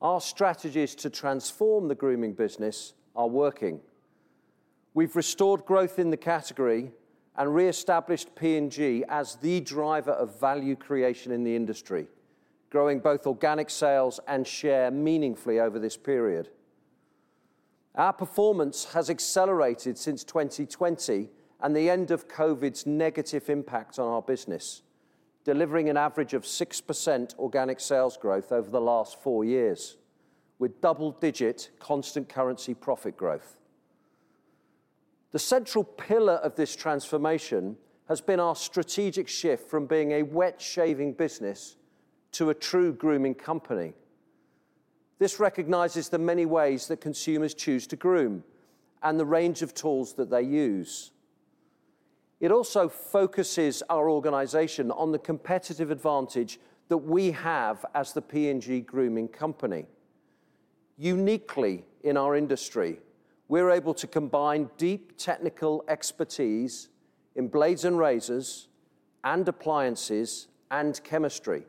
Speaker 13: our strategies to transform the grooming business are working. We've restored growth in the category and reestablished P&G as the driver of value creation in the industry, growing both organic sales and share meaningfully over this period. Our performance has accelerated since 2020 and the end of COVID's negative impact on our business, delivering an average of 6% organic sales growth over the last four years with double-digit constant currency profit growth. The central pillar of this transformation has been our strategic shift from being a wet-shaving business to a true grooming company. This recognizes the many ways that consumers choose to groom and the range of tools that they use. It also focuses our organization on the competitive advantage that we have as the P&G Grooming company. Uniquely in our industry, we're able to combine deep technical expertise in blades and razors and appliances and chemistry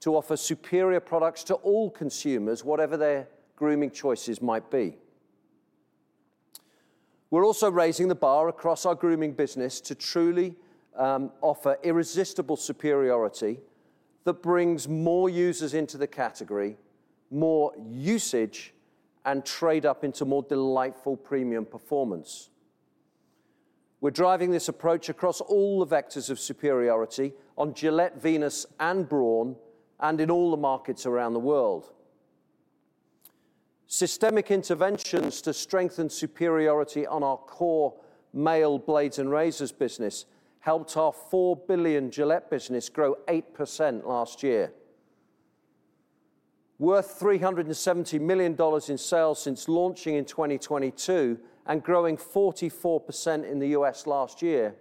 Speaker 13: to offer superior products to all consumers, whatever their grooming choices might be. We're also raising the bar across our grooming business to truly offer irresistible superiority that brings more users into the category, more usage, and trade-up into more delightful premium performance. We're driving this approach across all the vectors of superiority on Gillette Venus and Braun and in all the markets around the world. Systemic interventions to strengthen superiority on our core male blades and razors business helped our $4 billion Gillette business grow 8% last year. Worth $370 million in sales since launching in 2022 and growing 44% in the U.S. last year,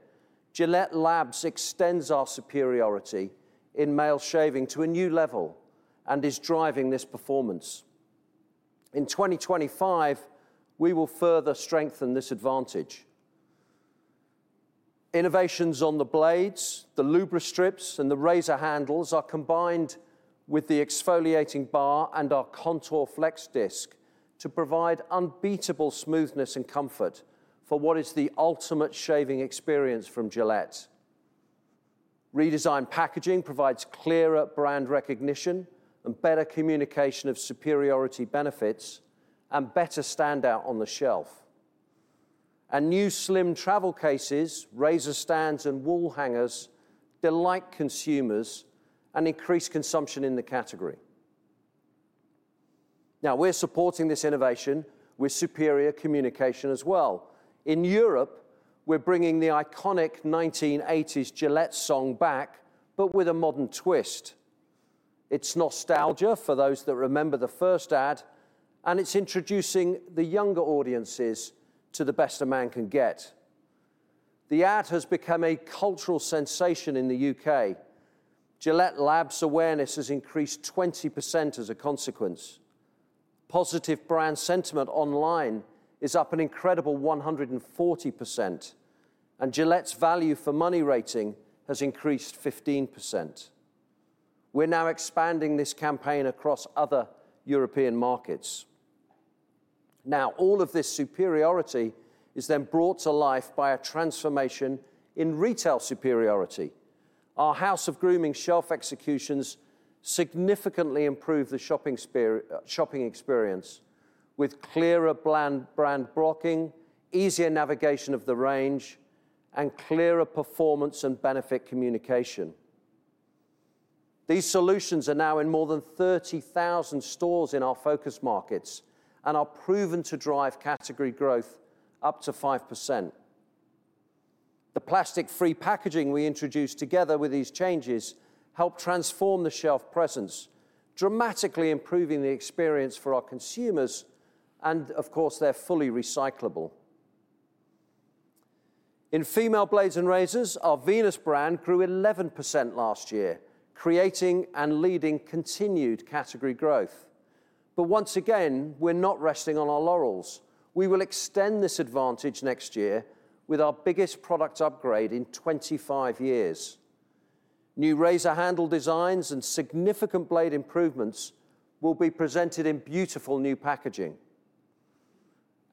Speaker 13: GilletteLabs extends our superiority in male shaving to a new level and is driving this performance. In 2025, we will further strengthen this advantage. Innovations on the blades, the lubricant strips, and the razor handles are combined with the exfoliating bar and our contour flex disc to provide unbeatable smoothness and comfort for what is the ultimate shaving experience from Gillette. Redesigned packaging provides clearer brand recognition and better communication of superiority benefits and better standout on the shelf, and new slim travel cases, razor stands, and wall hangers delight consumers and increase consumption in the category. Now we're supporting this innovation with superior communication as well. In Europe, we're bringing the iconic 1980s Gillette song back, but with a modern twist. It's nostalgia for those that remember the first ad, and it's introducing the younger audiences to the best a man can get. The ad has become a cultural sensation in the U.K. Gillette Labs awareness has increased 20% as a consequence. Positive brand sentiment online is up an incredible 140%, and Gillette's value for money rating has increased 15%. We're now expanding this campaign across other European markets. Now all of this superiority is then brought to life by a transformation in retail superiority. Our house of grooming shelf executions significantly improve the shopping experience with clearer brand blocking, easier navigation of the range, and clearer performance and benefit communication. These solutions are now in more than 30,000 stores in our focus markets and are proven to drive category growth up to 5%. The plastic-free packaging we introduced together with these changes helped transform the shelf presence, dramatically improving the experience for our consumers, and of course, they're fully recyclable. In female blades and razors, our Venus brand grew 11% last year, creating and leading continued category growth. But once again, we're not resting on our laurels. We will extend this advantage next year with our biggest product upgrade in 25 years. New razor handle designs and significant blade improvements will be presented in beautiful new packaging.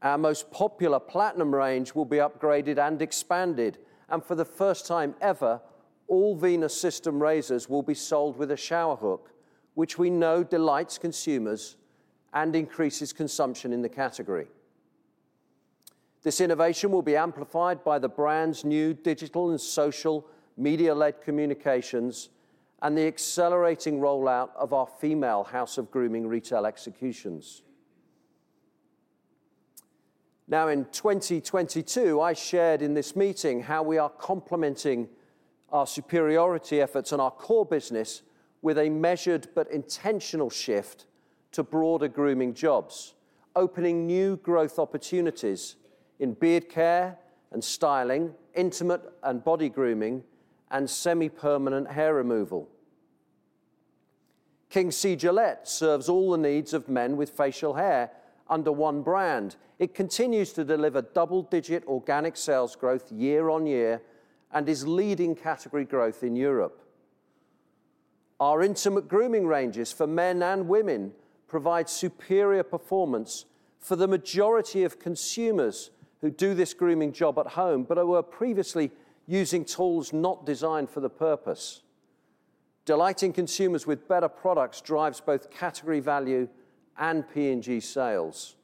Speaker 13: Our most popular platinum range will be upgraded and expanded, and for the first time ever, all Venus system razors will be sold with a shower hook, which we know delights consumers and increases consumption in the category. This innovation will be amplified by the brand's new digital and social media-led communications and the accelerating rollout of our female house of grooming retail executions. Now in 2022, I shared in this meeting how we are complementing our superiority efforts on our core business with a measured but intentional shift to broader grooming jobs, opening new growth opportunities in beard care and styling, intimate and body grooming, and semi-permanent hair removal. King C. Gillette serves all the needs of men with facial hair under one brand. It continues to deliver double-digit organic sales growth year on year and is leading category growth in Europe. Our intimate grooming ranges for men and women provide superior performance for the majority of consumers who do this grooming job at home, but were previously using tools not designed for the purpose. Delighting consumers with better products drives both category value and P&G sales,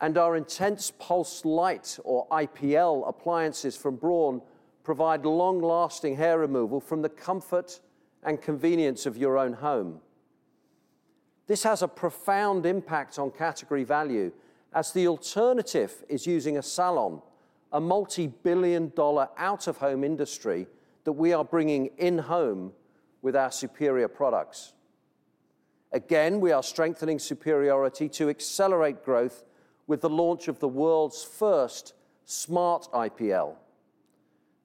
Speaker 13: and our intense pulse light or IPL appliances from Braun provide long-lasting hair removal from the comfort and convenience of your own home. This has a profound impact on category value as the alternative is using a salon, a multi-billion-dollar out-of-home industry that we are bringing in home with our superior products. Again, we are strengthening superiority to accelerate growth with the launch of the world's first smart IPL.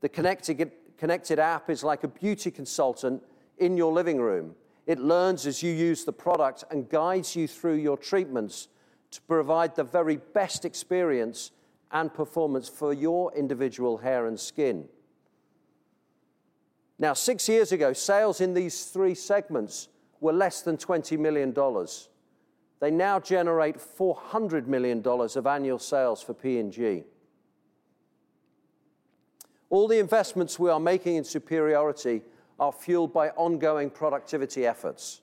Speaker 13: The connected app is like a beauty consultant in your living room. It learns as you use the product and guides you through your treatments to provide the very best experience and performance for your individual hair and skin. Now, six years ago, sales in these three segments were less than $20 million. They now generate $400 million of annual sales for P&G. All the investments we are making in superiority are fueled by ongoing productivity efforts,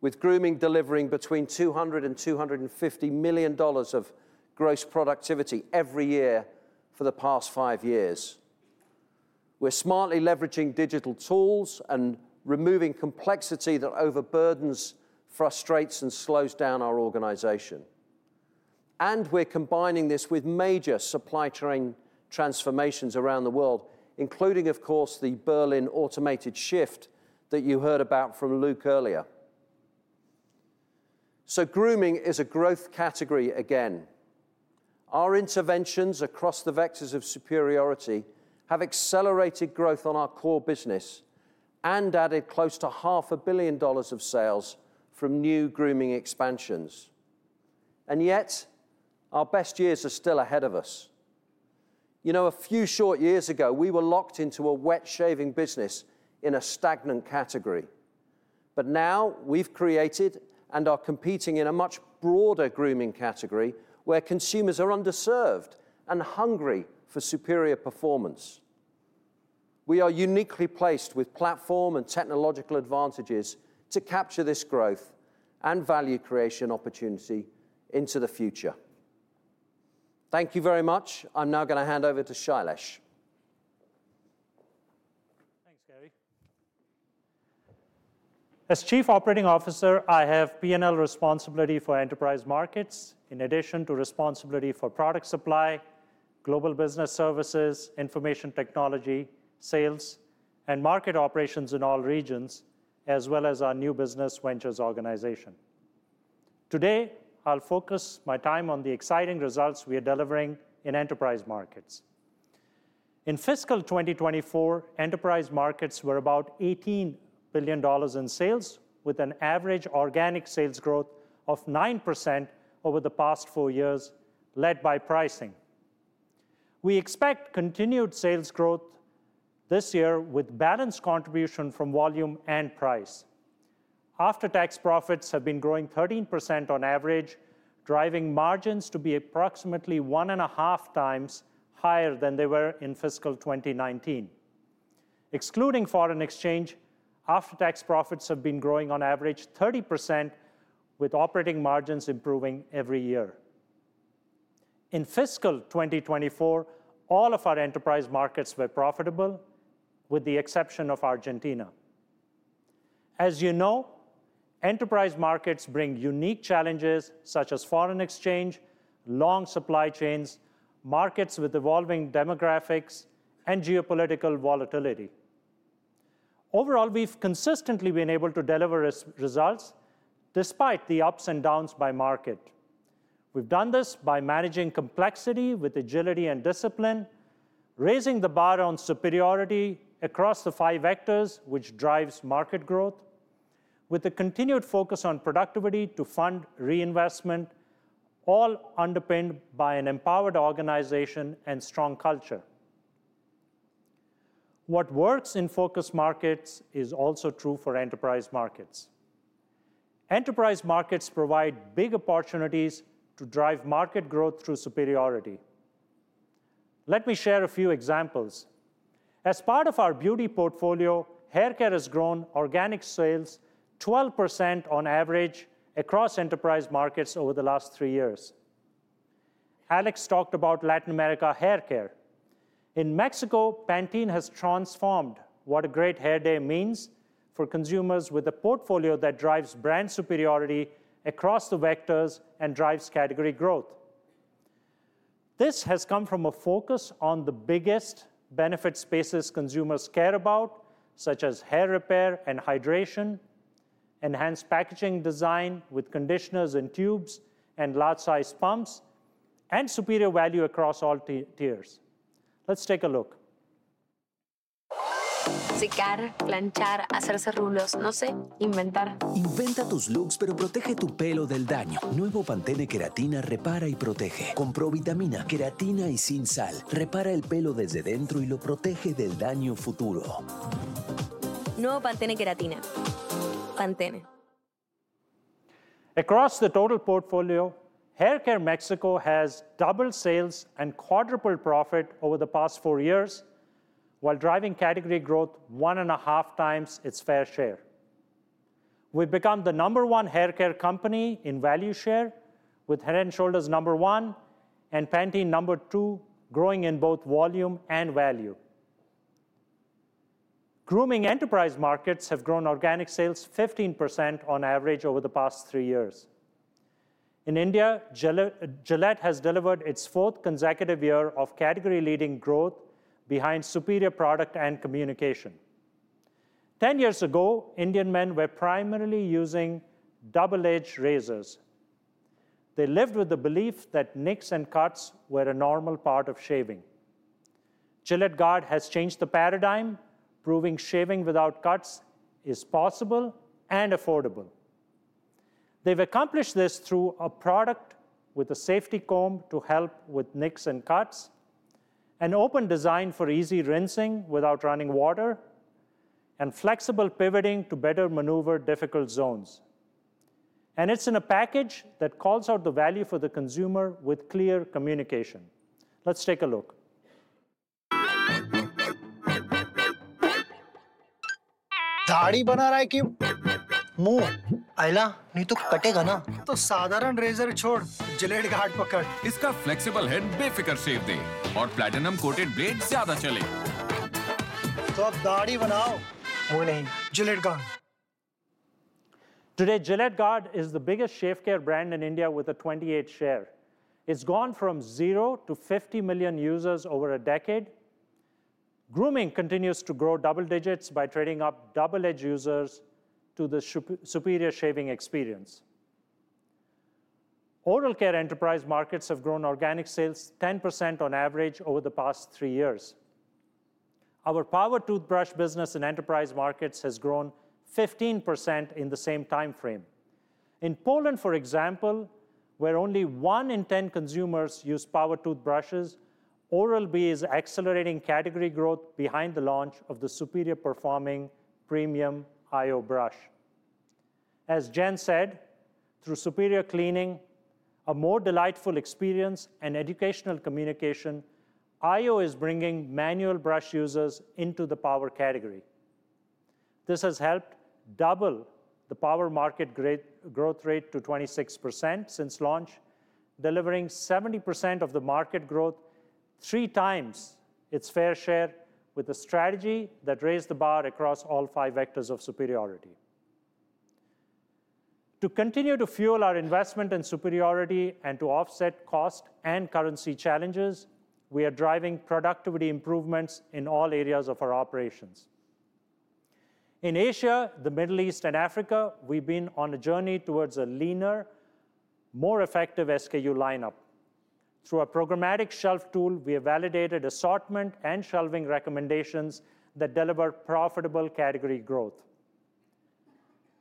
Speaker 13: with grooming delivering between $200-$250 million of gross productivity every year for the past five years. We're smartly leveraging digital tools and removing complexity that overburdens, frustrates, and slows down our organization. And we're combining this with major supply chain transformations around the world, including, of course, the Berlin automated shift that you heard about from Luke earlier. So grooming is a growth category again. Our interventions across the vectors of superiority have accelerated growth on our core business and added close to $500 million of sales from new grooming expansions. And yet, our best years are still ahead of us. You know, a few short years ago, we were locked into a wet-shaving business in a stagnant category. But now we've created and are competing in a much broader grooming category where consumers are underserved and hungry for superior performance. We are uniquely placed with platform and technological advantages to capture this growth and value creation opportunity into the future. Thank you very much. I'm now going to hand over to Shailesh.
Speaker 14: Thanks, Gary. As Chief Operating Officer, I have P&L responsibility for enterprise markets in addition to responsibility for product supply, global business services, information technology, sales, and market operations in all regions, as well as our new business ventures organization. Today, I'll focus my time on the exciting results we are delivering in enterprise markets. In fiscal 2024, enterprise markets were about $18 billion in sales, with an average organic sales growth of 9% over the past four years, led by pricing. We expect continued sales growth this year with balanced contribution from volume and price. After-tax profits have been growing 13% on average, driving margins to be approximately one and a half times higher than they were in fiscal 2019. Excluding foreign exchange, after-tax profits have been growing on average 30%, with operating margins improving every year. In fiscal 2024, all of our enterprise markets were profitable, with the exception of Argentina. As you know, enterprise markets bring unique challenges such as foreign exchange, long supply chains, markets with evolving demographics, and geopolitical volatility. Overall, we've consistently been able to deliver results despite the ups and downs by market. We've done this by managing complexity with agility and discipline, raising the bar on superiority across the five vectors, which drives market growth, with a continued focus on productivity to fund reinvestment, all underpinned by an empowered organization and strong culture. What works in focus markets is also true for enterprise markets. Enterprise markets provide big opportunities to drive market growth through superiority. Let me share a few examples. As part of our beauty portfolio, haircare has grown organic sales 12% on average across enterprise markets over the last three years. Alex talked about Latin America haircare. In Mexico, Pantene has transformed what a great hair day means for consumers with a portfolio that drives brand superiority across the vectors and drives category growth. This has come from a focus on the biggest benefit spaces consumers care about, such as hair repair and hydration, enhanced packaging design with conditioners and tubes and large-sized pumps, and superior value across all tiers. Let's take a look. Secar, planchar, hacerse rulos, no sé, inventar. Inventa tus looks, pero protege tu pelo del daño. Nuevo Pantene Keratina repara y protege. Con Pro-Vitamina, keratina y sin sal, repara el pelo desde dentro y lo protege del daño futuro. Nuevo Pantene Keratina. Pantene. Across the total portfolio, Haircare Mexico has doubled sales and quadrupled profit over the past four years, while driving category growth one and a half times its fair share. We've become the number one haircare company in value share, with Head & Shoulders number one and Pantene number two, growing in both volume and value. Grooming enterprise markets have grown organic sales 15% on average over the past three years. In India, Gillette has delivered its fourth consecutive year of category-leading growth, behind superior product and communication. 10 years ago, Indian men were primarily using double-edged razors. They lived with the belief that nicks and cuts were a normal part of shaving. Gillette Guard has changed the paradigm, proving shaving without cuts is possible and affordable. They've accomplished this through a product with a safety comb to help with nicks and cuts, an open design for easy rinsing without running water, and flexible pivoting to better maneuver difficult zones. And it's in a package that calls out the value for the consumer with clear communication. Let's take a look. दाढ़ी बना रहा है क्यों? मोहन! अहिला, नहीं तो कटेगा ना! तो साधारण रेजर छोड़, जिलेट गार्ड पकड़! इसका फ्लेक्सिबल हेड बेफिक्र शेव दे, और प्लैटिनम कोटेड ब्लेड ज्यादा चले! तो अब दाढ़ी बनाओ! मोहन! नहीं, Gillette Guard! Today, Gillette Guard is the biggest shave care brand in India with a 28% share. It's gone from 0 to 50 million users over a decade. Grooming continues to grow double digits by trading up double-edged users to the superior shaving experience. Oral care enterprise markets have grown organic sales 10% on average over the past three years. Our power toothbrush business in enterprise markets has grown 15% in the same time frame. In Poland, for example, where only one in ten consumers use power toothbrushes, Oral-B is accelerating category growth behind the launch of the superior-performing premium iO brush. As Jen said, through superior cleaning, a more delightful experience, and educational communication, iO is bringing manual brush users into the power category. This has helped double the power market growth rate to 26% since launch, delivering 70% of the market growth, three times its fair share, with a strategy that raised the bar across all five vectors of superiority. To continue to fuel our investment in superiority and to offset cost and currency challenges, we are driving productivity improvements in all areas of our operations. In Asia, the Middle East, and Africa, we've been on a journey towards a leaner, more effective SKU lineup. Through a programmatic shelf tool, we have validated assortment and shelving recommendations that deliver profitable category growth.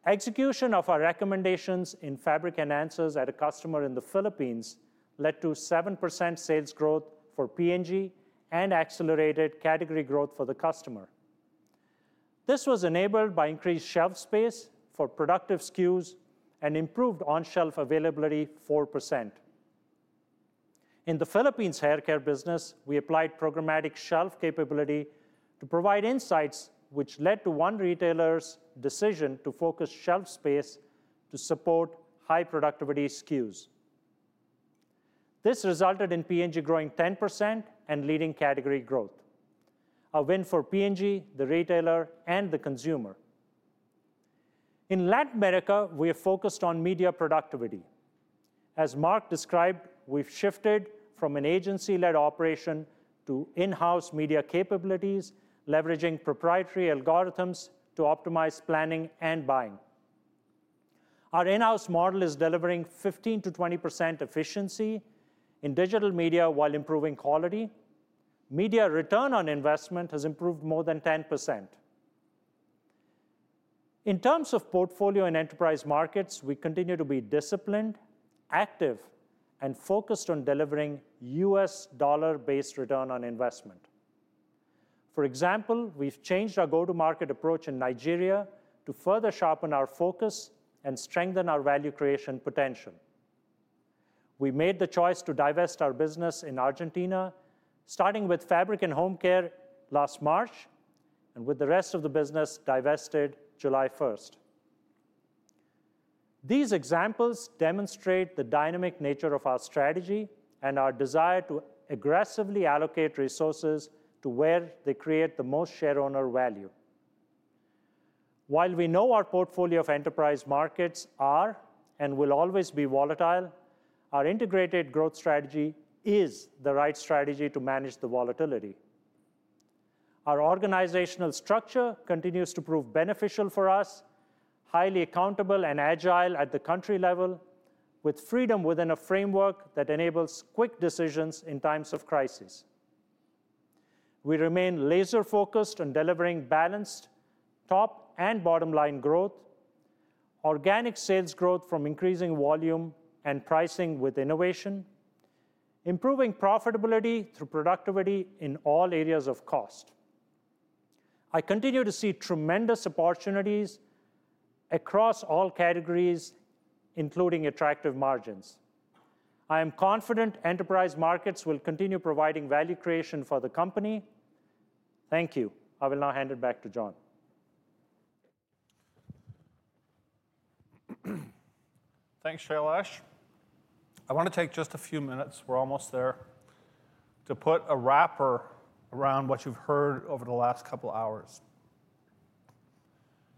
Speaker 14: Execution of our recommendations in fabric enhancers at a customer in the Philippines led to 7% sales growth for P&G and accelerated category growth for the customer. This was enabled by increased shelf space for productive SKUs and improved on-shelf availability of 4%. In the Philippines haircare business, we applied programmatic shelf capability to provide insights, which led to one retailer's decision to focus shelf space to support high-productivity SKUs. This resulted in P&G growing 10% and leading category growth. A win for P&G, the retailer, and the consumer. In Latin America, we have focused on media productivity. As Mark described, we've shifted from an agency-led operation to in-house media capabilities, leveraging proprietary algorithms to optimize planning and buying. Our in-house model is delivering 15%-20% efficiency in digital media while improving quality. Media return on investment has improved more than 10%. In terms of portfolio and enterprise markets, we continue to be disciplined, active, and focused on delivering U.S. dollar-based return on investment. For example, we've changed our go-to-market approach in Nigeria to further sharpen our focus and strengthen our value creation potential. We made the choice to divest our business in Argentina, starting with fabric and home care last March, and with the rest of the business divested July 1st. These examples demonstrate the dynamic nature of our strategy and our desire to aggressively allocate resources to where they create the most shareholder value. While we know our portfolio of enterprise markets are and will always be volatile, our integrated growth strategy is the right strategy to manage the volatility. Our organizational structure continues to prove beneficial for us, highly accountable and agile at the country level, with freedom within a framework that enables quick decisions in times of crisis. We remain laser-focused on delivering balanced top and bottom-line growth, organic sales growth from increasing volume and pricing with innovation, improving profitability through productivity in all areas of cost. I continue to see tremendous opportunities across all categories, including attractive margins. I am confident enterprise markets will continue providing value creation for the company. Thank you. I will now hand it back to John.
Speaker 2: Thanks, Shailesh. I want to take just a few minutes, we're almost there, to put a wrapper around what you've heard over the last couple of hours.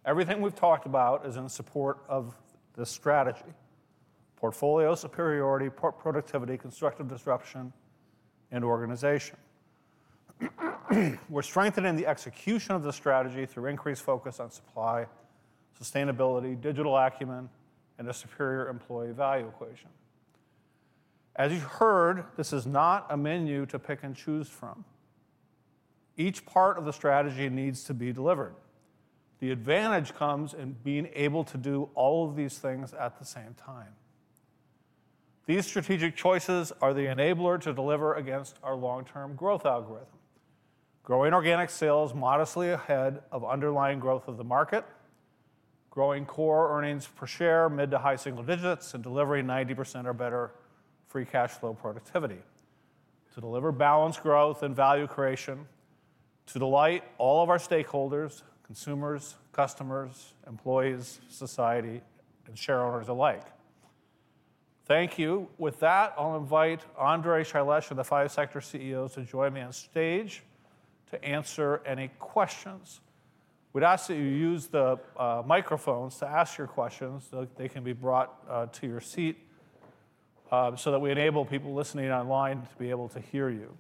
Speaker 2: Everything we've talked about is in support of the strategy: portfolio superiority, productivity, constructive disruption, and organization. We're strengthening the execution of the strategy through increased focus on supply, sustainability, digital acumen, and a superior employee value equation. As you've heard, this is not a menu to pick and choose from. Each part of the strategy needs to be delivered. The advantage comes in being able to do all of these things at the same time. These strategic choices are the enabler to deliver against our long-term growth algorithm: growing organic sales modestly ahead of underlying growth of the market, growing core earnings per share mid to high single digits, and delivering 90% or better free cash flow productivity to deliver balanced growth and value creation to delight all of our stakeholders: consumers, customers, employees, society, and shareholders alike. Thank you. With that, I'll invite Andre Schulten and Shailesh Jejurikar and the five sector CEOs to join me on stage to answer any questions. We'd ask that you use the microphones to ask your questions. They can be brought to your seat so that we enable people listening online to be able to hear you.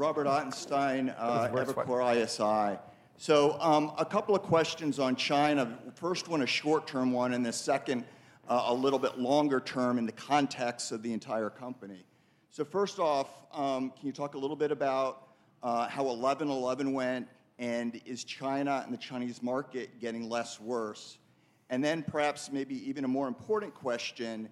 Speaker 15: Robert Ottenstein, Evercore ISI. So, a couple of questions on China. First one, a short-term one, and the second, a little bit longer term in the context of the entire company. So, first off, can you talk a little bit about how 11/11 went, and is China and the Chinese market getting less worse? And then perhaps maybe even a more important question: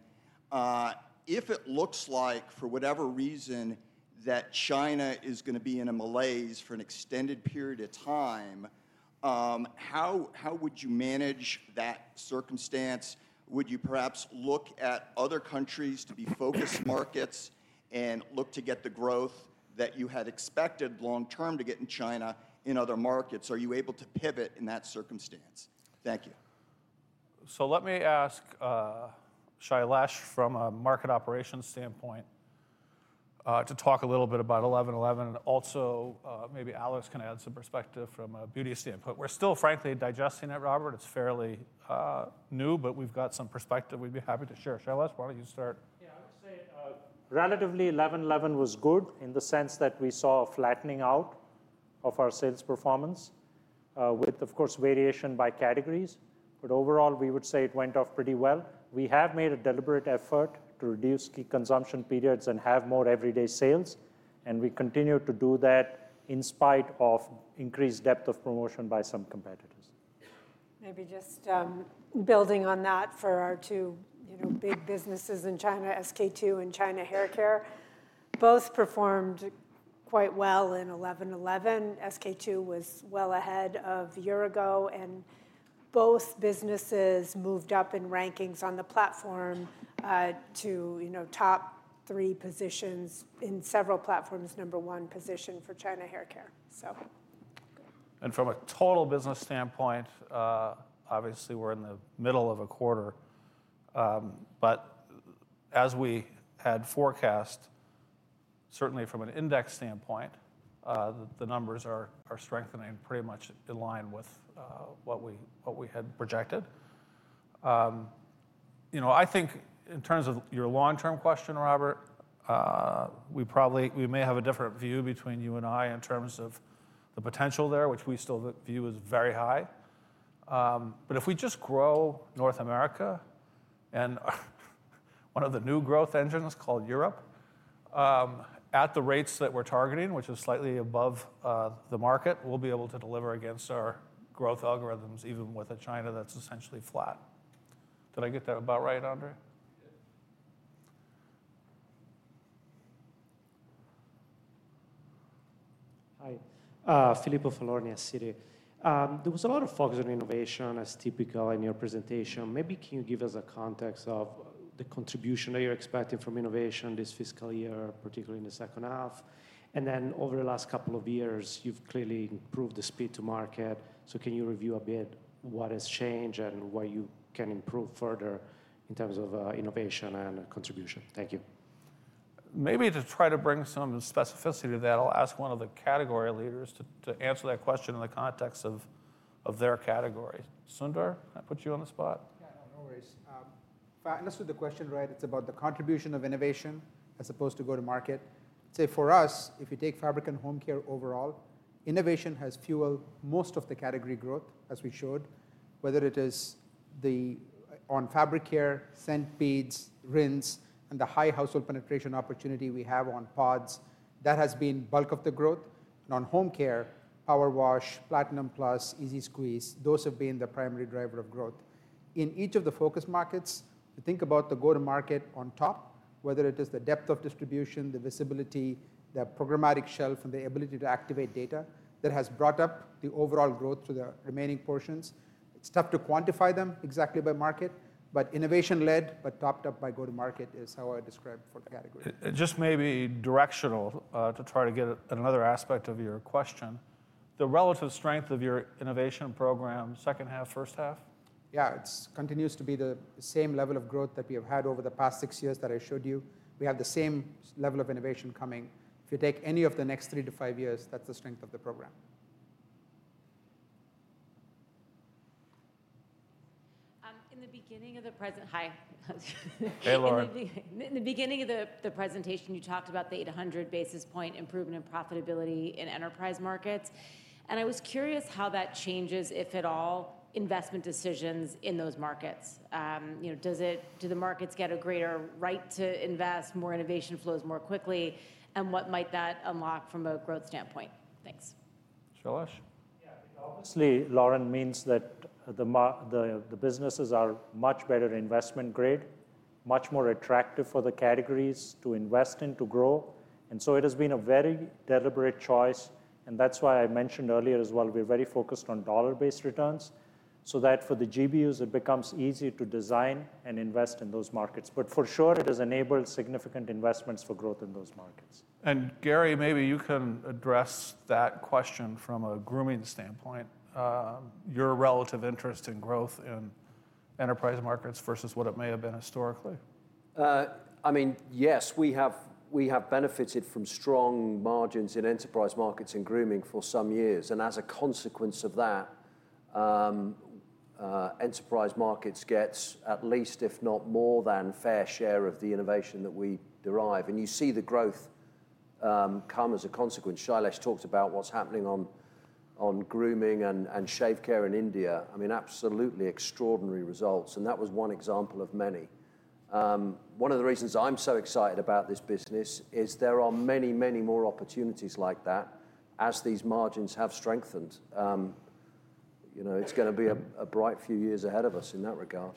Speaker 15: if it looks like, for whatever reason, that China is going to be in a malaise for an extended period of time, how would you manage that circumstance? Would you perhaps look at other countries to be focused markets and look to get the growth that you had expected long-term to get in China in other markets? Are you able to pivot in that circumstance? Thank you.
Speaker 2: So, let me ask Shailesh from a market operations standpoint to talk a little bit about 11/11, and also maybe Alex can add some perspective from a beauty standpoint. We're still, frankly, digesting it, Robert. It's fairly new, but we've got some perspective we'd be happy to share. Shailesh, why don't you start?
Speaker 14: Yeah, I would say relatively 11/11 was good in the sense that we saw a flattening out of our sales performance, with, of course, variation by categories. But overall, we would say it went off pretty well. We have made a deliberate effort to reduce key consumption periods and have more everyday sales, and we continue to do that in spite of increased depth of promotion by some competitors.
Speaker 9: Maybe just building on that for our two big businesses in China, SK2 and China Haircare. Both performed quite well in 11/11. SK2 was well ahead of Yurigo, and both businesses moved up in rankings on the platform to top three positions in several platforms, number one position for China Haircare.
Speaker 2: So, and from a total business standpoint, obviously, we're in the middle of a quarter. But as we had forecast, certainly from an index standpoint, the numbers are strengthening pretty much in line with what we had projected. I think in terms of your long-term question, Robert, we may have a different view between you and I in terms of the potential there, which we still view as very high. But if we just grow North America and one of the new growth engines called Europe at the rates that we're targeting, which is slightly above the market, we'll be able to deliver against our growth algorithms even with a China that's essentially flat. Did I get that about right, Andre?
Speaker 3: Yes. Hi. Filippo Falorni, Citigroup. There was a lot of focus on innovation, as typical in your presentation. Maybe can you give us a context of the contribution that you're expecting from innovation this fiscal year, particularly in the second half? And then over the last couple of years, you've clearly improved the speed to market. So, can you review a bit what has changed and what you can improve further in terms of innovation and contribution?
Speaker 2: Thank you. Maybe to try to bring some specificity to that, I'll ask one of the category leaders to answer that question in the context of their category. Sundar, can I put you on the spot?
Speaker 9: Yeah, no worries. First, let's do the question, right? It's about the contribution of innovation as opposed to go-to-market. Say, for us, if you take fabric and home care overall, innovation has fueled most of the category growth, as we showed, whether it is on fabric care, scent beads, rinses, and the high household penetration opportunity we have on pods. That has been bulk of the growth. On home care, PowerWash, Platinum Plus, EZ- Squeeze, those have been the primary driver of growth. In each of the focus markets, to think about the go-to-market on top, whether it is the depth of distribution, the visibility, the Programmatic Shelf, and the ability to activate data that has brought up the overall growth to the remaining portions. It's tough to quantify them exactly by market, but innovation-led but topped up by go-to-market is how I describe for the category.
Speaker 2: Just maybe directional to try to get another aspect of your question. The relative strength of your innovation program, second half, first half? Yeah, it continues to be the same level of growth that we have had over the past six years that I showed you. We have the same level of innovation coming. If you take any of the next three to five years, that's the strength of the program.
Speaker 6: In the beginning of the presentation, you talked about the 800 basis point improvement in profitability in enterprise markets. And I was curious how that changes, if at all, investment decisions in those markets. Do the markets get a greater right to invest, more innovation flows more quickly, and what might that unlock from a growth standpoint? Thanks. Shailesh?
Speaker 14: Yeah, I think obviously, Lauren, means that the businesses are much better investment grade, much more attractive for the categories to invest in, to grow. It has been a very deliberate choice. That's why I mentioned earlier as well. We're very focused on dollar-based returns so that for the GBUs, it becomes easier to design and invest in those markets. But for sure, it has enabled significant investments for growth in those markets. Gary, maybe you can address that question from a grooming standpoint. Your relative interest in growth in emerging markets versus what it may have been historically?
Speaker 13: I mean, yes, we have benefited from strong margins in emerging markets and grooming for some years. As a consequence of that, emerging markets get at least, if not more than, a fair share of the innovation that we derive. You see the growth come as a consequence. Shailesh talked about what's happening on grooming and shave care in India. I mean, absolutely extraordinary results. That was one example of many. One of the reasons I'm so excited about this business is there are many, many more opportunities like that as these margins have strengthened. It's going to be a bright few years ahead of us in that regard.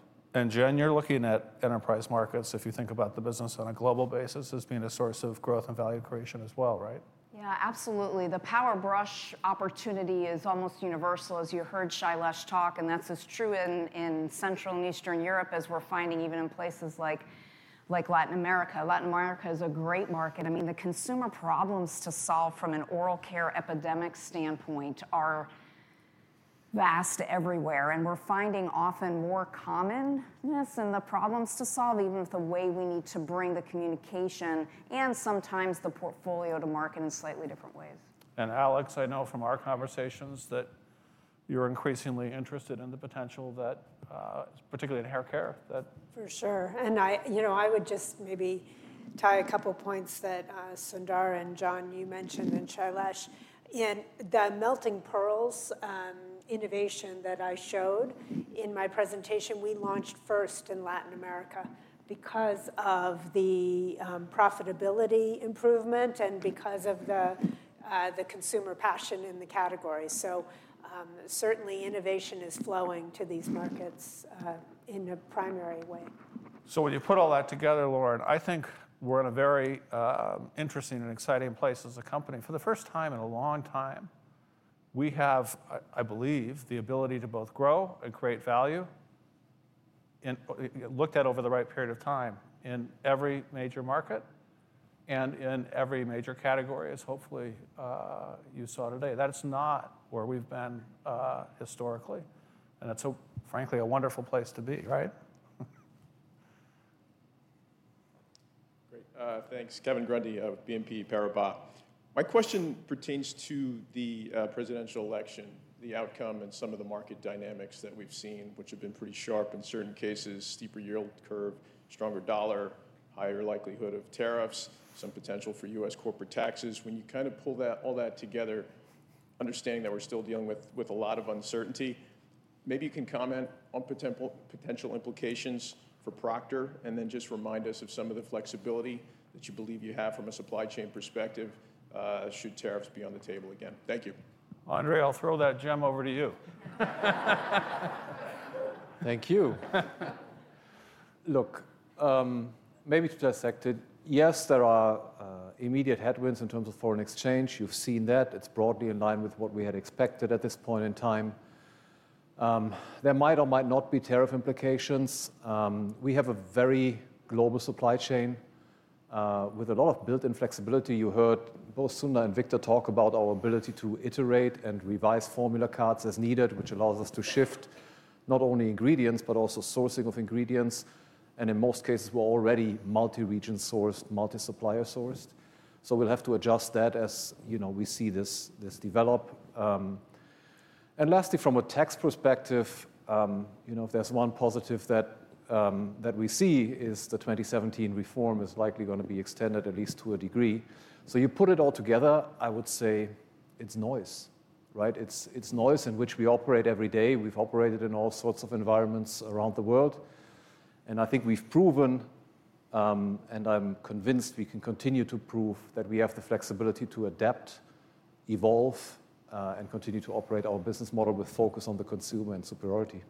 Speaker 2: Jen, you're looking at enterprise markets, if you think about the business on a global basis, as being a source of growth and value creation as well, right?
Speaker 12: Yeah, absolutely. The PowerBrush opportunity is almost universal, as you heard Shailesh talk. That's as true in Central and Eastern Europe as we're finding even in places like Latin America. Latin America is a great market. I mean, the consumer problems to solve from an oral care epidemic standpoint are vast everywhere. We're finding often more commonness in the problems to solve, even with the way we need to bring the communication and sometimes the portfolio to market in slightly different ways.
Speaker 11: Alex, I know from our conversations that you're increasingly interested in the potential, particularly in haircare. For sure. I would just maybe tie a couple of points that Sundar and John, you mentioned and Shailesh. The Melting Pearls innovation that I showed in my presentation, we launched first in Latin America because of the profitability improvement and because of the consumer passion in the category. Certainly, innovation is flowing to these markets in a primary way.
Speaker 2: When you put all that together, Lauren, I think we're in a very interesting and exciting place as a company. For the first time in a long time, we have, I believe, the ability to both grow and create value and looked at over the right period of time in every major market and in every major category, as hopefully you saw today. That's not where we've been historically, and that's frankly a wonderful place to be, right? Great. Thanks. Kevin Grundy of BNP Paribas. My question pertains to the presidential election, the outcome, and some of the market dynamics that we've seen, which have been pretty sharp in certain cases: steeper yield curve, stronger dollar, higher likelihood of tariffs, some potential for U.S. corporate taxes. When you kind of pull all that together, understanding that we're still dealing with a lot of uncertainty, maybe you can comment on potential implications for Procter and then just remind us of some of the flexibility that you believe you have from a supply chain perspective should tariffs be on the table again. Thank you. Andre, I'll throw that gem over to you. Thank you. Look, maybe to dissect it, yes, there are immediate headwinds in terms of foreign exchange. You've seen that. It's broadly in line with what we had expected at this point in time. There might or might not be tariff implications. We have a very global supply chain with a lot of built-in flexibility. You heard both Sundar and Victor talk about our ability to iterate and revise formulations as needed, which allows us to shift not only ingredients but also sourcing of ingredients. And in most cases, we're already multi-region sourced, multi-supplier sourced. So, we'll have to adjust that as we see this develop. And lastly, from a tax perspective, if there's one positive that we see is the 2017 reform is likely going to be extended at least to a degree. So, you put it all together, I would say it's noise, right? It's noise in which we operate every day. We've operated in all sorts of environments around the world. And I think we've proven, and I'm convinced we can continue to prove that we have the flexibility to adapt, evolve, and continue to operate our business model with focus on the consumer and superiority.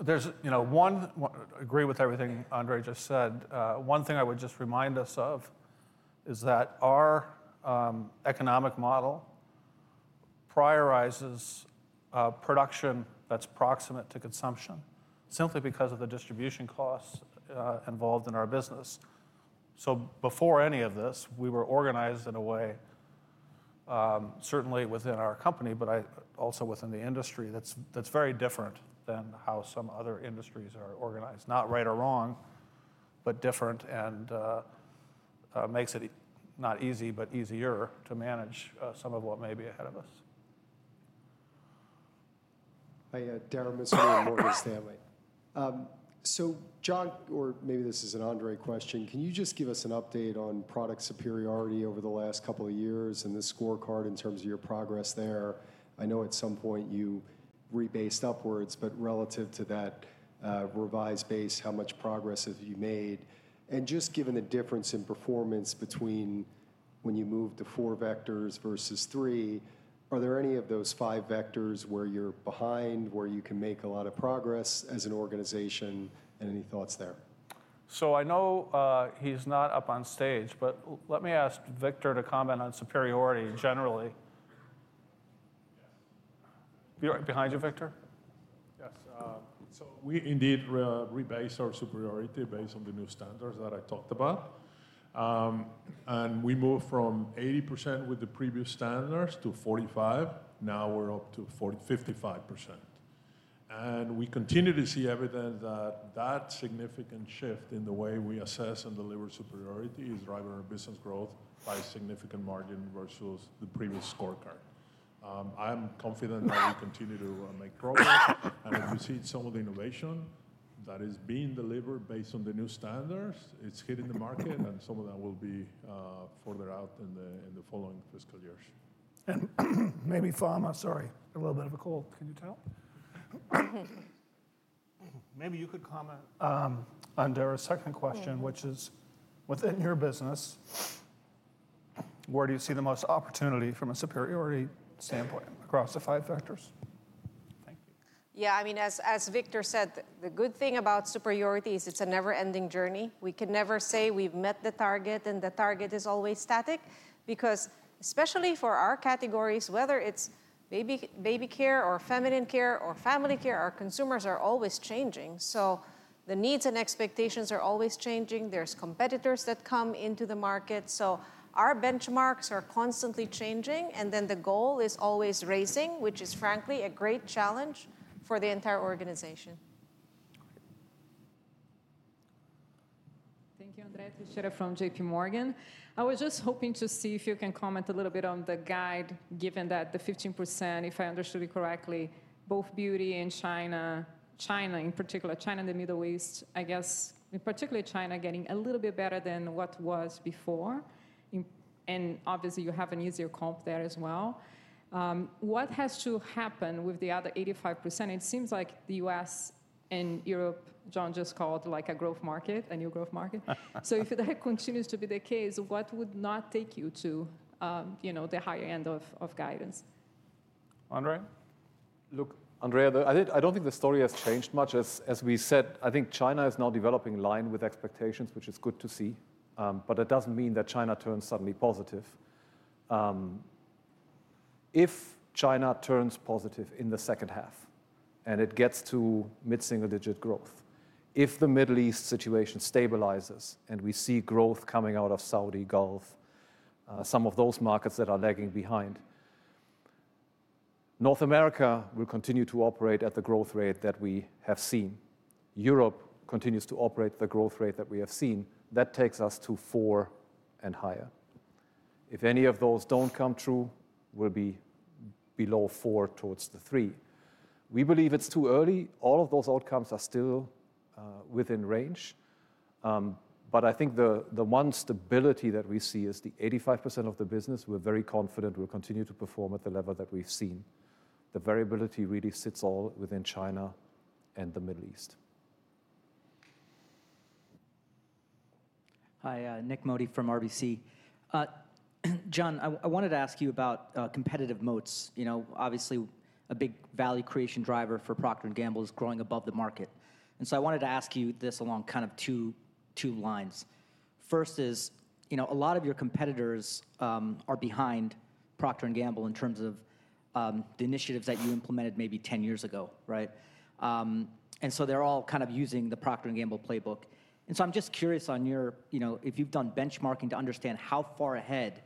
Speaker 2: There's one. I agree with everything Andre just said. One thing I would just remind us of is that our economic model prioritizes production that's proximate to consumption simply because of the distribution costs involved in our business. So, before any of this, we were organized in a way, certainly within our company, but also within the industry, that's very different than how some other industries are organized. Not right or wrong, but different and makes it not easy, but easier to manage some of what may be ahead of us. My dear Mr. Morgan Stanley. So, Jon, or maybe this is an Andre question, can you just give us an update on product superiority over the last couple of years and the scorecard in terms of your progress there? I know at some point you rebased upwards, but relative to that revised base, how much progress have you made? Just given the difference in performance between when you moved to four vectors versus three, are there any of those five vectors where you're behind, where you can make a lot of progress as an organization? And any thoughts there? So, I know he's not up on stage, but let me ask Victor to comment on superiority generally. Yes. Behind you, Victor?
Speaker 4: Yes. So, we indeed rebased our superiority based on the new standards that I talked about. And we moved from 80% with the previous standards to 45%. Now we're up to 55%. And we continue to see evidence that that significant shift in the way we assess and deliver superiority is driving our business growth by significant margin versus the previous scorecard. I'm confident that we continue to make progress. And if you see some of the innovation that is being delivered based on the new standards, it's hitting the market, and some of that will be further out in the following fiscal years.
Speaker 2: And maybe Pharma, sorry, a little bit of a cold. Can you tell? Maybe you could comment under a second question, which is within your business, where do you see the most opportunity from a superiority standpoint across the five vectors? Thank you.
Speaker 10: Yeah, I mean, as Victor said, the good thing about superiority is it's a never-ending journey. We can never say we've met the target, and the target is always not static because, especially for our categories, whether it's baby care or feminine care or family care, our consumers are always changing. So, the needs and expectations are always changing. There's competitors that come into the market. So, our benchmarks are constantly changing. And then the goal is always racing, which is frankly a great challenge for the entire organization.
Speaker 11: Thank you, Andre, to share from JPMorgan. I was just hoping to see if you can comment a little bit on the guide, given that the 15%, if I understood it correctly, both beauty and China, China in particular, China and the Middle East, I guess, in particular, China getting a little bit better than what was before. And obviously, you have an easier comp there as well. What has to happen with the other 85%? It seems like the U.S. and Europe, Jon just called like a growth market, a new growth market. So, if that continues to be the case, what would not take you to the higher end of guidance?
Speaker 2: Andre? Look, Andrea, I don't think the story has changed much. As we said, I think China is now developing in line with expectations, which is good to see. But that doesn't mean that China turns suddenly positive. If China turns positive in the second half and it gets to mid-single-digit growth, if the Middle East situation stabilizes and we see growth coming out of Saudi Gulf, some of those markets that are lagging behind, North America will continue to operate at the growth rate that we have seen. Europe continues to operate at the growth rate that we have seen. That takes us to four and higher. If any of those don't come true, we'll be below four towards the three. We believe it's too early. All of those outcomes are still within range. But I think the one stability that we see is the 85% of the business. We're very confident we'll continue to perform at the level that we've seen. The variability really sits all within China and the Middle East. Hi, Nick Modi from RBC. John, I wanted to ask you about competitive moats. Obviously, a big value creation driver for Procter & Gamble is growing above the market. And so, I wanted to ask you this along kind of two lines. First is a lot of your competitors are behind Procter & Gamble in terms of the initiatives that you implemented maybe 10 years ago, right? And so, they're all kind of using the Procter & Gamble playbook. And so, I'm just curious on your, if you've done benchmarking to understand how far ahead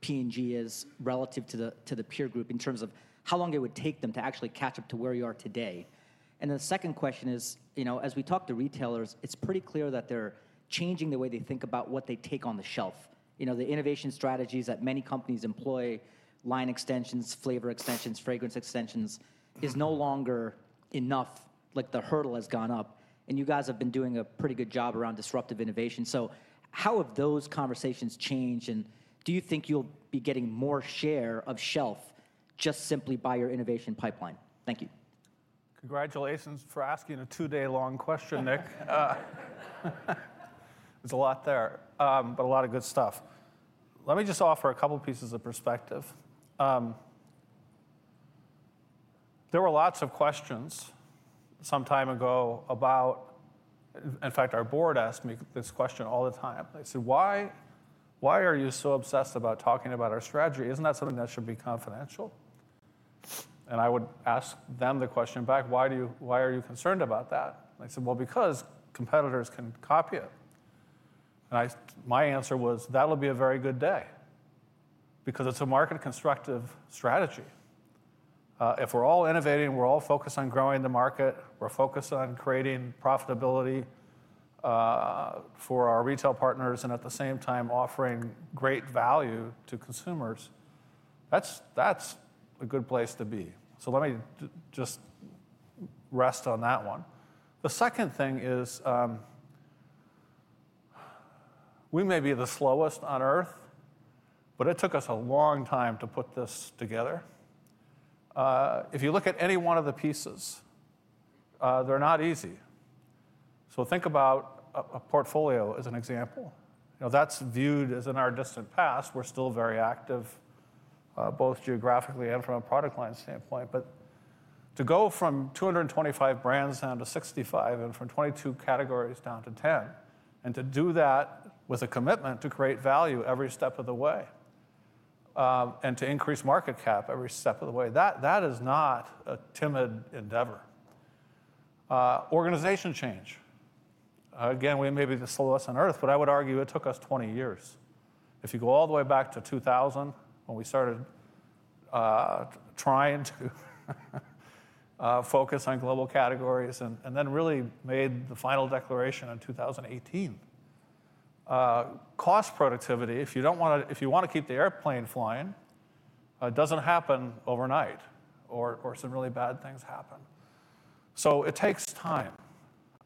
Speaker 2: P&G is relative to the peer group in terms of how long it would take them to actually catch up to where you are today. And the second question is, as we talk to retailers, it's pretty clear that they're changing the way they think about what they take on the shelf. The innovation strategies that many companies employ, line extensions, flavor extensions, fragrance extensions, is no longer enough. Like the hurdle has gone up. And you guys have been doing a pretty good job around disruptive innovation. So, how have those conversations changed? And do you think you'll be getting more share of shelf just simply by your innovation pipeline? Thank you. Congratulations for asking a two-day-long question, Nick. There's a lot there, but a lot of good stuff. Let me just offer a couple of pieces of perspective. There were lots of questions some time ago about, in fact, our board asked me this question all the time. I said, "Why are you so obsessed about talking about our strategy? Isn't that something that should be confidential?" And I would ask them the question back, "Why are you concerned about that?" And I said, "Well, because competitors can copy it." And my answer was, "That would be a very good day because it's a market-constructive strategy. If we're all innovating, we're all focused on growing the market, we're focused on creating profitability for our retail partners, and at the same time offering great value to consumers, that's a good place to be." So, let me just rest on that one. The second thing is we may be the slowest on Earth, but it took us a long time to put this together. If you look at any one of the pieces, they're not easy. So, think about a portfolio as an example. That's viewed as in our distant past. We're still very active, both geographically and from a product line standpoint. But to go from 225 brands down to 65 and from 22 categories down to 10, and to do that with a commitment to create value every step of the way and to increase market cap every step of the way, that is not a timid endeavor. Organization change. Again, we may be the slowest on Earth, but I would argue it took us 20 years. If you go all the way back to 2000 when we started trying to focus on global categories and then really made the final declaration in 2018, cost productivity, if you don't want to, if you want to keep the airplane flying, it doesn't happen overnight or some really bad things happen. So, it takes time.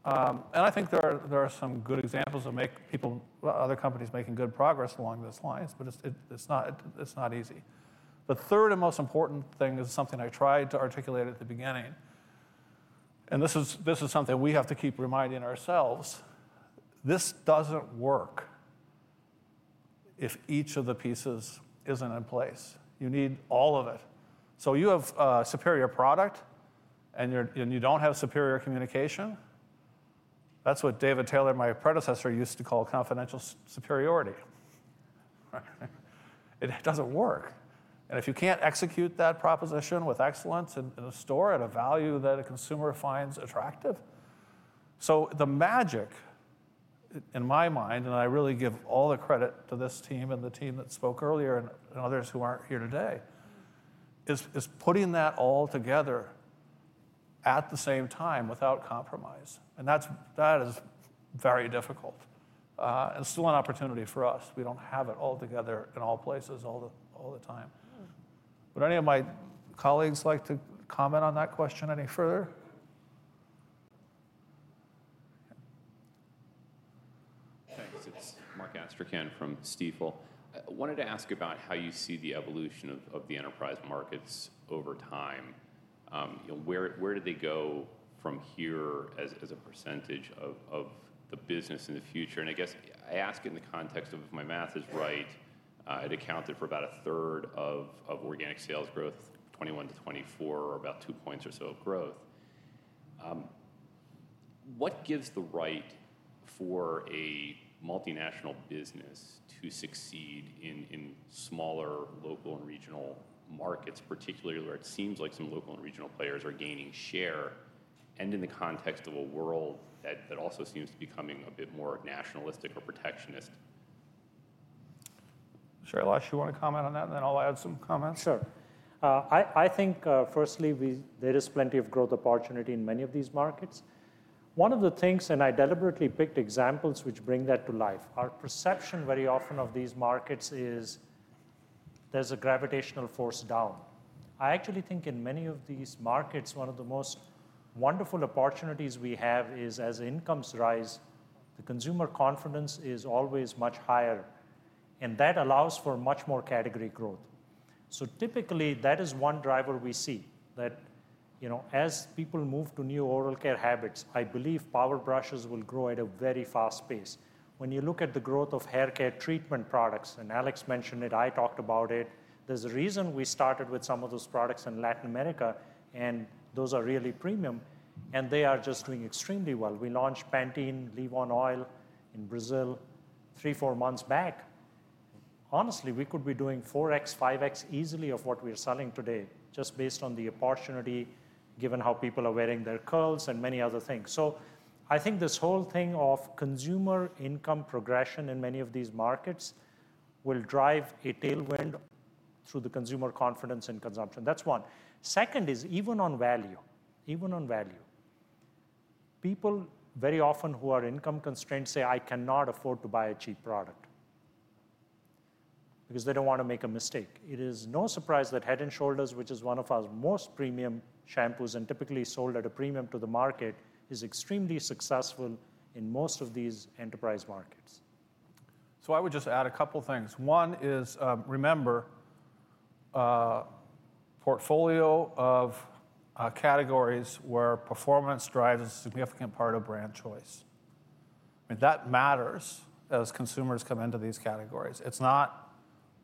Speaker 2: I think there are some good examples of other companies making good progress along those lines, but it's not easy. The third and most important thing is something I tried to articulate at the beginning. This is something we have to keep reminding ourselves. This doesn't work if each of the pieces isn't in place. You need all of it. You have superior product and you don't have superior communication. That's what David Taylor, my predecessor, used to call consequential superiority. It doesn't work. If you can't execute that proposition with excellence and sell it at a value that a consumer finds attractive, the magic in my mind, and I really give all the credit to this team and the team that spoke earlier and others who aren't here today, is putting that all together at the same time without compromise. That is very difficult and still an opportunity for us. We don't have it all together in all places all the time. Would any of my colleagues like to comment on that question any further? Thanks. It's Mark Astrachan from Stifel. I wanted to ask about how you see the evolution of the enterprise markets over time. Where did they go from here as a percentage of the business in the future? And I guess I ask it in the context of if my math is right, it accounted for about a third of organic sales growth, 21 to 24, or about two points or so of growth. What gives the right for a multinational business to succeed in smaller local and regional markets, particularly where it seems like some local and regional players are gaining share and in the context of a world that also seems to be becoming a bit more nationalistic or protectionist? Shailesh, you want to comment on that, and then I'll add some comments. Sure. I think, firstly, there is plenty of growth opportunity in many of these markets. One of the things, and I deliberately picked examples which bring that to life, our perception very often of these markets is there's a gravitational force down. I actually think in many of these markets, one of the most wonderful opportunities we have is as incomes rise, the consumer confidence is always much higher, and that allows for much more category growth. Typically, that is one driver we see that as people move to new oral care habits, I believe power brushes will grow at a very fast pace. When you look at the growth of hair care treatment products, and Alex mentioned it, I talked about it, there's a reason we started with some of those products in Latin America, and those are really premium, and they are just doing extremely well. We launched Pantene Leave-On Oil in Brazil three, four months back. Honestly, we could be doing 4x, 5x easily of what we are selling today just based on the opportunity, given how people are wearing their curls and many other things. I think this whole thing of consumer income progression in many of these markets will drive a tailwind through the consumer confidence in consumption. That's one. Second is even on value, even on value. People very often who are income constrained say, "I cannot afford to buy a cheap product because they don't want to make a mistake." It is no surprise that Head & Shoulders, which is one of our most premium shampoos and typically sold at a premium to the market, is extremely successful in most of these emerging markets, so I would just add a couple of things. One is remember a portfolio of categories where performance drives a significant part of brand choice. I mean, that matters as consumers come into these categories. It's not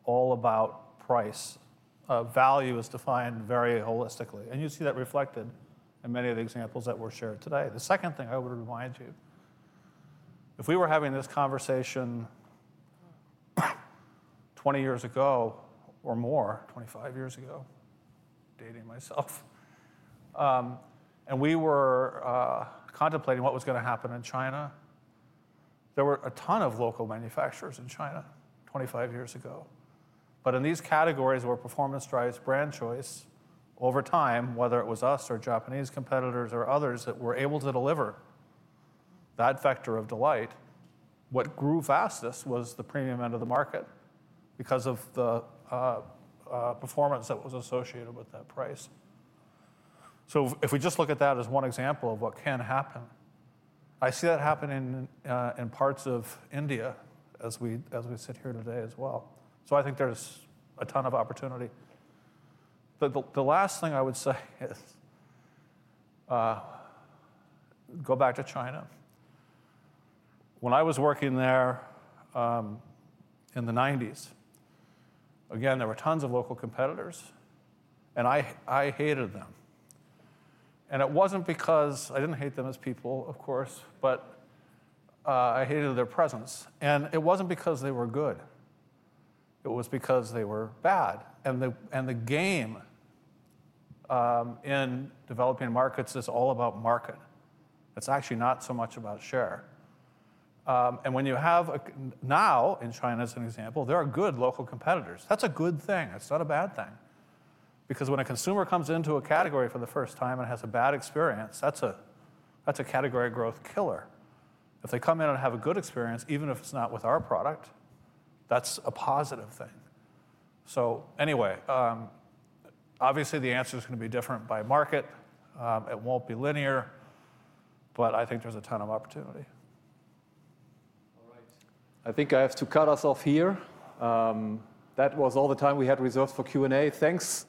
Speaker 2: all about price. Value is defined very holistically, and you see that reflected in many of the examples that were shared today. The second thing I would remind you, if we were having this conversation 20 years ago or more, 25 years ago, dating myself, and we were contemplating what was going to happen in China, there were a ton of local manufacturers in China 25 years ago. But in these categories where performance drives brand choice over time, whether it was us or Japanese competitors or others that were able to deliver that vector of delight, what grew fastest was the premium end of the market because of the performance that was associated with that price. So, if we just look at that as one example of what can happen, I see that happening in parts of India as we sit here today as well. So, I think there's a ton of opportunity. But the last thing I would say is go back to China. When I was working there in the '90s, again, there were tons of local competitors, and I hated them, and it wasn't because I didn't hate them as people, of course, but I hated their presence, and it wasn't because they were good. It was because they were bad, and the game in developing markets is all about market. It's actually not so much about share, and when you have now in China, as an example, there are good local competitors. That's a good thing. It's not a bad thing. Because when a consumer comes into a category for the first time and has a bad experience, that's a category growth killer. If they come in and have a good experience, even if it's not with our product, that's a positive thing, so anyway, obviously the answer is going to be different by market. It won't be linear, but I think there's a ton of opportunity. All right. I think I have to cut us off here. That was all the time we had reserved for Q&A. Thanks.